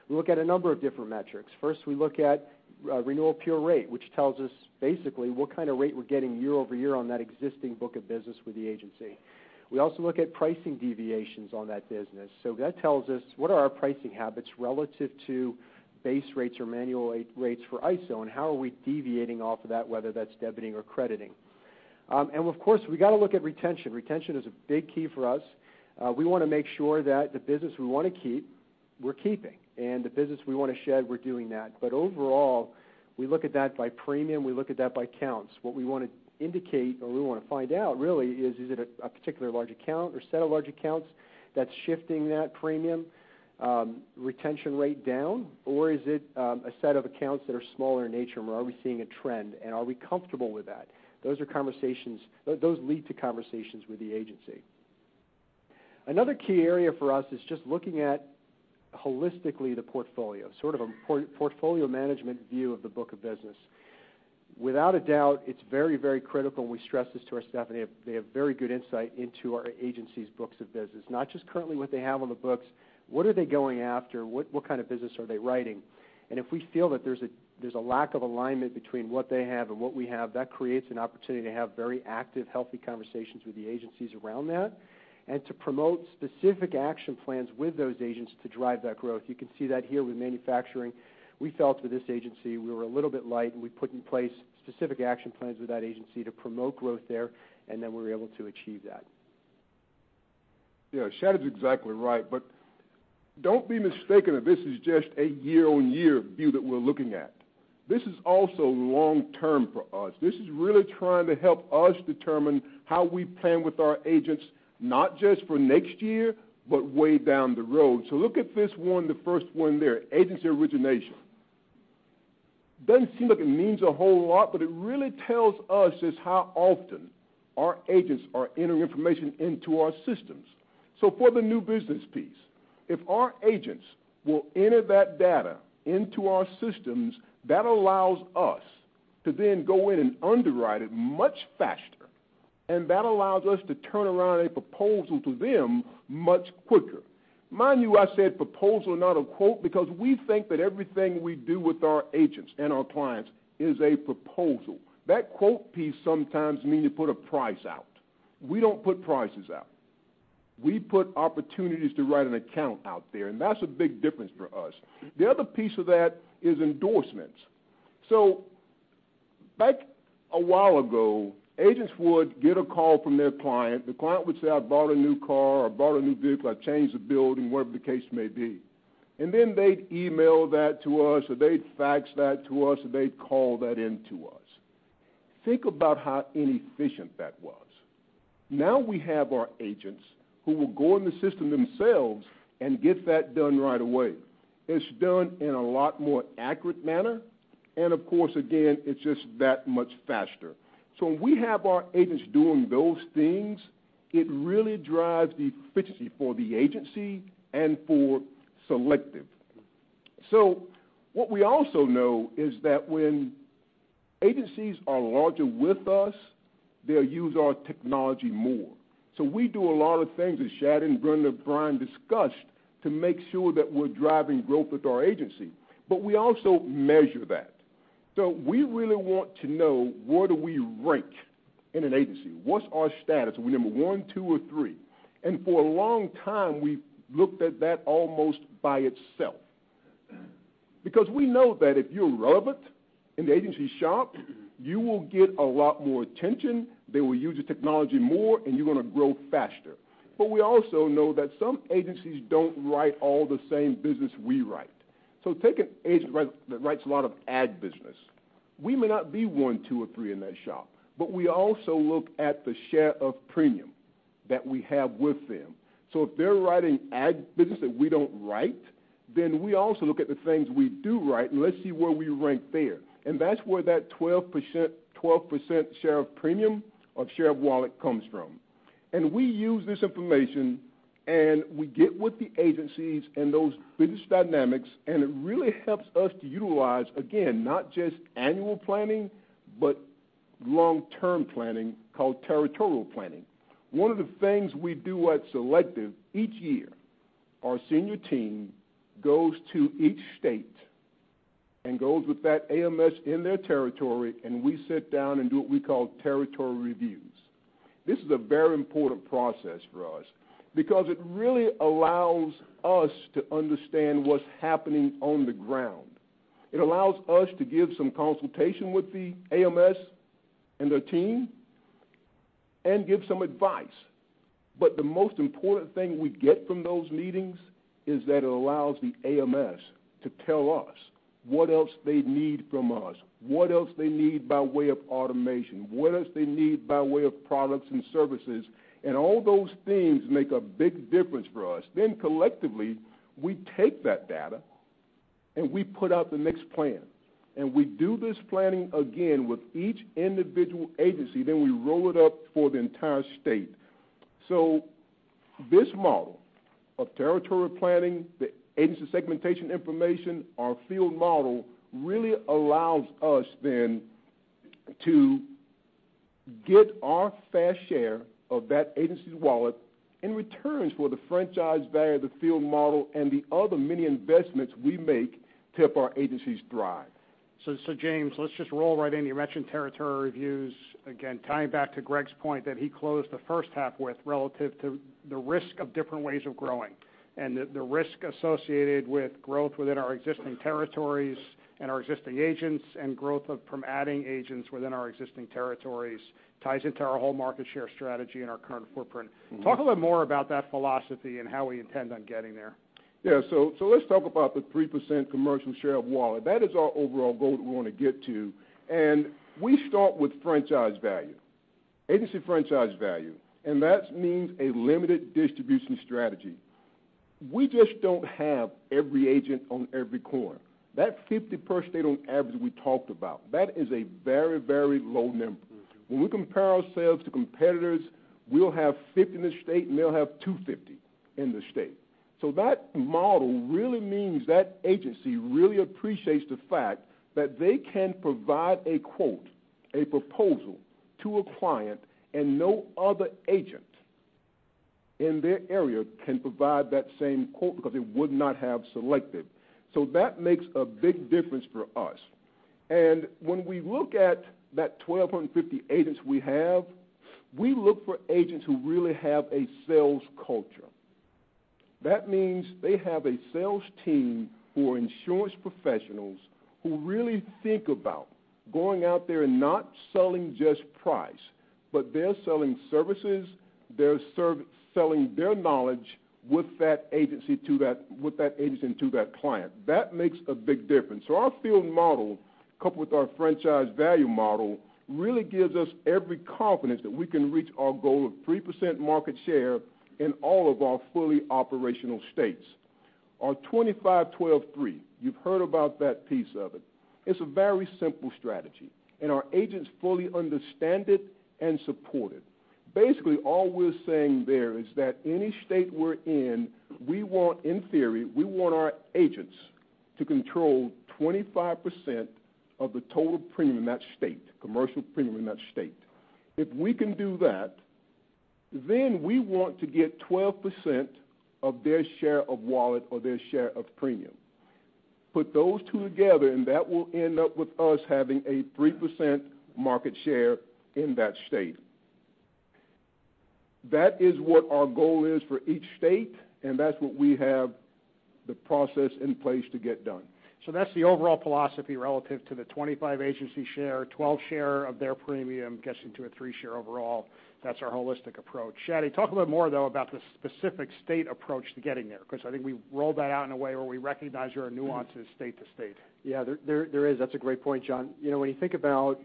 We look at a number of different metrics. First, we look at renewal pure rate, which tells us basically what kind of rate we're getting year over year on that existing book of business with the agency. We also look at pricing deviations on that business. That tells us what are our pricing habits relative to base rates or manual rates for ISO, and how are we deviating off of that, whether that's debiting or crediting. Of course, we've got to look at retention. Retention is a big key for us. We want to make sure that the business we want to keep, we're keeping, and the business we want to shed, we're doing that. Overall, we look at that by premium, we look at that by counts. What we want to indicate, or we want to find out really, is it a particular large account or set of large accounts that's shifting that premium retention rate down, or is it a set of accounts that are smaller in nature, and are we seeing a trend, and are we comfortable with that? Those lead to conversations with the agency. Another key area for us is just looking at holistically the portfolio, sort of a portfolio management view of the book of business. Without a doubt, it's very critical. We stress this to our staff, and they have very good insight into our agency's books of business, not just currently what they have on the books, what are they going after? What kind of business are they writing? If we feel that there's a lack of alignment between what they have and what we have, that creates an opportunity to have very active, healthy conversations with the agencies around that and to promote specific action plans with those agents to drive that growth. You can see that here with manufacturing. We felt with this agency we were a little bit light, and we put in place specific action plans with that agency to promote growth there, and then we were able to achieve that. Shadi is exactly right. Don't be mistaken that this is just a year-on-year view that we're looking at. This is also long-term for us. This is really trying to help us determine how we plan with our agents, not just for next year, but way down the road. Look at this one, the first one there, agency origination. Doesn't seem like it means a whole lot, but it really tells us is how often our agents are entering information into our systems. For the new business piece, if our agents will enter that data into our systems, that allows us to then go in and underwrite it much faster, and that allows us to turn around a proposal to them much quicker. Mind you, I said proposal, not a quote, because we think that everything we do with our agents and our clients is a proposal. That quote piece sometimes means to put a price out. We don't put prices out. We put opportunities to write an account out there, and that's a big difference for us. The other piece of that is endorsements. Back a while ago, agents would get a call from their client. The client would say, "I bought a new car," or, "I bought a new vehicle. I changed the building," whatever the case may be. They'd email that to us, or they'd fax that to us, or they'd call that in to us. Think about how inefficient that was. Now we have our agents who will go in the system themselves and get that done right away. It's done in a lot more accurate manner, of course, again, it's just that much faster. When we have our agents doing those things, it really drives the efficiency for the agency and for Selective. What we also know is that when agencies are larger with us, they'll use our technology more. We do a lot of things, as Shad and Brenda, Brian discussed, to make sure that we're driving growth with our agency. We also measure that. We really want to know where do we rank in an agency. What's our status? Are we number one, two, or three? For a long time, we've looked at that almost by itself. Because we know that if you're relevant in the agency shop, you will get a lot more attention, they will use the technology more, you're going to grow faster. We also know that some agencies don't write all the same business we write. Take an agent that writes a lot of ag business. We may not be one, two, or three in that shop, but we also look at the share of premium that we have with them. If they're writing ag business that we don't write, we also look at the things we do write, let's see where we rank there. That's where that 12% share of premium or share of wallet comes from. We use this information, we get with the agencies and those business dynamics, it really helps us to utilize, again, not just annual planning, but long-term planning called territorial planning. One of the things we do at Selective each year, our senior team goes to each state and goes with that AMS in their territory, and we sit down and do what we call territory reviews. This is a very important process for us because it really allows us to understand what's happening on the ground. It allows us to give some consultation with the AMS and their team and give some advice. The most important thing we get from those meetings is that it allows the AMS to tell us what else they need from us, what else they need by way of automation, what else they need by way of products and services, and all those things make a big difference for us. Collectively, we take that data and we put out the next plan. We do this planning again with each individual agency, then we roll it up for the entire state. This model of territory planning, the agency segmentation information, our field model, really allows us then to get our fair share of that agency's wallet in return for the franchise value of the field model and the other many investments we make to help our agencies thrive. James, let's just roll right in. You mentioned territory reviews again, tying back to Greg's point that he closed the first half with relative to the risk of different ways of growing, and the risk associated with growth within our existing territories and our existing agents, and growth from adding agents within our existing territories ties into our whole market share strategy and our current footprint. Talk a little more about that philosophy and how we intend on getting there. Let's talk about the 3% commercial share of wallet. That is our overall goal that we want to get to. We start with franchise value, agency franchise value, that means a limited distribution strategy. We just don't have every agent on every corner. That 50 per state on average we talked about, that is a very low number. When we compare ourselves to competitors, we'll have 50 in the state, they'll have 250 in the state. That model really means that agency really appreciates the fact that they can provide a quote, a proposal to a client, no other agent in their area can provide that same quote because it would not have Selective. That makes a big difference for us. When we look at that 1,250 agents we have, we look for agents who really have a sales culture. That means they have a sales team who are insurance professionals who really think about going out there and not selling just price, but they're selling services, they're selling their knowledge with that agency to that client. That makes a big difference. Our field model, coupled with our franchise value model, really gives us every confidence that we can reach our goal of 3% market share in all of our fully operational states. On 25/12/3, you've heard about that piece of it. It's a very simple strategy, our agents fully understand it and support it. Basically, all we're saying there is that any state we're in theory, we want our agents to control 25% of the total premium in that state, commercial premium in that state. If we can do that, we want to get 12% of their share of wallet or their share of premium. Put those two together, that will end up with us having a 3% market share in that state. That is what our goal is for each state, that's what we have the process in place to get done. That's the overall philosophy relative to the 25 agency share, 12 share of their premium gets into a three share overall. That's our holistic approach. Shaddy, talk a little more though about the specific state approach to getting there, because I think we rolled that out in a way where we recognize there are nuances state to state. Yeah. There is. That's a great point, John. When you think about,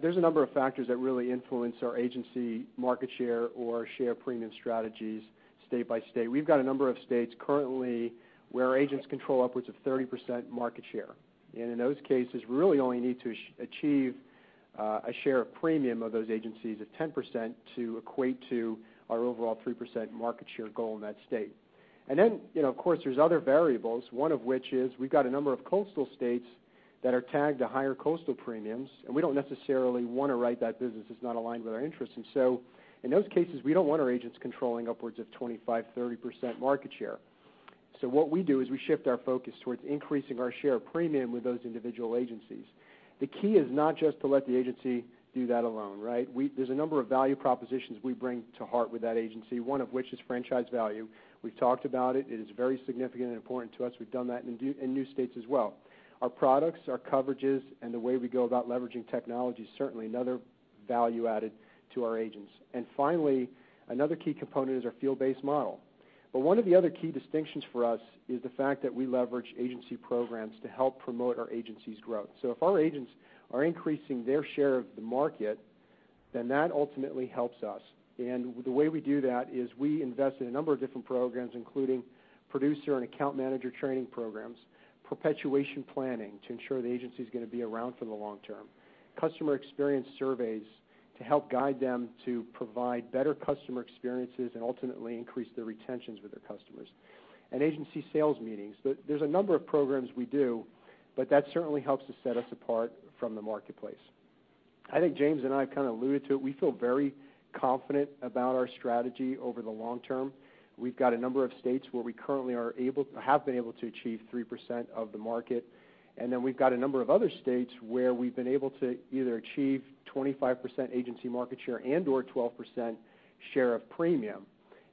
there's a number of factors that really influence our agency market share or share premium strategies state by state. We've got a number of states currently where agents control upwards of 30% market share. In those cases, we really only need to achieve a share of premium of those agencies of 10% to equate to our overall 3% market share goal in that state. Then, of course, there's other variables, one of which is we've got a number of coastal states that are tagged to higher coastal premiums, and we don't necessarily want to write that business. It's not aligned with our interests. In those cases, we don't want our agents controlling upwards of 25%, 30% market share. What we do is we shift our focus towards increasing our share of premium with those individual agencies. The key is not just to let the agency do that alone, right? There's a number of value propositions we bring to heart with that agency, one of which is franchise value. We've talked about it. It is very significant and important to us. We've done that in new states as well. Our products, our coverages, and the way we go about leveraging technology is certainly another value added to our agents. Finally, another key component is our field-based model. One of the other key distinctions for us is the fact that we leverage agency programs to help promote our agencies' growth. If our agents are increasing their share of the market, then that ultimately helps us. The way we do that is we invest in a number of different programs, including producer and account manager training programs, perpetuation planning to ensure the agency's going to be around for the long term, customer experience surveys to help guide them to provide better customer experiences and ultimately increase their retentions with their customers, and agency sales meetings. There's a number of programs we do, but that certainly helps to set us apart from the marketplace. I think James and I kind of alluded to it. We feel very confident about our strategy over the long term. We've got a number of states where we currently have been able to achieve 3% of the market, and then we've got a number of other states where we've been able to either achieve 25% agency market share and/or 12% share of premium.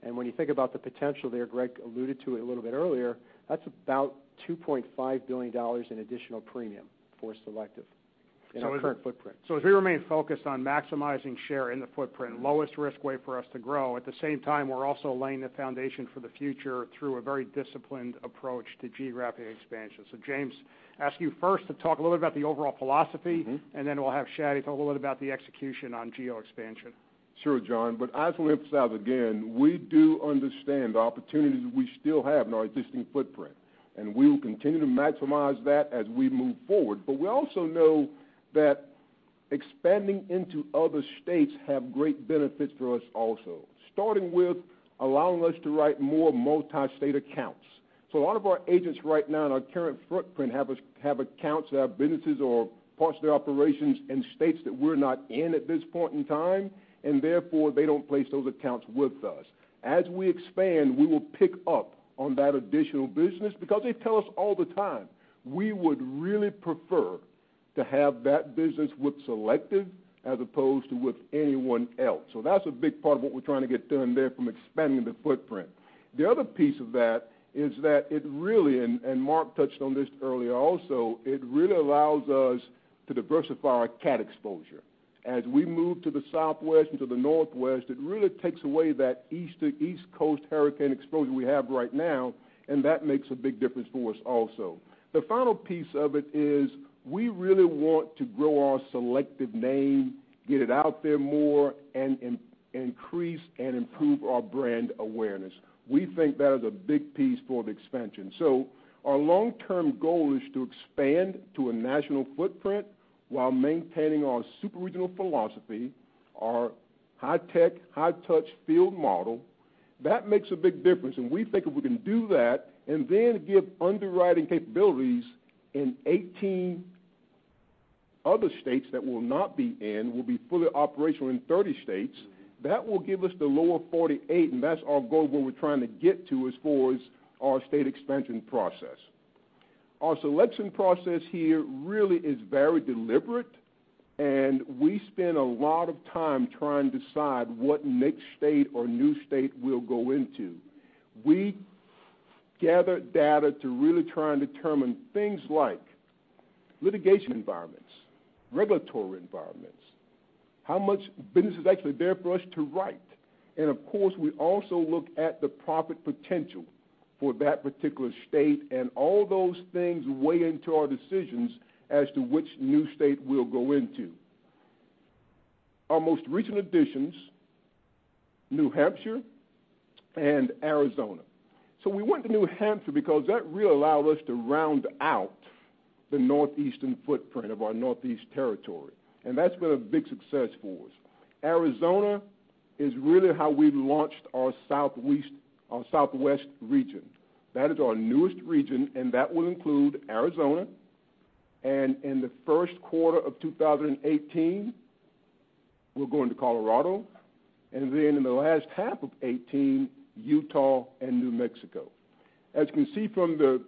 When you think about the potential there, Greg alluded to it a little bit earlier, that's about $2.5 billion in additional premium for Selective in our current footprint. As we remain focused on maximizing share in the footprint, lowest risk way for us to grow. At the same time, we're also laying the foundation for the future through a very disciplined approach to geographic expansion. James, ask you first to talk a little bit about the overall philosophy. Then we'll have Shadi talk a little bit about the execution on geo expansion. Sure, John. I just want to emphasize again, we do understand the opportunities we still have in our existing footprint, and we will continue to maximize that as we move forward. We also know that expanding into other states have great benefits for us also, starting with allowing us to write more multi-state accounts. A lot of our agents right now in our current footprint have accounts that have businesses or parts of their operations in states that we're not in at this point in time, and therefore, they don't place those accounts with us. As we expand, we will pick up on that additional business because they tell us all the time, "We would really prefer to have that business with Selective as opposed to with anyone else. That's a big part of what we're trying to get done there from expanding the footprint. The other piece of that is that it really, and Mark touched on this earlier also, it really allows us to diversify our cat exposure. As we move to the Southwest and to the Northwest, it really takes away that East Coast hurricane exposure we have right now, and that makes a big difference for us also. The final piece of it is we really want to grow our Selective name, get it out there more, and increase and improve our brand awareness. We think that is a big piece for the expansion. Our long-term goal is to expand to a national footprint while maintaining our super regional philosophy, our high tech, high touch field model. That makes a big difference, we think if we can do that and then give underwriting capabilities in 18 other states that we'll not be in, we'll be fully operational in 30 states. That will give us the lower 48, and that's our goal, where we're trying to get to as far as our state expansion process. Our selection process here really is very deliberate, and we spend a lot of time trying to decide what next state or new state we'll go into. We gather data to really try and determine things like litigation environments, regulatory environments, how much business is actually there for us to write. Of course, we also look at the profit potential for that particular state, and all those things weigh into our decisions as to which new state we'll go into. Our most recent additions, New Hampshire and Arizona. We went to New Hampshire because that really allowed us to round out the Northeastern footprint of our Northeast territory, that's been a big success for us. Arizona is really how we've launched our Southwest region. That is our newest region, and that will include Arizona. In the first quarter of 2018, we're going to Colorado. In the last half of 2018, Utah and New Mexico. As you can see from the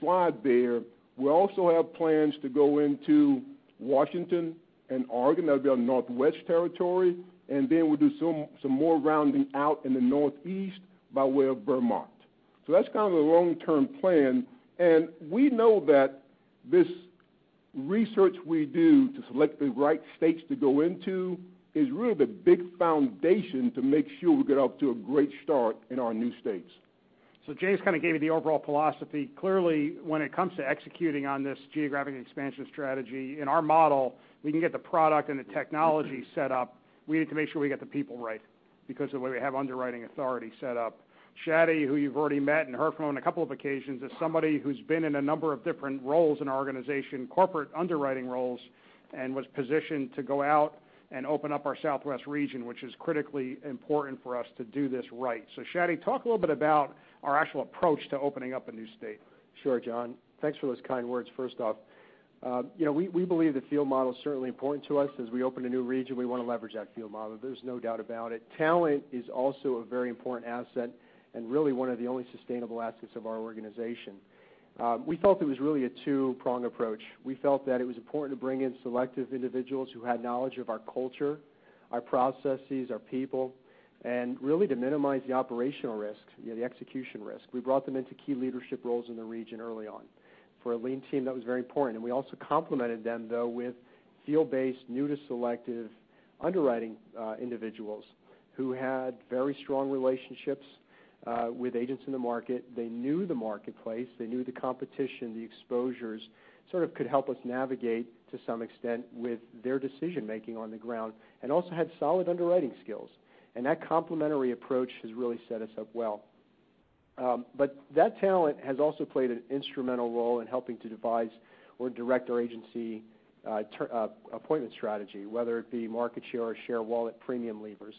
slide there, we also have plans to go into Washington and Oregon. That'll be our Northwest territory. We'll do some more rounding out in the Northeast by way of Vermont. That's kind of the long-term plan. We know that this research we do to select the right states to go into is really the big foundation to make sure we get off to a great start in our new states. James kind of gave you the overall philosophy. Clearly, when it comes to executing on this geographic expansion strategy, in our model, we can get the product and the technology set up. We need to make sure we get the people right because of the way we have underwriting authority set up. Shaddy, who you've already met and heard from on a couple of occasions, is somebody who's been in a number of different roles in our organization, corporate underwriting roles, and was positioned to go out and open up our Southwest region, which is critically important for us to do this right. Shaddy, talk a little bit about our actual approach to opening up a new state. Sure, John. Thanks for those kind words, first off. We believe the field model's certainly important to us. As we open a new region, we want to leverage that field model. There's no doubt about it. Talent is also a very important asset and really one of the only sustainable assets of our organization. We felt it was really a two-prong approach. We felt that it was important to bring in Selective individuals who had knowledge of our culture, our processes, our people, and really to minimize the operational risk, the execution risk. We brought them into key leadership roles in the region early on. For a lean team, that was very important, and we also complemented them, though, with field-based, new to Selective underwriting individuals who had very strong relationships with agents in the market. That complementary approach has really set us up well. That talent has also played an instrumental role in helping to devise or direct our agency appointment strategy, whether it be market share or share wallet premium levers.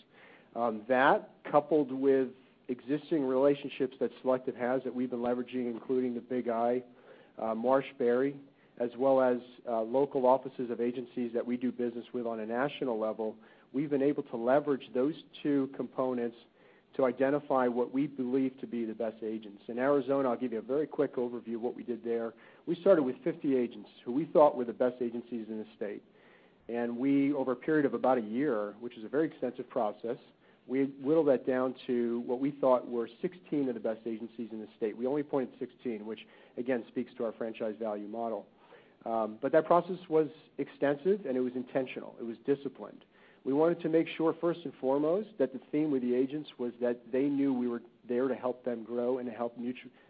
That coupled with existing relationships that Selective has that we've been leveraging, including The Big "I," MarshBerry, as well as local offices of agencies that we do business with on a national level, we've been able to leverage those two components to identify what we believe to be the best agents. In Arizona, I'll give you a very quick overview of what we did there. We started with 50 agents who we thought were the best agencies in the state. We, over a period of about a year, which is a very extensive process, we whittled that down to what we thought were 16 of the best agencies in the state. We only appointed 16, which again speaks to our franchise value model. That process was extensive, and it was intentional. It was disciplined. We wanted to make sure, first and foremost, that the theme with the agents was that they knew we were there to help them grow and to help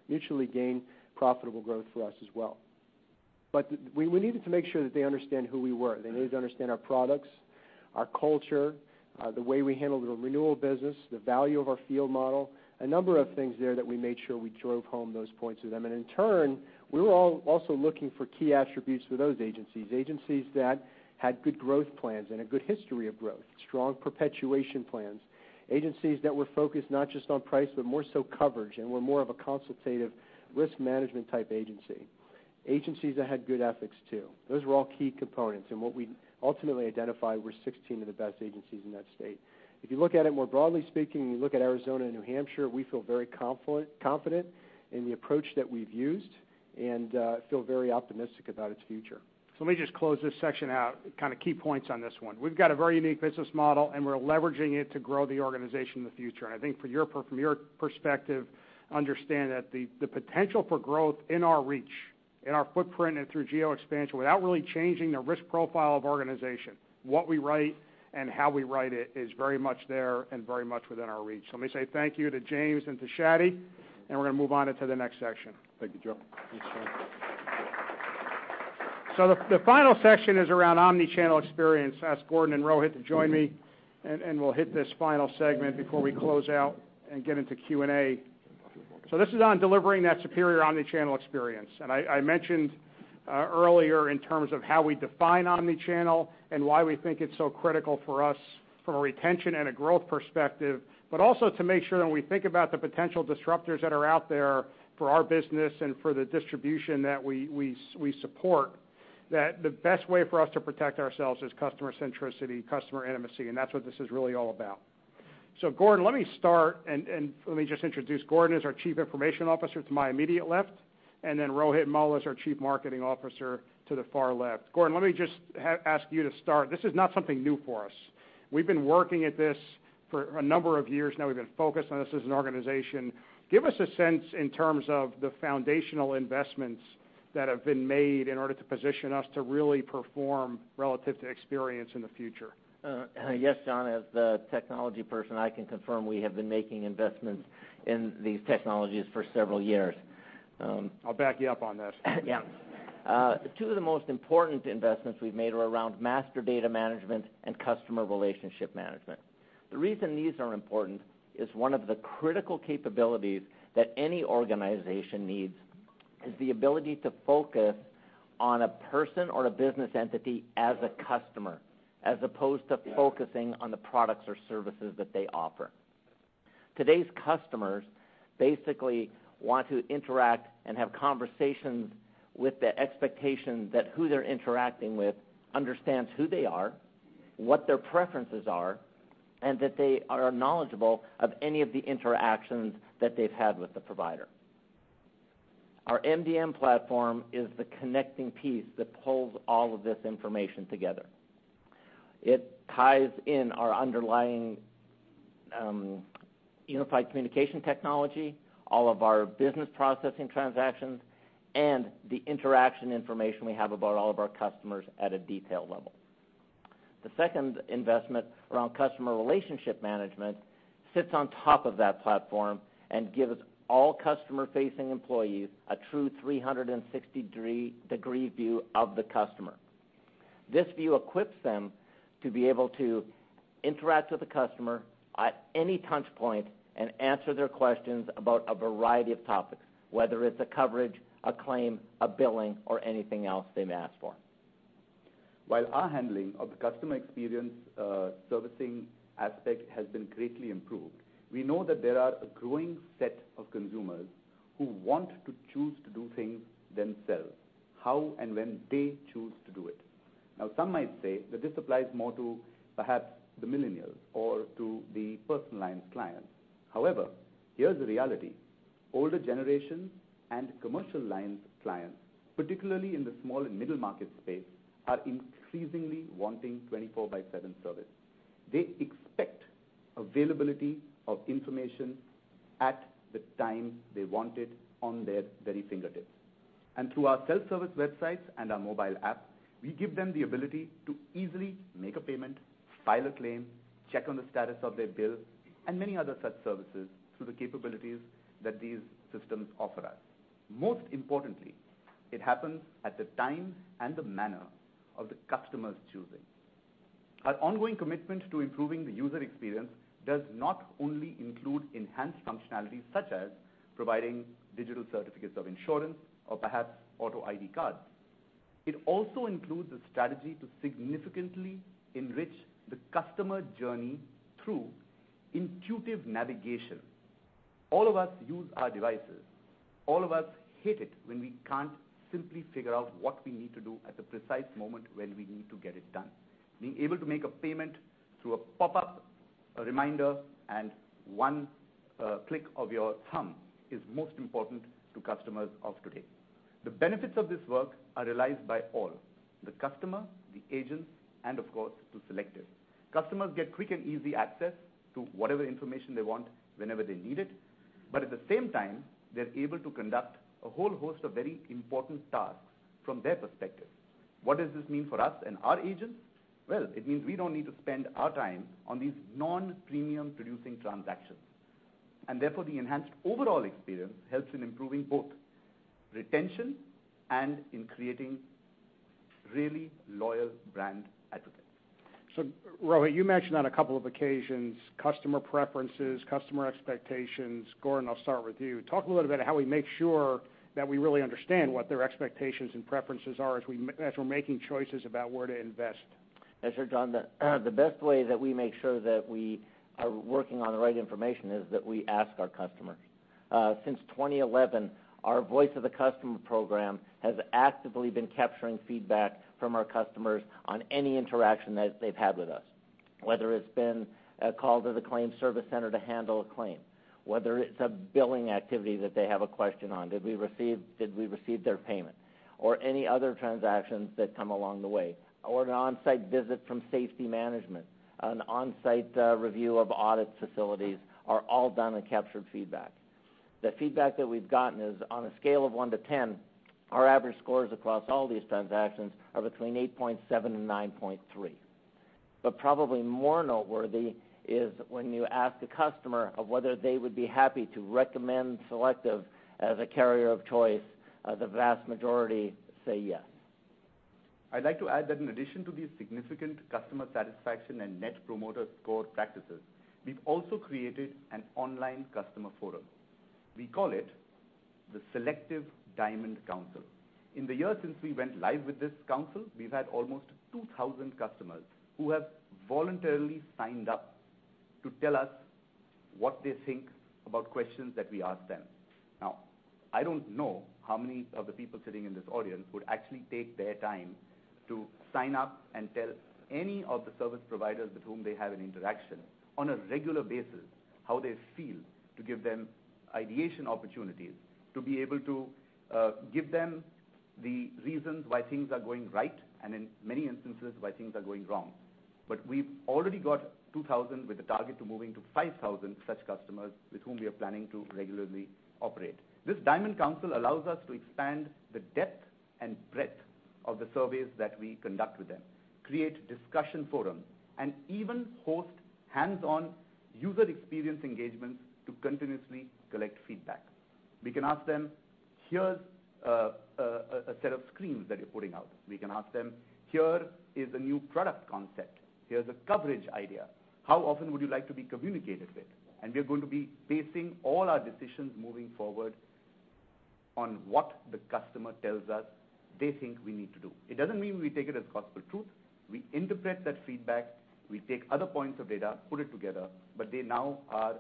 mutually gain profitable growth for us as well. We needed to make sure that they understand who we were. They needed to understand our products, our culture, the way we handled the renewal business, the value of our field model, a number of things there that we made sure we drove home those points with them. In turn, we were also looking for key attributes for those agencies. Agencies that had good growth plans and a good history of growth, strong perpetuation plans, agencies that were focused not just on price, but more so coverage, and were more of a consultative risk management type agency. Agencies that had good ethics too. Those were all key components, and what we ultimately identified were 16 of the best agencies in that state. If you look at it more broadly speaking, you look at Arizona and New Hampshire, we feel very confident in the approach that we've used, and feel very optimistic about its future. Let me just close this section out, kind of key points on this one. We've got a very unique business model, and we're leveraging it to grow the organization in the future. I think from your perspective, understand that the potential for growth in our reach, in our footprint, and through geo expansion, without really changing the risk profile of organization, what we write and how we write it is very much there and very much within our reach. Let me say thank you to James and to Shaddy, and we're going to move on into the next section. Thank you, John. Thanks, John. The final section is around omnichannel experience. I'll ask Gordon and Rohit to join me, and we'll hit this final segment before we close out and get into Q&A. This is on delivering that superior omnichannel experience. I mentioned earlier in terms of how we define omnichannel and why we think it's so critical for us from a retention and a growth perspective, but also to make sure that when we think about the potential disruptors that are out there for our business and for the distribution that we support, that the best way for us to protect ourselves is customer centricity, customer intimacy, and that's what this is really all about. Gordon, let me start, and let me just introduce Gordon is our Chief Information Officer to my immediate left, and then Rohit Mull is our Chief Marketing Officer to the far left. Gordon, let me just ask you to start. This is not something new for us. We've been working at this for a number of years now. We've been focused on this as an organization. Give us a sense in terms of the foundational investments that have been made in order to position us to really perform relative to experience in the future. Yes, John, as the technology person, I can confirm we have been making investments in these technologies for several years. I'll back you up on this. Two of the most important investments we've made are around master data management and customer relationship management. The reason these are important is one of the critical capabilities that any organization needs is the ability to focus on a person or a business entity as a customer, as opposed to focusing on the products or services that they offer. Today's customers basically want to interact and have conversations with the expectation that who they're interacting with understands who they are, what their preferences are, and that they are knowledgeable of any of the interactions that they've had with the provider. Our MDM platform is the connecting piece that pulls all of this information together. It ties in our underlying unified communication technology, all of our business processing transactions, and the interaction information we have about all of our customers at a detail level. The second investment around customer relationship management sits on top of that platform and gives all customer-facing employees a true 360-degree view of the customer. This view equips them to be able to interact with the customer at any touchpoint and answer their questions about a variety of topics, whether it's a coverage, a claim, a billing, or anything else they may ask for. While our handling of the customer experience servicing aspect has been greatly improved, we know that there are a growing set of consumers who want to choose to do things themselves, how and when they choose to do it. Some might say that this applies more to perhaps the millennials or to the personal lines clients. Here's the reality. Older generations and commercial lines clients, particularly in the small and middle market space, are increasingly wanting 24 by seven service. They expect availability of information at the time they want it on their very fingertips. Through our self-service websites and our mobile app, we give them the ability to easily make a payment, file a claim, check on the status of their bill, and many other such services through the capabilities that these systems offer us. Most importantly, it happens at the time and the manner of the customer's choosing. Our ongoing commitment to improving the user experience does not only include enhanced functionalities such as providing digital certificates of insurance or perhaps auto ID cards. It also includes a strategy to significantly enrich the customer journey through intuitive navigation. All of us use our devices. All of us hate it when we can't simply figure out what we need to do at the precise moment when we need to get it done. Being able to make a payment through a pop-up reminder and one click of your thumb is most important to customers of today. The benefits of this work are realized by all, the customer, the agent, and of course, to Selective. Customers get quick and easy access to whatever information they want whenever they need it. At the same time, they're able to conduct a whole host of very important tasks from their perspective. What does this mean for us and our agents? Well, it means we don't need to spend our time on these non-premium producing transactions. Therefore, the enhanced overall experience helps in improving both retention and in creating really loyal brand advocates. Rohit, you mentioned on a couple of occasions, customer preferences, customer expectations. Gordon, I'll start with you. Talk a little bit about how we make sure that we really understand what their expectations and preferences are as we're making choices about where to invest. Sure, John. The best way that we make sure that we are working on the right information is that we ask our customers. Since 2011, our Voice of the Customer program has actively been capturing feedback from our customers on any interaction that they've had with us, whether it's been a call to the claim service center to handle a claim, whether it's a billing activity that they have a question on, did we receive their payment, or any other transactions that come along the way, or an on-site visit from safety management, an on-site review of audit facilities are all done in captured feedback. The feedback that we've gotten is, on a scale of one to 10, our average scores across all these transactions are between 8.7 and 9.3. Probably more noteworthy is when you ask a customer of whether they would be happy to recommend Selective as a carrier of choice, the vast majority say yes. I'd like to add that in addition to these significant customer satisfaction and Net Promoter Score practices, we've also created an online customer forum. We call it the Selective Diamond Council. In the year since we went live with this council, we've had almost 2,000 customers who have voluntarily signed up to tell us what they think about questions that we ask them. Now, I don't know how many of the people sitting in this audience would actually take their time to sign up and tell any of the service providers with whom they have an interaction on a regular basis how they feel to give them ideation opportunities, to be able to give them the reasons why things are going right, and in many instances, why things are going wrong. We've already got 2,000 with a target to moving to 5,000 such customers with whom we are planning to regularly operate. This Diamond Council allows us to expand the depth and breadth of the surveys that we conduct with them, create discussion forums, and even host hands-on user experience engagements to continuously collect feedback. We can ask them, "Here's a set of screens that you're putting out." We can ask them, "Here is a new product concept. Here's a coverage idea. How often would you like to be communicated with?" We are going to be basing all our decisions moving forward on what the customer tells us they think we need to do. It doesn't mean we take it as gospel truth. We interpret that feedback. We take other points of data, put it together, they now are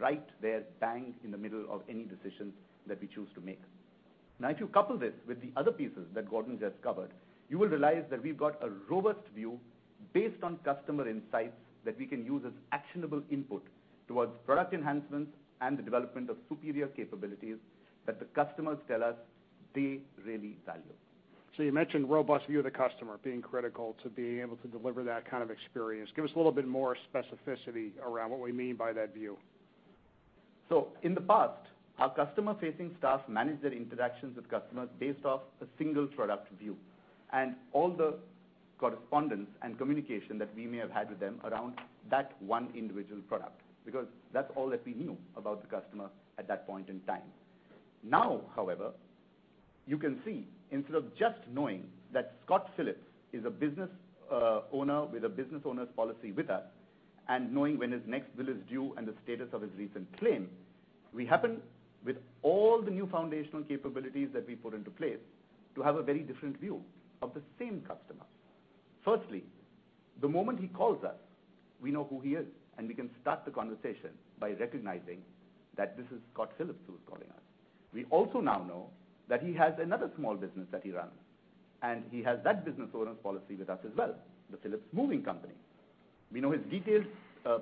right there, bang in the middle of any decisions that we choose to make. If you couple this with the other pieces that Gordon just covered, you will realize that we've got a robust view based on customer insights that we can use as actionable input towards product enhancements and the development of superior capabilities that the customers tell us they really value. You mentioned robust view of the customer being critical to being able to deliver that kind of experience. Give us a little bit more specificity around what we mean by that view. In the past, our customer-facing staff managed their interactions with customers based off a single product view and all the correspondence and communication that we may have had with them around that one individual product, because that's all that we knew about the customer at that point in time. However, you can see, instead of just knowing that Scott Phillips is a business owner with a business owner's policy with us and knowing when his next bill is due and the status of his recent claim, we happen, with all the new foundational capabilities that we put into place, to have a very different view of the same customer. Firstly, the moment he calls us, we know who he is, and we can start the conversation by recognizing that this is Scott Phillips who is calling us. We also now know that he has another small business that he runs, and he has that business owner's policy with us as well, the Phillips Moving Company. We know his detailed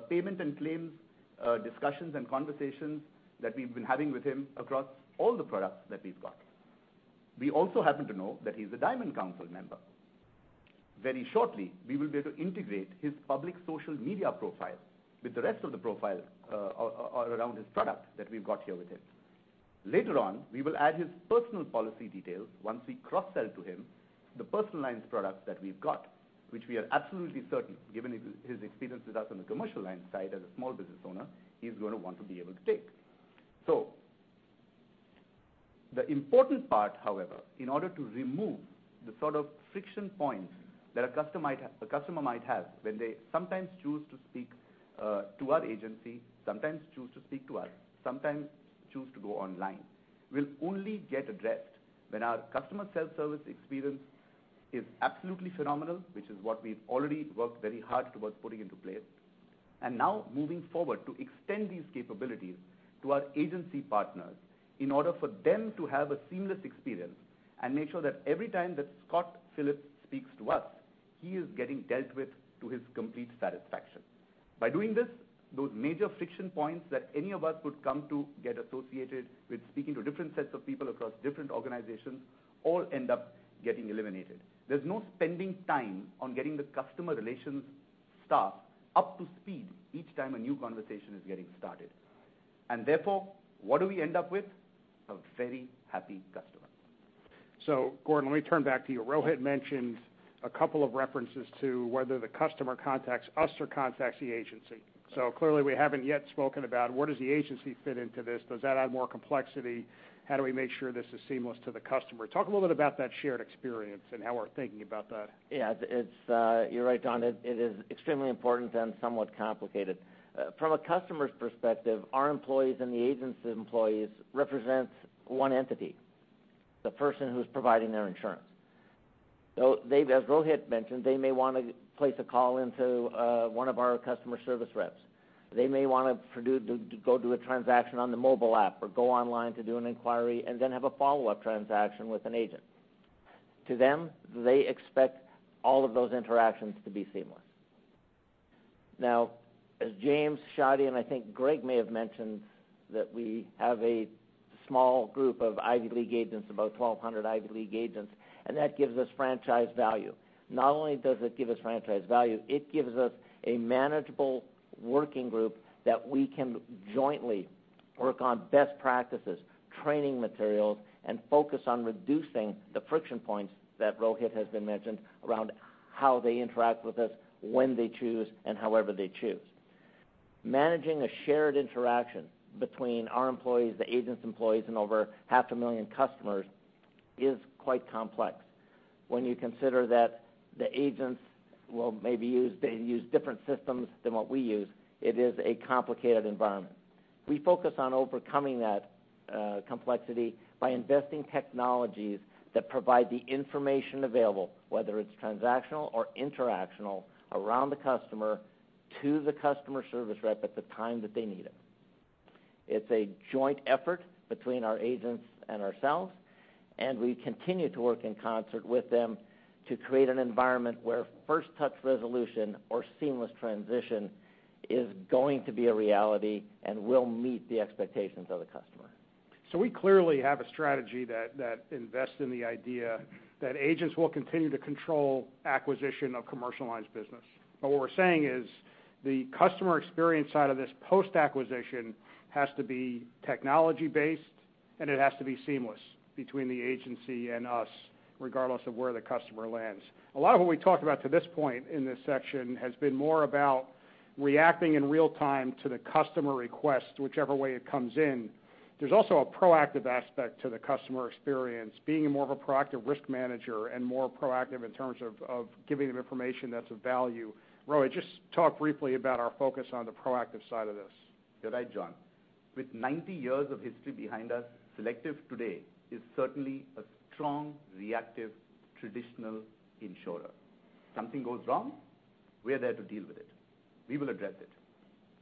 payment and claims discussions and conversations that we've been having with him across all the products that we've got. We also happen to know that he's a Diamond Council member. Very shortly, we will be able to integrate his public social media profile with the rest of the profile around his product that we've got here with him. Later on, we will add his personal policy details once we cross-sell to him the personal lines products that we've got, which we are absolutely certain, given his experience with us on the commercial line side as a small business owner, he's going to want to be able to take. The important part, however, in order to remove the sort of friction points that a customer might have when they sometimes choose to speak to our agency, sometimes choose to speak to us, sometimes choose to go online, will only get addressed when our customer self-service experience is absolutely phenomenal, which is what we've already worked very hard towards putting into place. Now moving forward to extend these capabilities to our agency partners in order for them to have a seamless experience and make sure that every time that Scott Phillips speaks to us, he is getting dealt with to his complete satisfaction. By doing this, those major friction points that any of us could come to get associated with speaking to different sets of people across different organizations all end up getting eliminated. There's no spending time on getting the customer relations staff up to speed each time a new conversation is getting started. Therefore, what do we end up with? A very happy customer. Gordon, let me turn back to you. Rohit mentioned a couple of references to whether the customer contacts us or contacts the agency. Clearly, we haven't yet spoken about where does the agency fit into this? Does that add more complexity? How do we make sure this is seamless to the customer? Talk a little bit about that shared experience and how we're thinking about that. Yeah. You're right, John. It is extremely important and somewhat complicated. From a customer's perspective, our employees and the agency employees represent one entity. The person who's providing their insurance. As Rohit mentioned, they may want to place a call into one of our customer service reps. They may want to go do a transaction on the mobile app or go online to do an inquiry and then have a follow-up transaction with an agent. To them, they expect all of those interactions to be seamless. Now, as James, Shadi, and I think Greg may have mentioned that we have a small group of Ivy League agents, about 1,200 Ivy League agents, that gives us franchise value. Not only does it give us franchise value, it gives us a manageable working group that we can jointly work on best practices, training materials, and focus on reducing the friction points that Rohit has been mentioning around how they interact with us, when they choose, and however they choose. Managing a shared interaction between our employees, the agent's employees, and over half a million customers is quite complex. When you consider that the agents will maybe use different systems than what we use, it is a complicated environment. We focus on overcoming that complexity by investing technologies that provide the information available, whether it's transactional or interactional, around the customer to the customer service rep at the time that they need it. It's a joint effort between our agents and ourselves, we continue to work in concert with them to create an environment where first touch resolution or seamless transition is going to be a reality and will meet the expectations of the customer. We clearly have a strategy that invests in the idea that agents will continue to control acquisition of commercial lines business. What we're saying is the customer experience side of this post-acquisition has to be technology-based, and it has to be seamless between the agency and us, regardless of where the customer lands. A lot of what we talked about to this point in this section has been more about reacting in real time to the customer request, whichever way it comes in. There's also a proactive aspect to the customer experience, being more of a proactive risk manager and more proactive in terms of giving them information that's of value. Rohit, just talk briefly about our focus on the proactive side of this. You're right, John. With 90 years of history behind us, Selective today is certainly a strong reactive traditional insurer. Something goes wrong, we are there to deal with it. We will address it.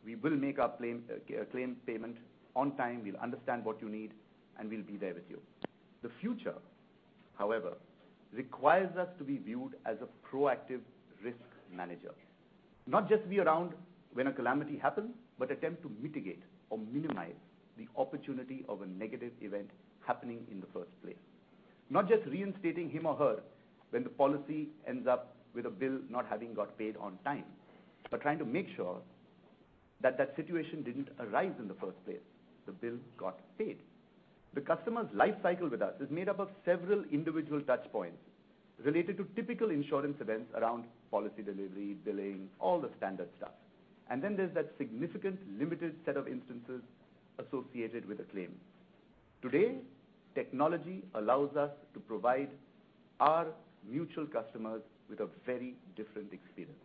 We will make our claim payment on time. We'll understand what you need, and we'll be there with you. The future, however, requires us to be viewed as a proactive risk manager. Not just be around when a calamity happens, but attempt to mitigate or minimize the opportunity of a negative event happening in the first place. Not just reinstating him or her when the policy ends up with a bill not having got paid on time, but trying to make sure that that situation didn't arise in the first place. The bill got paid. The customer's life cycle with us is made up of several individual touchpoints related to typical insurance events around policy delivery, billing, all the standard stuff. Then there's that significant limited set of instances associated with a claim. Today, technology allows us to provide our mutual customers with a very different experience.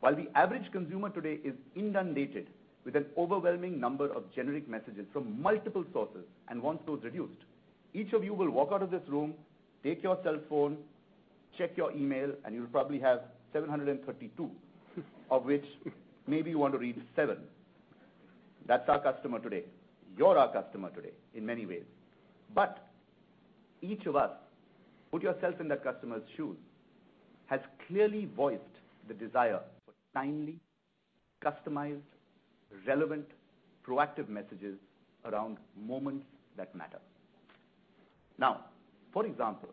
While the average consumer today is inundated with an overwhelming number of generic messages from multiple sources and wants those reduced, each of you will walk out of this room, take your cell phone, check your email, and you'll probably have 732, of which maybe you want to read seven. That's our customer today. You're our customer today in many ways. Each of us, put yourself in that customer's shoes, has clearly voiced the desire for timely, customized, relevant, proactive messages around moments that matter. For example,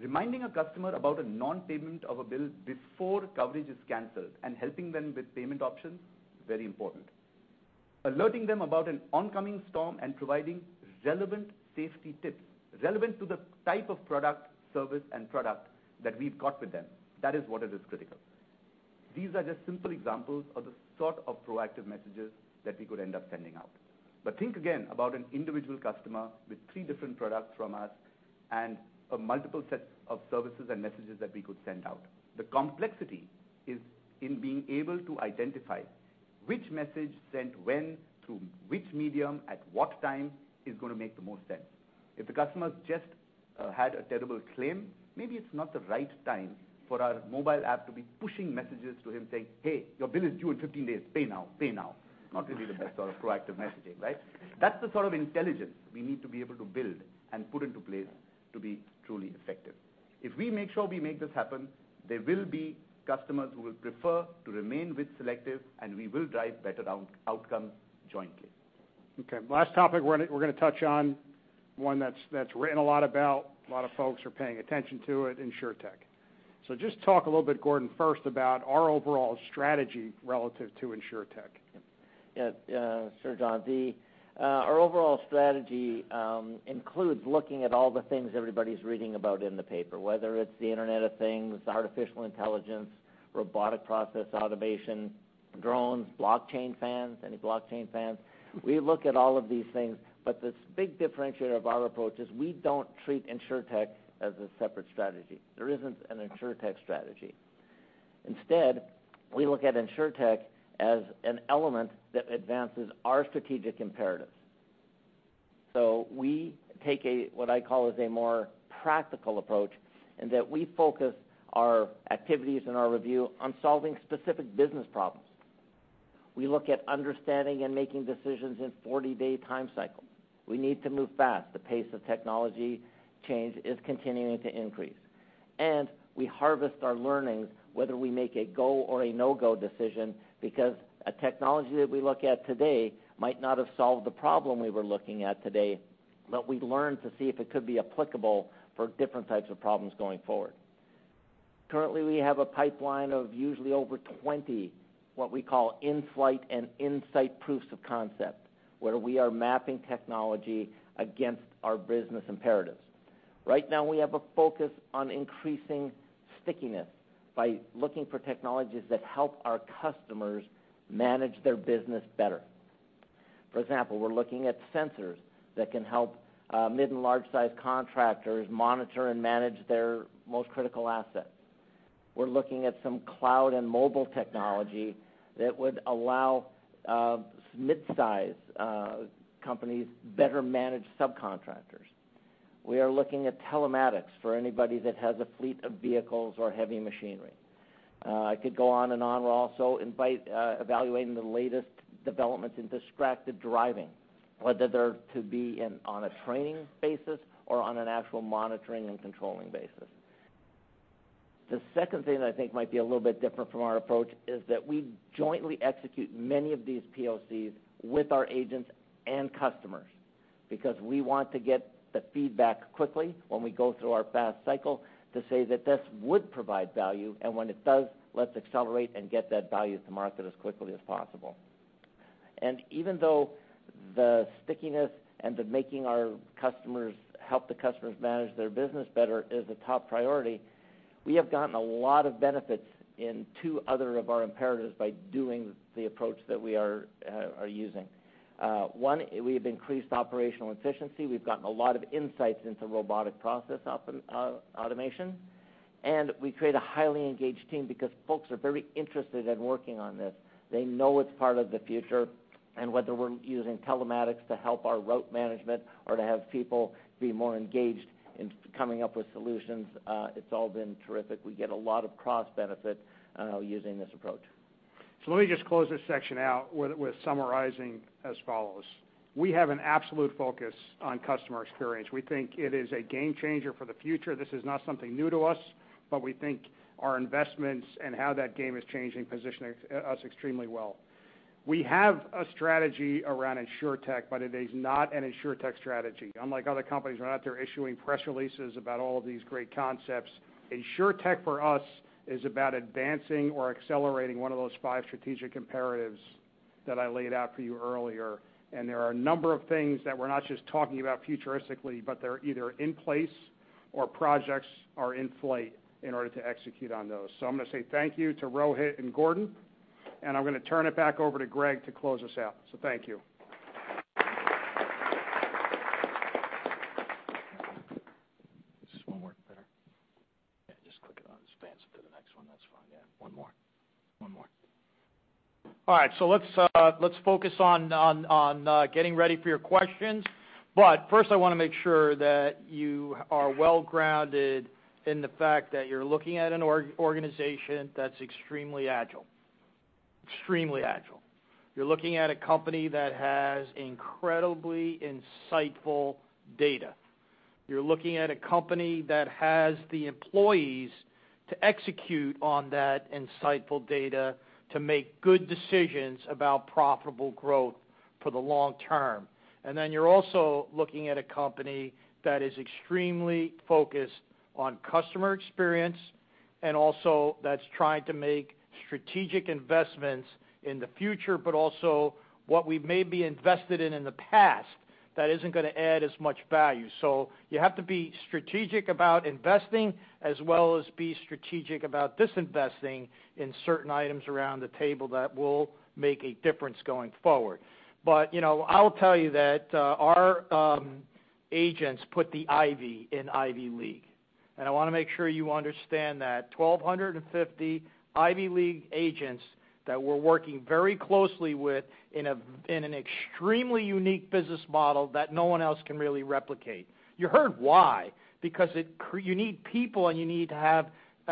reminding a customer about a non-payment of a bill before coverage is canceled and helping them with payment options, very important. Alerting them about an oncoming storm and providing relevant safety tips, relevant to the type of service and product that we've got with them. That is what is critical. These are just simple examples of the sort of proactive messages that we could end up sending out. Think again about an individual customer with three different products from us and a multiple set of services and messages that we could send out. The complexity is in being able to identify which message sent when, through which medium, at what time is going to make the most sense. If the customer's just had a terrible claim, maybe it's not the right time for our mobile app to be pushing messages to him saying, "Hey, your bill is due in 15 days. Pay now." Not really the best sort of proactive messaging, right? That's the sort of intelligence we need to be able to build and put into place to be truly effective. If we make sure we make this happen, there will be customers who will prefer to remain with Selective, and we will drive better outcomes jointly. Last topic we're going to touch on, one that's written a lot about, a lot of folks are paying attention to it, Insurtech. Just talk a little bit, Gordon, first about our overall strategy relative to Insurtech. Sure, John. Our overall strategy includes looking at all the things everybody's reading about in the paper, whether it's the Internet of Things, artificial intelligence, robotic process automation, drones, blockchain fans, any blockchain fans. We look at all of these things, but this big differentiator of our approach is we don't treat Insurtech as a separate strategy. There isn't an Insurtech strategy. Instead, we look at Insurtech as an element that advances our strategic imperatives. We take a, what I call is a more practical approach in that we focus our activities and our review on solving specific business problems. We look at understanding and making decisions in 40-day time cycles. We need to move fast. The pace of technology change is continuing to increase. We harvest our learnings whether we make a go or a no-go decision, because a technology that we look at today might not have solved the problem we were looking at today, but we learned to see if it could be applicable for different types of problems going forward. Currently, we have a pipeline of usually over 20, what we call in-flight and insight proofs of concept, where we are mapping technology against our business imperatives. Right now, we have a focus on increasing stickiness by looking for technologies that help our customers manage their business better. For example, we're looking at sensors that can help mid and large-size contractors monitor and manage their most critical assets. We're looking at some cloud and mobile technology that would allow midsize companies better manage subcontractors. We are looking at telematics for anybody that has a fleet of vehicles or heavy machinery. I could go on and on. We're also evaluating the latest developments in distracted driving, whether they're to be on a training basis or on an actual monitoring and controlling basis. The second thing that I think might be a little bit different from our approach is that we jointly execute many of these POCs with our agents and customers because we want to get the feedback quickly when we go through our fast cycle to say that this would provide value, and when it does, let's accelerate and get that value to market as quickly as possible. Even though the stickiness and the making our customers help the customers manage their business better is a top priority, we have gotten a lot of benefits in two other of our imperatives by doing the approach that we are using. One, we have increased operational efficiency. We've gotten a lot of insights into robotic process automation. We create a highly engaged team because folks are very interested in working on this. They know it's part of the future. Whether we're using telematics to help our route management or to have people be more engaged in coming up with solutions, it's all been terrific. We get a lot of cross-benefit using this approach. Let me just close this section out with summarizing as follows. We have an absolute focus on customer experience. We think it is a game changer for the future. This is not something new to us, but we think our investments and how that game is changing, positioning us extremely well. We have a strategy around Insurtech, but it is not an Insurtech strategy. Unlike other companies who are out there issuing press releases about all of these great concepts, Insurtech for us is about advancing or accelerating one of those five strategic imperatives that I laid out for you earlier. There are a number of things that we're not just talking about futuristically, but they're either in place or projects are in flight in order to execute on those. I'm going to say thank you to Rohit and Gordon, and I'm going to turn it back over to Greg to close us out. Thank you. Just one more. There. Just click it on. Just advance it to the next one. That's fine. One more. Let's focus on getting ready for your questions. First, I want to make sure that you are well-grounded in the fact that you're looking at an organization that's extremely agile. Extremely agile. You're looking at a company that has incredibly insightful data. You're looking at a company that has the employees to execute on that insightful data to make good decisions about profitable growth for the long term. You're also looking at a company that is extremely focused on customer experience and also that's trying to make strategic investments in the future, but also what we may be invested in in the past that isn't going to add as much value. You have to be strategic about investing as well as be strategic about disinvesting in certain items around the table that will make a difference going forward. I'll tell you that our agents put the Ivy in Ivy League, and I want to make sure you understand that 1,250 Ivy League agents that we're working very closely with in an extremely unique business model that no one else can really replicate. You heard why. You need people, and you need to have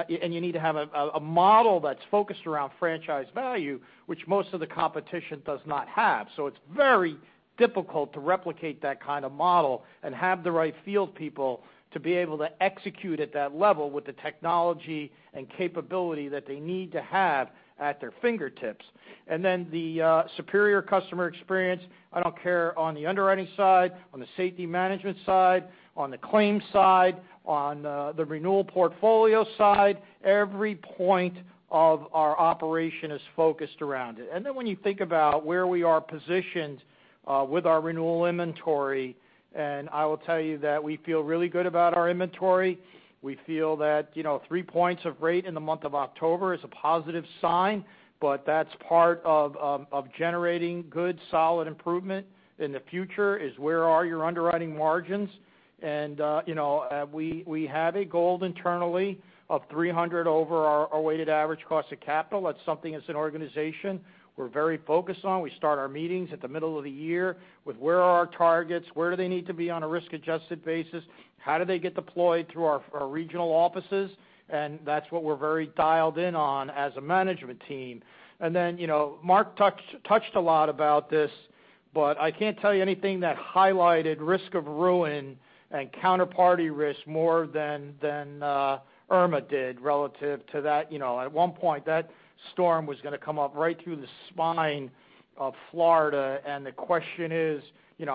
a model that's focused around franchise value, which most of the competition does not have. It's very difficult to replicate that kind of model and have the right field people to be able to execute at that level with the technology and capability that they need to have at their fingertips. The superior customer experience, I don't care on the underwriting side, on the safety management side, on the claims side, on the renewal portfolio side, every point of our operation is focused around it. When you think about where we are positioned With our renewal inventory. I will tell you that we feel really good about our inventory. We feel that three points of rate in the month of October is a positive sign, but that's part of generating good, solid improvement in the future, is where are your underwriting margins? We have a goal internally of 300 over our weighted average cost of capital. That's something as an organization we're very focused on. We start our meetings at the middle of the year with where are our targets? Where do they need to be on a risk-adjusted basis? How do they get deployed through our regional offices? That's what we're very dialed in on as a management team. Mark touched a lot about this, but I can't tell you anything that highlighted risk of ruin and counterparty risk more than Irma did relative to that. At one point, that storm was going to come up right through the spine of Florida, the question is,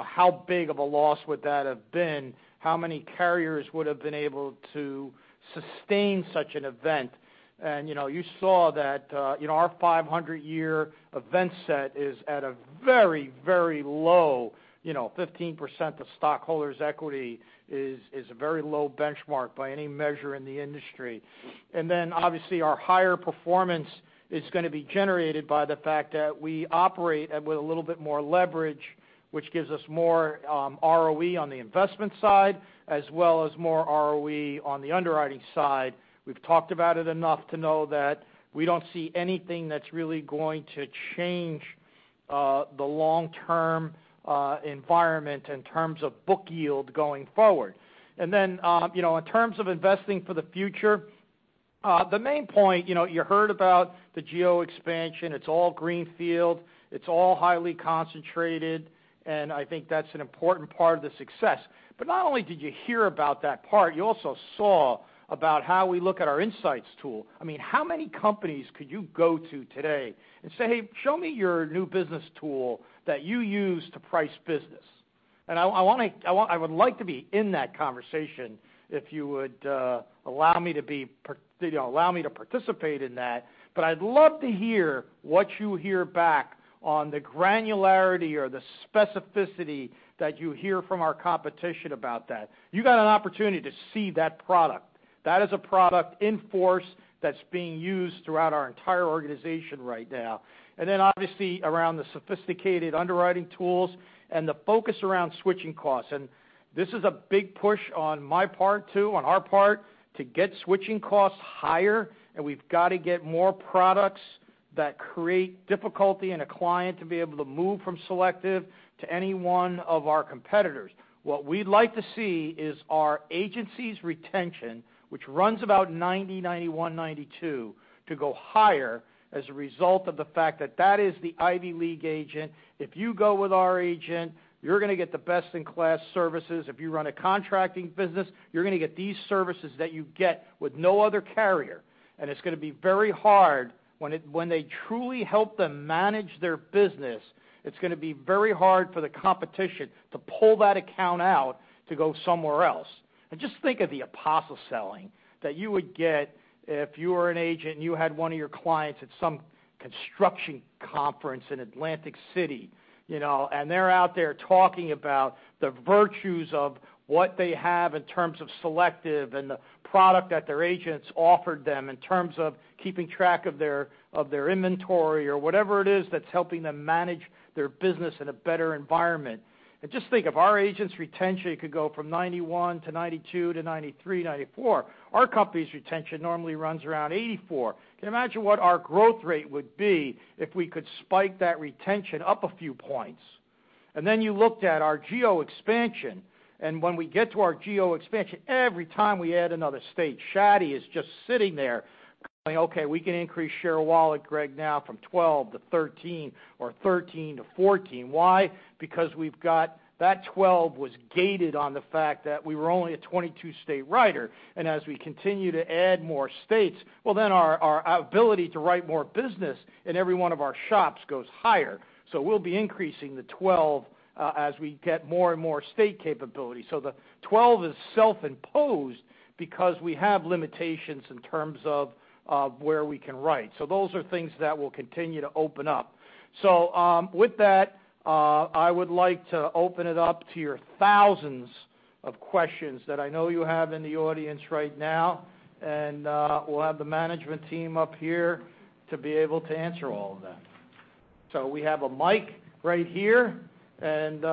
how big of a loss would that have been? How many carriers would have been able to sustain such an event? You saw that our 500-year event set is at a very low, 15% of stockholders' equity is a very low benchmark by any measure in the industry. Obviously our higher performance is going to be generated by the fact that we operate with a little bit more leverage, which gives us more ROE on the investment side, as well as more ROE on the underwriting side. We've talked about it enough to know that we don't see anything that's really going to change the long-term environment in terms of book yield going forward. In terms of investing for the future, the main point, you heard about the geo expansion. It's all greenfield. It's all highly concentrated, and I think that's an important part of the success. Not only did you hear about that part, you also saw about how we look at our Underwriting Insights tool. How many companies could you go to today and say, "Hey, show me your new business tool that you use to price business." I would like to be in that conversation if you would allow me to participate in that, but I'd love to hear what you hear back on the granularity or the specificity that you hear from our competition about that. You got an opportunity to see that product. That is a product in force that's being used throughout our entire organization right now. Obviously around the sophisticated underwriting tools and the focus around switching costs. This is a big push on my part, too, on our part, to get switching costs higher, and we've got to get more products that create difficulty in a client to be able to move from Selective to any one of our competitors. What we'd like to see is our agency's retention, which runs about 90%, 91%, 92%, to go higher as a result of the fact that is the Ivy League agent. If you go with our agent, you're going to get the best-in-class services. If you run a contracting business, you're going to get these services that you get with no other carrier. When they truly help them manage their business, it's going to be very hard for the competition to pull that account out to go somewhere else. Just think of the apostle selling that you would get if you were an agent, and you had one of your clients at some construction conference in Atlantic City. They're out there talking about the virtues of what they have in terms of Selective and the product that their agents offered them in terms of keeping track of their inventory or whatever it is that's helping them manage their business in a better environment. Just think if our agents' retention could go from 91% to 92% to 93%, 94%. Our company's retention normally runs around 84%. Can you imagine what our growth rate would be if we could spike that retention up a few points? You looked at our geo expansion, and when we get to our geo expansion, every time we add another state, Shadi is just sitting there going, "Okay, we can increase share of wallet, Greg, now from 12% to 13% or 13% to 14%." Why? Because that 12% was gated on the fact that we were only a 22-state writer, as we continue to add more states, our ability to write more business in every one of our shops goes higher. We'll be increasing the 12% as we get more and more state capability. The 12% is self-imposed because we have limitations in terms of where we can write. Those are things that will continue to open up. With that, I would like to open it up to your thousands of questions that I know you have in the audience right now. We'll have the management team up here to be able to answer all of that. We have a mic right here and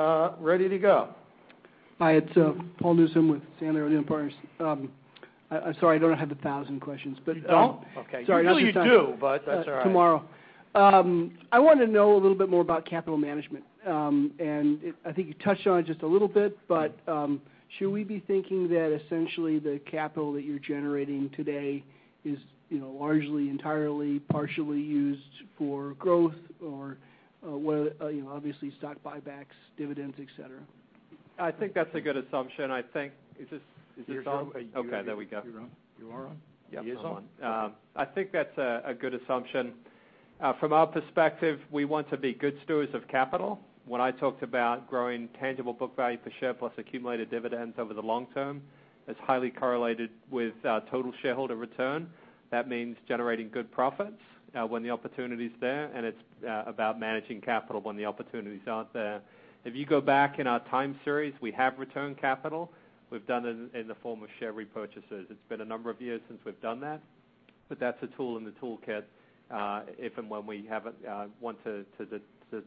ready to go. Hi, it's Paul Newsome with Sandler O'Neill + Partners. I'm sorry I don't have the thousand questions. You don't? Okay. Sorry, I'll save. Usually you do, but that's all right. tomorrow. I wanted to know a little bit more about capital management. I think you touched on it just a little bit, but should we be thinking that essentially the capital that you're generating today is largely, entirely, partially used for growth or obviously stock buybacks, dividends, et cetera? I think that's a good assumption. I think, is this on? Okay, there we go. You're on. You are on? Yeah. He is on. I think that's a good assumption. From our perspective, we want to be good stewards of capital. When I talked about growing tangible book value per share plus accumulated dividends over the long term, it's highly correlated with total shareholder return. That means generating good profits when the opportunity's there, and it's about managing capital when the opportunities aren't there. If you go back in our time series, we have returned capital. We've done it in the form of share repurchases. It's been a number of years since we've done that, but that's a tool in the toolkit if and when we want to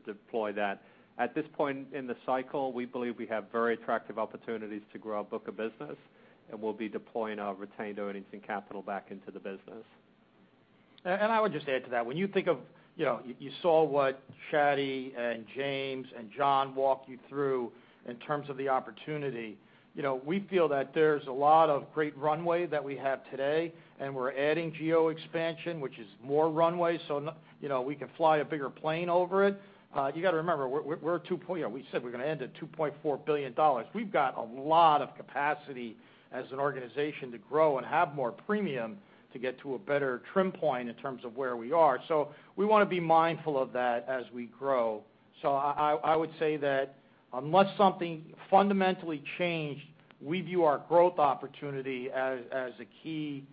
deploy that. At this point in the cycle, we believe we have very attractive opportunities to grow our book of business, and we'll be deploying our retained earnings and capital back into the business. I would just add to that, you saw what Shadi and James and John walk you through in terms of the opportunity. We feel that there's a lot of great runway that we have today, and we're adding geo expansion, which is more runway, so we can fly a bigger plane over it. You got to remember, we said we're going to end at $2.4 billion. We've got a lot of capacity as an organization to grow and have more premium to get to a better trim point in terms of where we are. We want to be mindful of that as we grow. I would say that unless something fundamentally changed, we view our growth opportunity as a key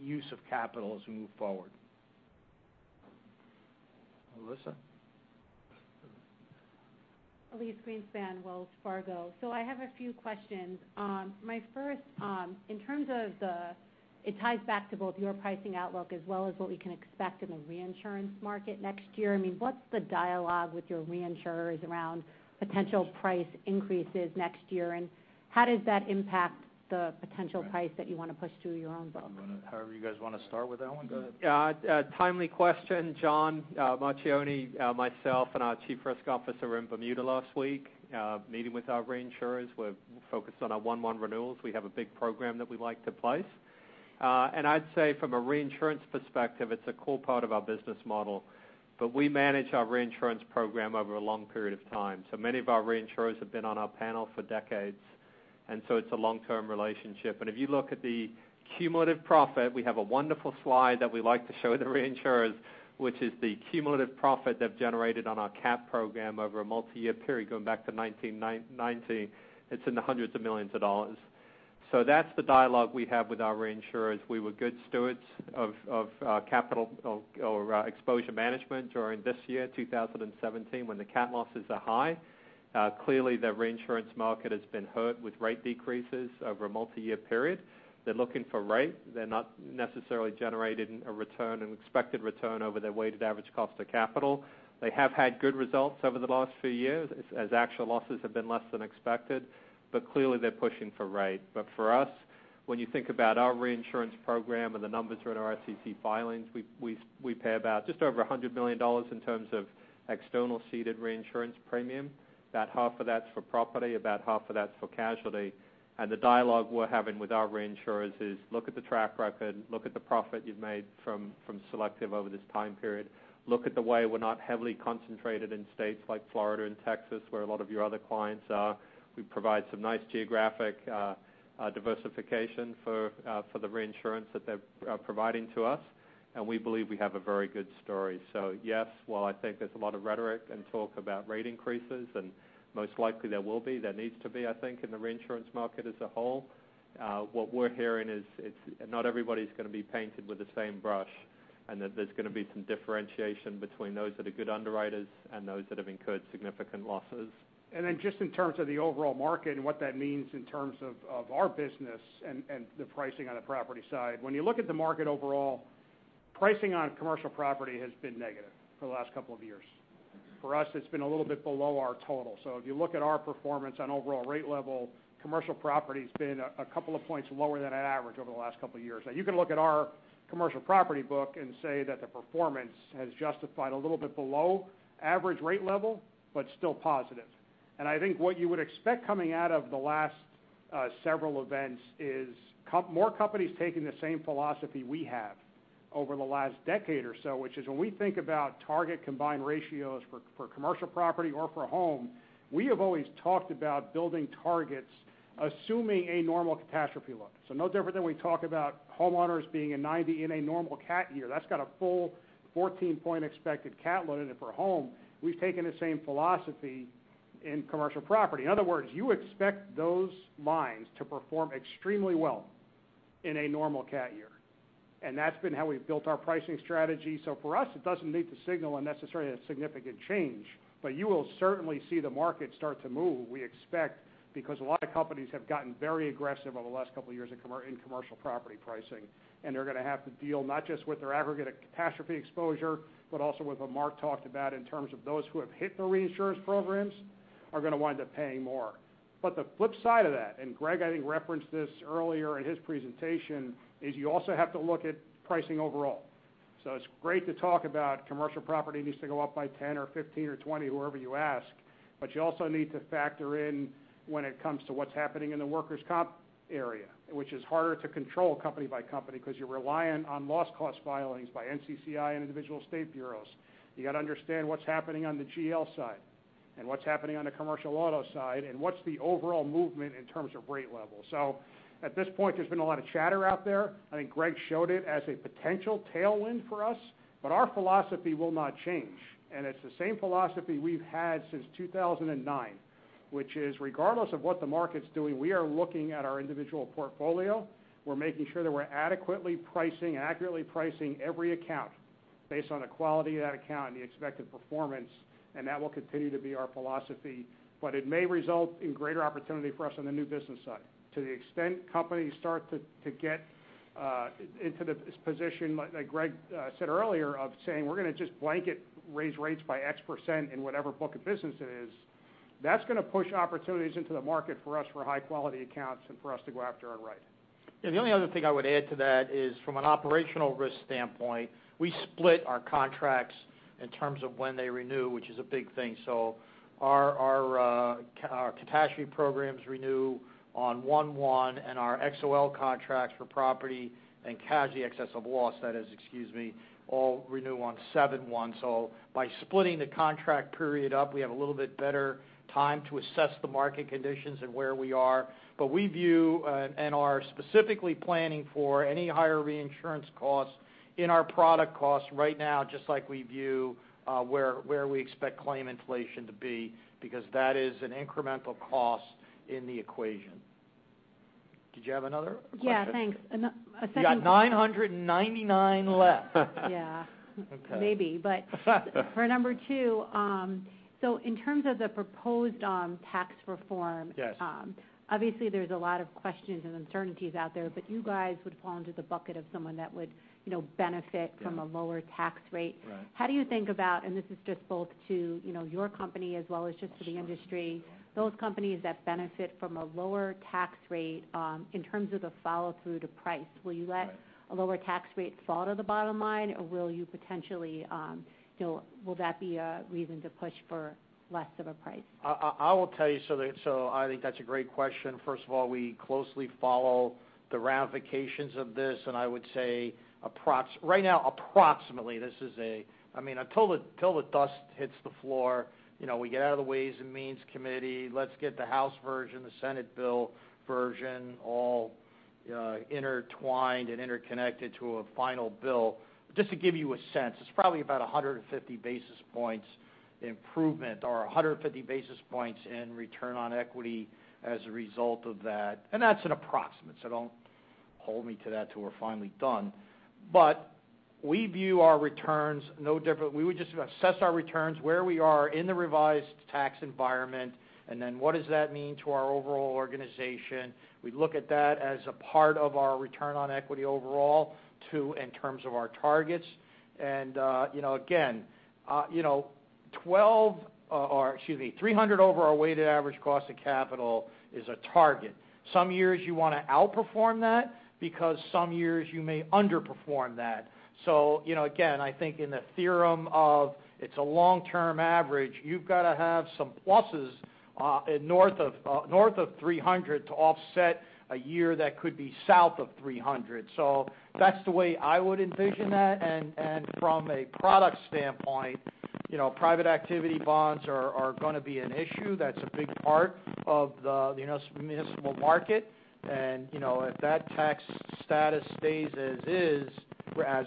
use of capital as we move forward. Elyse? Elyse Greenspan, Wells Fargo. I have a few questions. My first, it ties back to both your pricing outlook as well as what we can expect in the reinsurance market next year. What's the dialogue with your reinsurers around potential price increases next year, and how does that impact the potential price that you want to push through your own book? However you guys want to start with that one. Go ahead. Yeah. A timely question, John Marchioni, myself, and our Chief Risk Officer were in Bermuda last week meeting with our reinsurers. We're focused on our 1/1 renewals. We have a big program that we'd like to place. I'd say from a reinsurance perspective, it's a core part of our business model. We manage our reinsurance program over a long period of time. Many of our reinsurers have been on our panel for decades, it's a long-term relationship. If you look at the cumulative profit, we have a wonderful slide that we like to show the reinsurers, which is the cumulative profit they've generated on our cat program over a multi-year period going back to 1990. It's in the hundreds of millions of dollars. That's the dialogue we have with our reinsurers. We were good stewards of capital or exposure management during this year, 2017, when the cat losses are high. Clearly, the reinsurance market has been hurt with rate decreases over a multi-year period. They're looking for rate. They're not necessarily generating an expected return over their weighted average cost of capital. They have had good results over the last few years as actual losses have been less than expected, but clearly, they're pushing for rate. For us, when you think about our reinsurance program and the numbers that are in our SEC filings, we pay about just over $100 million in terms of external ceded reinsurance premium. About half of that's for property, about half of that's for casualty. The dialogue we're having with our reinsurers is look at the track record, look at the profit you've made from Selective over this time period. Look at the way we're not heavily concentrated in states like Florida and Texas, where a lot of your other clients are. We provide some nice geographic diversification for the reinsurance that they're providing to us. We believe we have a very good story. Yes, while I think there's a lot of rhetoric and talk about rate increases, and most likely there will be, there needs to be, I think, in the reinsurance market as a whole. What we're hearing is not everybody's going to be painted with the same brush, that there's going to be some differentiation between those that are good underwriters and those that have incurred significant losses. Just in terms of the overall market and what that means in terms of our business and the pricing on the property side. When you look at the market overall, pricing on commercial property has been negative for the last couple of years. For us, it's been a little bit below our total. If you look at our performance on overall rate level, commercial property's been a couple of points lower than our average over the last couple of years. You can look at our commercial property book and say that the performance has justified a little bit below average rate level, but still positive. I think what you would expect coming out of the last several events is more companies taking the same philosophy we have over the last decade or so, which is when we think about target combined ratios for commercial property or for home, we have always talked about building targets assuming a normal catastrophe load. No different than we talk about homeowners being a 90 in a normal cat year. That's got a full 14-point expected cat load in it for home. We've taken the same philosophy in commercial property. In other words, you expect those lines to perform extremely well in a normal cat year. That's been how we've built our pricing strategy. For us, it doesn't need to signal necessarily a significant change, you will certainly see the market start to move, we expect, because a lot of companies have gotten very aggressive over the last couple of years in commercial property pricing. They're going to have to deal not just with their aggregate catastrophe exposure, but also what Mark talked about in terms of those who have hit their reinsurance programs are going to wind up paying more. The flip side of that, Greg, I think, referenced this earlier in his presentation, is you also have to look at pricing overall. It's great to talk about commercial property needs to go up by 10 or 15 or 20, whoever you ask. You also need to factor in when it comes to what's happening in the workers' comp area, which is harder to control company by company because you're reliant on loss cost filings by NCCI and individual state bureaus. You got to understand what's happening on the GL side. What's happening on the commercial auto side, and what's the overall movement in terms of rate level? At this point, there's been a lot of chatter out there. I think Greg showed it as a potential tailwind for us, our philosophy will not change. It's the same philosophy we've had since 2009, which is regardless of what the market's doing, we are looking at our individual portfolio. We're making sure that we're adequately pricing, accurately pricing every account based on the quality of that account and the expected performance, and that will continue to be our philosophy. It may result in greater opportunity for us on the new business side. To the extent companies start to get into this position, like Greg said earlier, of saying, "We're going to just blanket raise rates by X% in whatever book of business it is," that's going to push opportunities into the market for us for high-quality accounts and for us to go after our right. Yeah. The only other thing I would add to that is from an operational risk standpoint, we split our contracts in terms of when they renew, which is a big thing. Our catastrophe programs renew on 1/1, and our XOL contracts for property and casualty, excess of loss, that is, excuse me, all renew on 7/1. By splitting the contract period up, we have a little bit better time to assess the market conditions and where we are. We view and are specifically planning for any higher reinsurance costs in our product costs right now, just like we view where we expect claim inflation to be, because that is an incremental cost in the equation. Did you have another question? Yeah, thanks. A second one. You got 999 left. Yeah. Okay. Maybe. For number 2, in terms of the proposed tax reform- Yes obviously, there's a lot of questions and uncertainties out there, but you guys would fall into the bucket of someone that would benefit- Yeah from a lower tax rate. Right. How do you think about, and this is just both to your company as well as just to the industry. Sure Those companies that benefit from a lower tax rate in terms of the follow-through to price. Will you? Right Let a lower tax rate fall to the bottom line, or will you potentially, will that be a reason to push for less of a price? I will tell you, I think that's a great question. First of all, we closely follow the ramifications of this, and I would say right now, approximately, until the dust hits the floor, we get out of the House Committee on Ways and Means, let's get the House version, the Senate bill version all intertwined and interconnected to a final bill. Just to give you a sense, it's probably about 150 basis points improvement or 150 basis points in return on equity as a result of that, and that's an approximate, so don't hold me to that till we're finally done. We view our returns no different. We would just assess our returns, where we are in the revised tax environment, and then what does that mean to our overall organization? We look at that as a part of our return on equity overall, too, in terms of our targets. Again, 300 over our weighted average cost of capital is a target. Some years you want to outperform that because some years you may underperform that. Again, I think in the theorem of it's a long-term average, you've got to have some pluses north of 300 to offset a year that could be south of 300. That's the way I would envision that. From a product standpoint, private activity bonds are going to be an issue. That's a big part of the municipal market. If that tax status stays as is, as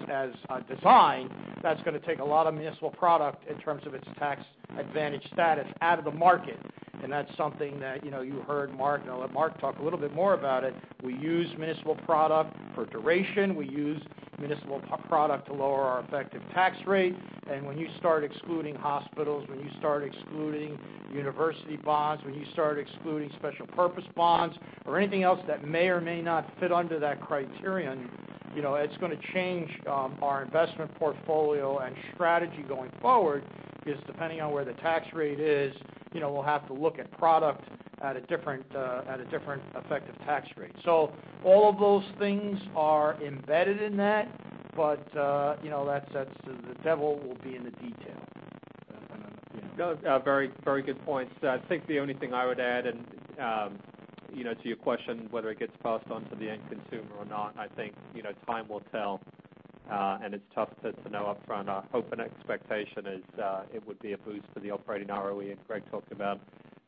designed, that's going to take a lot of municipal product in terms of its tax advantage status out of the market. That's something that you heard Mark, and I'll let Mark talk a little bit more about it. We use municipal product for duration. We use municipal product to lower our effective tax rate. When you start excluding hospitals, when you start excluding university bonds, when you start excluding special purpose bonds or anything else that may or may not fit under that criterion, it's going to change our investment portfolio and strategy going forward because depending on where the tax rate is, we'll have to look at product at a different effective tax rate. All of those things are embedded in that. The devil will be in the detail. Very good points. I think the only thing I would add to your question, whether it gets passed on to the end consumer or not, I think time will tell, and it's tough to know upfront. Our hope and expectation is it would be a boost for the operating ROE, and Greg talked about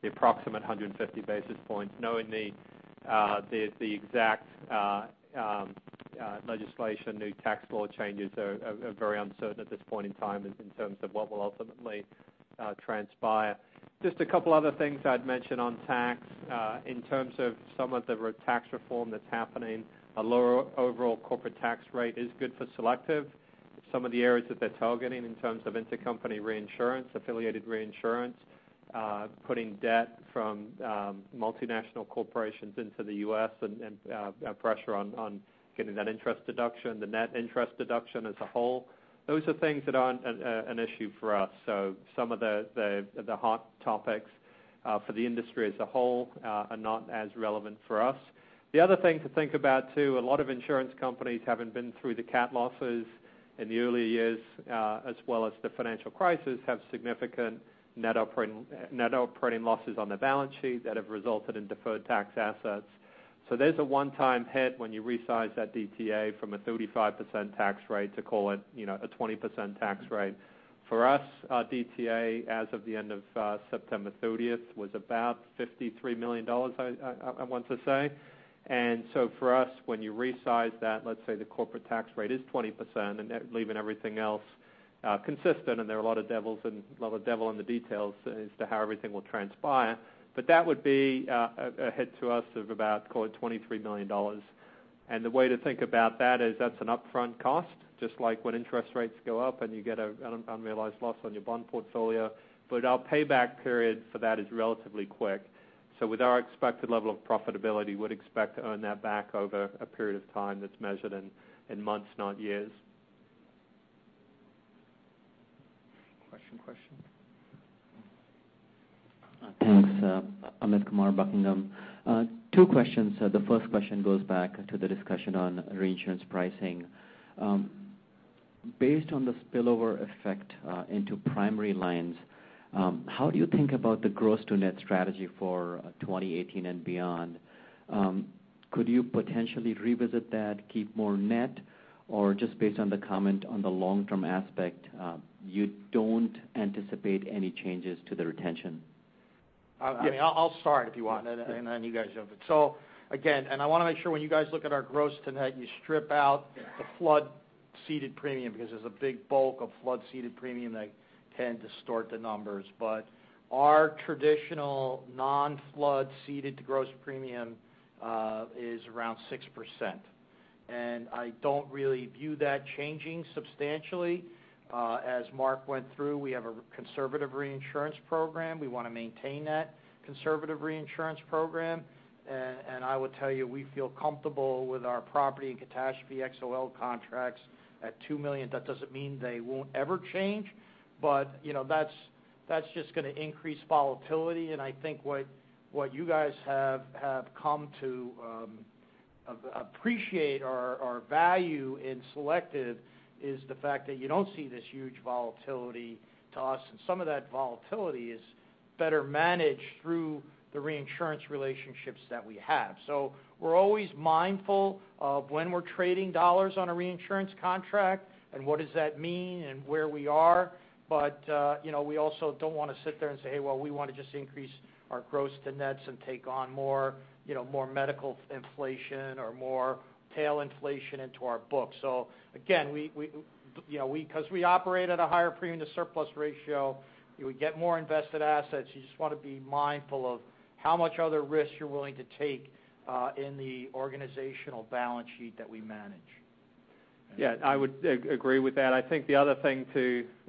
the approximate 150 basis points. Knowing the exact legislation, new tax law changes are very uncertain at this point in time in terms of what will ultimately transpire. Just a couple other things I'd mention on tax. In terms of some of the tax reform that's happening, a lower overall corporate tax rate is good for Selective. Some of the areas that they're targeting in terms of intercompany reinsurance, affiliated reinsurance putting debt from multinational corporations into the U.S. and pressure on getting that interest deduction, the net interest deduction as a whole, those are things that aren't an issue for us. Some of the hot topics for the industry as a whole are not as relevant for us. The other thing to think about, too, a lot of insurance companies haven't been through the cat losses in the early years, as well as the financial crisis, have significant net operating losses on their balance sheet that have resulted in deferred tax assets There's a one-time hit when you resize that DTA from a 35% tax rate to call it a 20% tax rate. For us, our DTA as of the end of September 30th was about $53 million, I want to say. For us, when you resize that, let's say the corporate tax rate is 20% and leaving everything else consistent, and there are a lot of devil in the details as to how everything will transpire, but that would be a hit to us of about call it $23 million. The way to think about that is that's an upfront cost, just like when interest rates go up and you get an unrealized loss on your bond portfolio. Our payback period for that is relatively quick. With our expected level of profitability, we'd expect to earn that back over a period of time that's measured in months, not years. Question. Thanks. Amit Kumar, Buckingham. Two questions. The first question goes back to the discussion on reinsurance pricing. Based on the spillover effect into primary lines, how do you think about the gross to net strategy for 2018 and beyond? Could you potentially revisit that, keep more net, or just based on the comment on the long-term aspect, you don't anticipate any changes to the retention? I'll start if you want, then you guys jump in. I want to make sure when you guys look at our gross to net, you strip out the flood ceded premium, because there's a big bulk of flood ceded premium that can distort the numbers. Our traditional non-flood ceded to gross premium is around 6%. I don't really view that changing substantially. As Mark went through, we have a conservative reinsurance program. We want to maintain that conservative reinsurance program. I would tell you, we feel comfortable with our property and catastrophe XOL contracts at $2 million. That doesn't mean they won't ever change, but that's just going to increase volatility, and I think what you guys have come to appreciate our value in Selective is the fact that you don't see this huge volatility to us, and some of that volatility is better managed through the reinsurance relationships that we have. We're always mindful of when we're trading dollars on a reinsurance contract and what does that mean and where we are. We also don't want to sit there and say, "Hey, well, we want to just increase our gross to nets and take on more medical inflation or more tail inflation into our book." Because we operate at a higher premium to surplus ratio, we get more invested assets. You just want to be mindful of how much other risks you're willing to take in the organizational balance sheet that we manage. Yeah, I would agree with that. I think the other thing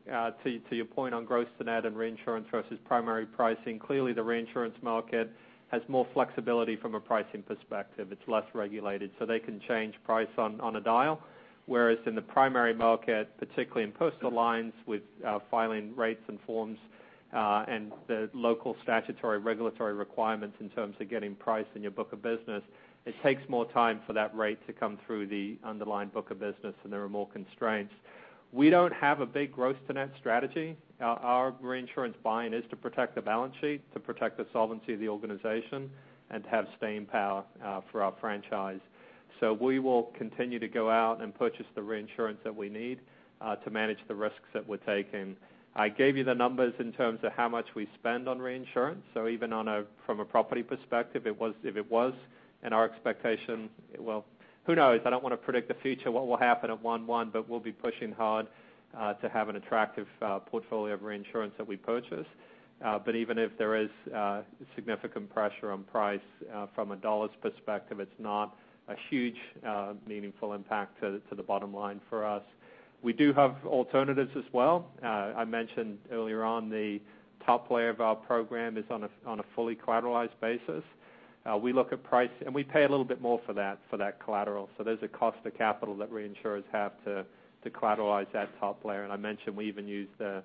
to your point on gross to net and reinsurance versus primary pricing, clearly the reinsurance market has more flexibility from a pricing perspective. It's less regulated, they can change price on a dial. Whereas in the primary market, particularly in personal lines with filing rates and forms, and the local statutory regulatory requirements in terms of getting price in your book of business, it takes more time for that rate to come through the underlying book of business, and there are more constraints. We don't have a big gross to net strategy. Our reinsurance buy-in is to protect the balance sheet, to protect the solvency of the organization, and to have staying power for our franchise. We will continue to go out and purchase the reinsurance that we need to manage the risks that we're taking. I gave you the numbers in terms of how much we spend on reinsurance. Even from a property perspective, if it was in our expectation, well, who knows? I don't want to predict the future what will happen at one-one, but we'll be pushing hard to have an attractive portfolio of reinsurance that we purchase. Even if there is significant pressure on price from a dollars perspective, it's not a huge, meaningful impact to the bottom line for us. We do have alternatives as well. I mentioned earlier on the top layer of our program is on a fully collateralized basis. We look at price, and we pay a little bit more for that collateral. There's a cost of capital that reinsurers have to collateralize that top layer. I mentioned we even use the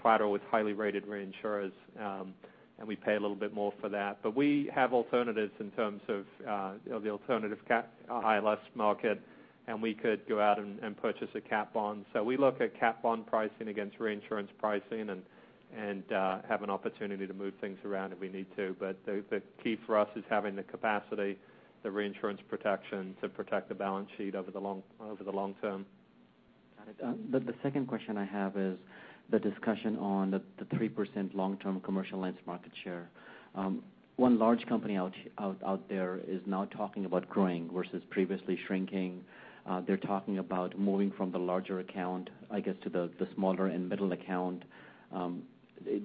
collateral with highly rated reinsurers, and we pay a little bit more for that. We have alternatives in terms of the alternative cat ILS market, and we could go out and purchase a cat bond. We look at cat bond pricing against reinsurance pricing and have an opportunity to move things around if we need to. The key for us is having the capacity, the reinsurance protection to protect the balance sheet over the long term. Got it. The second question I have is the discussion on the 3% long-term Standard Commercial Lines market share. One large company out there is now talking about growing versus previously shrinking. They're talking about moving from the larger account, I guess, to the smaller and middle account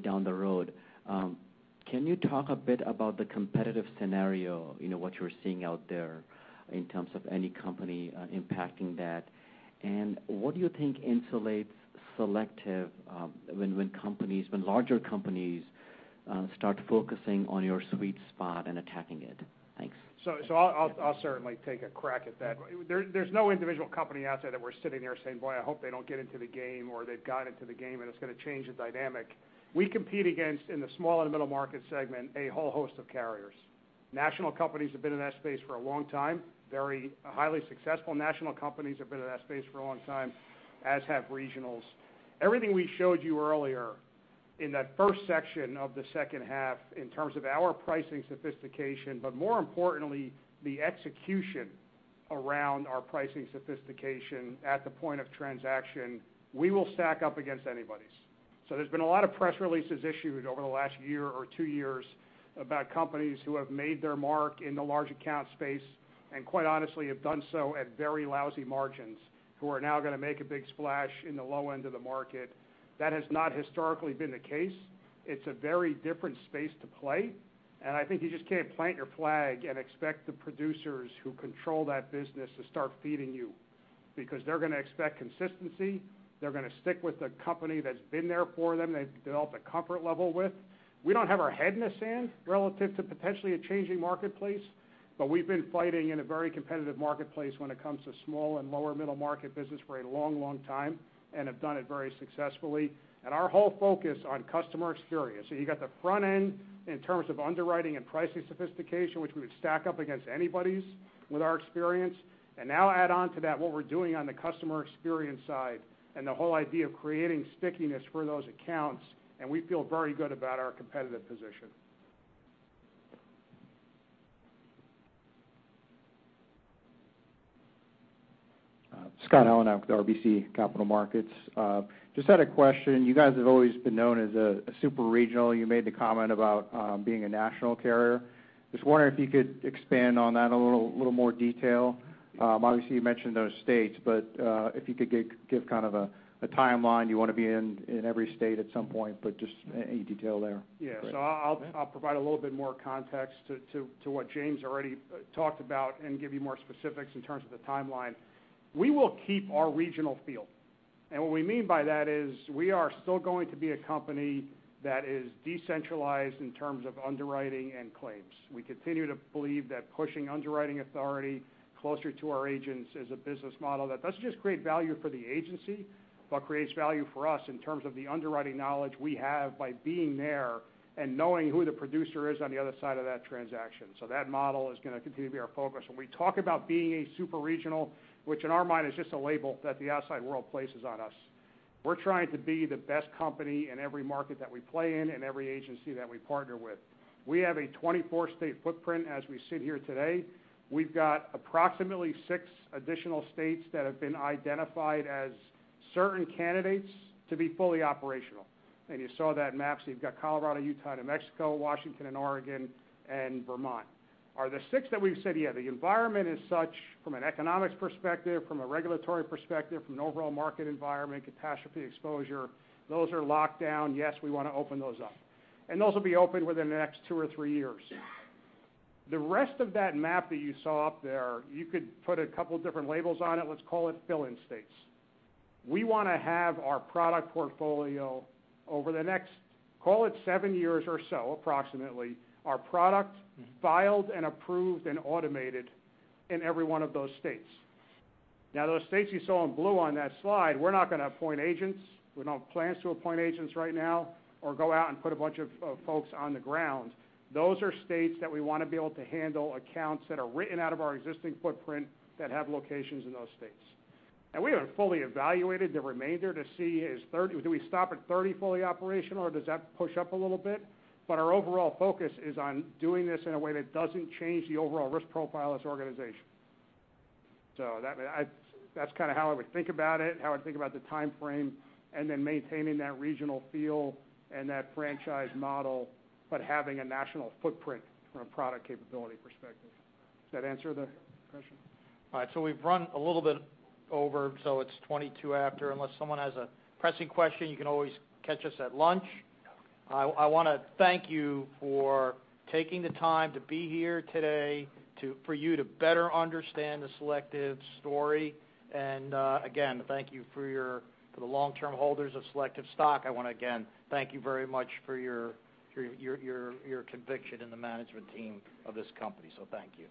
down the road. Can you talk a bit about the competitive scenario, what you're seeing out there in terms of any company impacting that? What do you think insulates Selective when larger companies start focusing on your sweet spot and attacking it? Thanks. I'll certainly take a crack at that. There's no individual company out there that we're sitting here saying, "Boy, I hope they don't get into the game," or they've got into the game and it's going to change the dynamic. We compete against, in the small and middle market segment, a whole host of carriers. National companies have been in that space for a long time, very highly successful national companies have been in that space for a long time, as have regionals. Everything we showed you earlier in that first section of the second half, in terms of our pricing sophistication, but more importantly, the execution around our pricing sophistication at the point of transaction, we will stack up against anybody's. There's been a lot of press releases issued over the last year or two years about companies who have made their mark in the large account space, and quite honestly, have done so at very lousy margins, who are now going to make a big splash in the low end of the market. That has not historically been the case. It's a very different space to play, and I think you just can't plant your flag and expect the producers who control that business to start feeding you, because they're going to expect consistency. They're going to stick with the company that's been there for them, they've developed a comfort level with. We don't have our head in the sand relative to potentially a changing marketplace, we've been fighting in a very competitive marketplace when it comes to small and lower middle market business for a long time, and have done it very successfully. Our whole focus on customer experience. You got the front end in terms of underwriting and pricing sophistication, which we would stack up against anybody's with our experience. Now add on to that, what we're doing on the customer experience side and the whole idea of creating stickiness for those accounts, and we feel very good about our competitive position. Scott Allen out with RBC Capital Markets. Just had a question. You guys have always been known as a super regional. You made the comment about being a national carrier. Just wondering if you could expand on that in a little more detail. Obviously, you mentioned those states, but if you could give kind of a timeline. You want to be in every state at some point, but just any detail there. I'll provide a little bit more context to what James already talked about and give you more specifics in terms of the timeline. We will keep our regional feel. What we mean by that is we are still going to be a company that is decentralized in terms of underwriting and claims. We continue to believe that pushing underwriting authority closer to our agents is a business model that doesn't just create value for the agency, but creates value for us in terms of the underwriting knowledge we have by being there and knowing who the producer is on the other side of that transaction. That model is going to continue to be our focus. When we talk about being a super regional, which in our mind is just a label that the outside world places on us. We're trying to be the best company in every market that we play in and every agency that we partner with. We have a 24-state footprint as we sit here today. We've got approximately six additional states that have been identified as certain candidates to be fully operational. You saw that map. You've got Colorado, Utah, New Mexico, Washington, Oregon, and Vermont. Are the six that we've said, "The environment is such from an economics perspective, from a regulatory perspective, from an overall market environment, catastrophe exposure, those are locked down. Yes, we want to open those up." Those will be open within the next two or three years. The rest of that map that you saw up there, you could put a couple different labels on it. Let's call it fill-in states. We want to have our product portfolio over the next, call it seven years or so, approximately, our product filed and approved and automated in every one of those states. Those states you saw in blue on that slide, we're not going to appoint agents. We don't have plans to appoint agents right now or go out and put a bunch of folks on the ground. Those are states that we want to be able to handle accounts that are written out of our existing footprint that have locations in those states. We haven't fully evaluated the remainder to see, do we stop at 30 fully operational or does that push up a little bit? Our overall focus is on doing this in a way that doesn't change the overall risk profile of this organization. That's kind of how I would think about it, how I'd think about the timeframe, maintaining that regional feel and that franchise model, having a national footprint from a product capability perspective. Does that answer the question? All right. We've run a little bit over, it's 22 after. Unless someone has a pressing question, you can always catch us at lunch. I want to thank you for taking the time to be here today, for you to better understand the Selective story. Again, thank you for the long-term holders of Selective stock. I want to, again, thank you very much for your conviction in the management team of this company. Thank you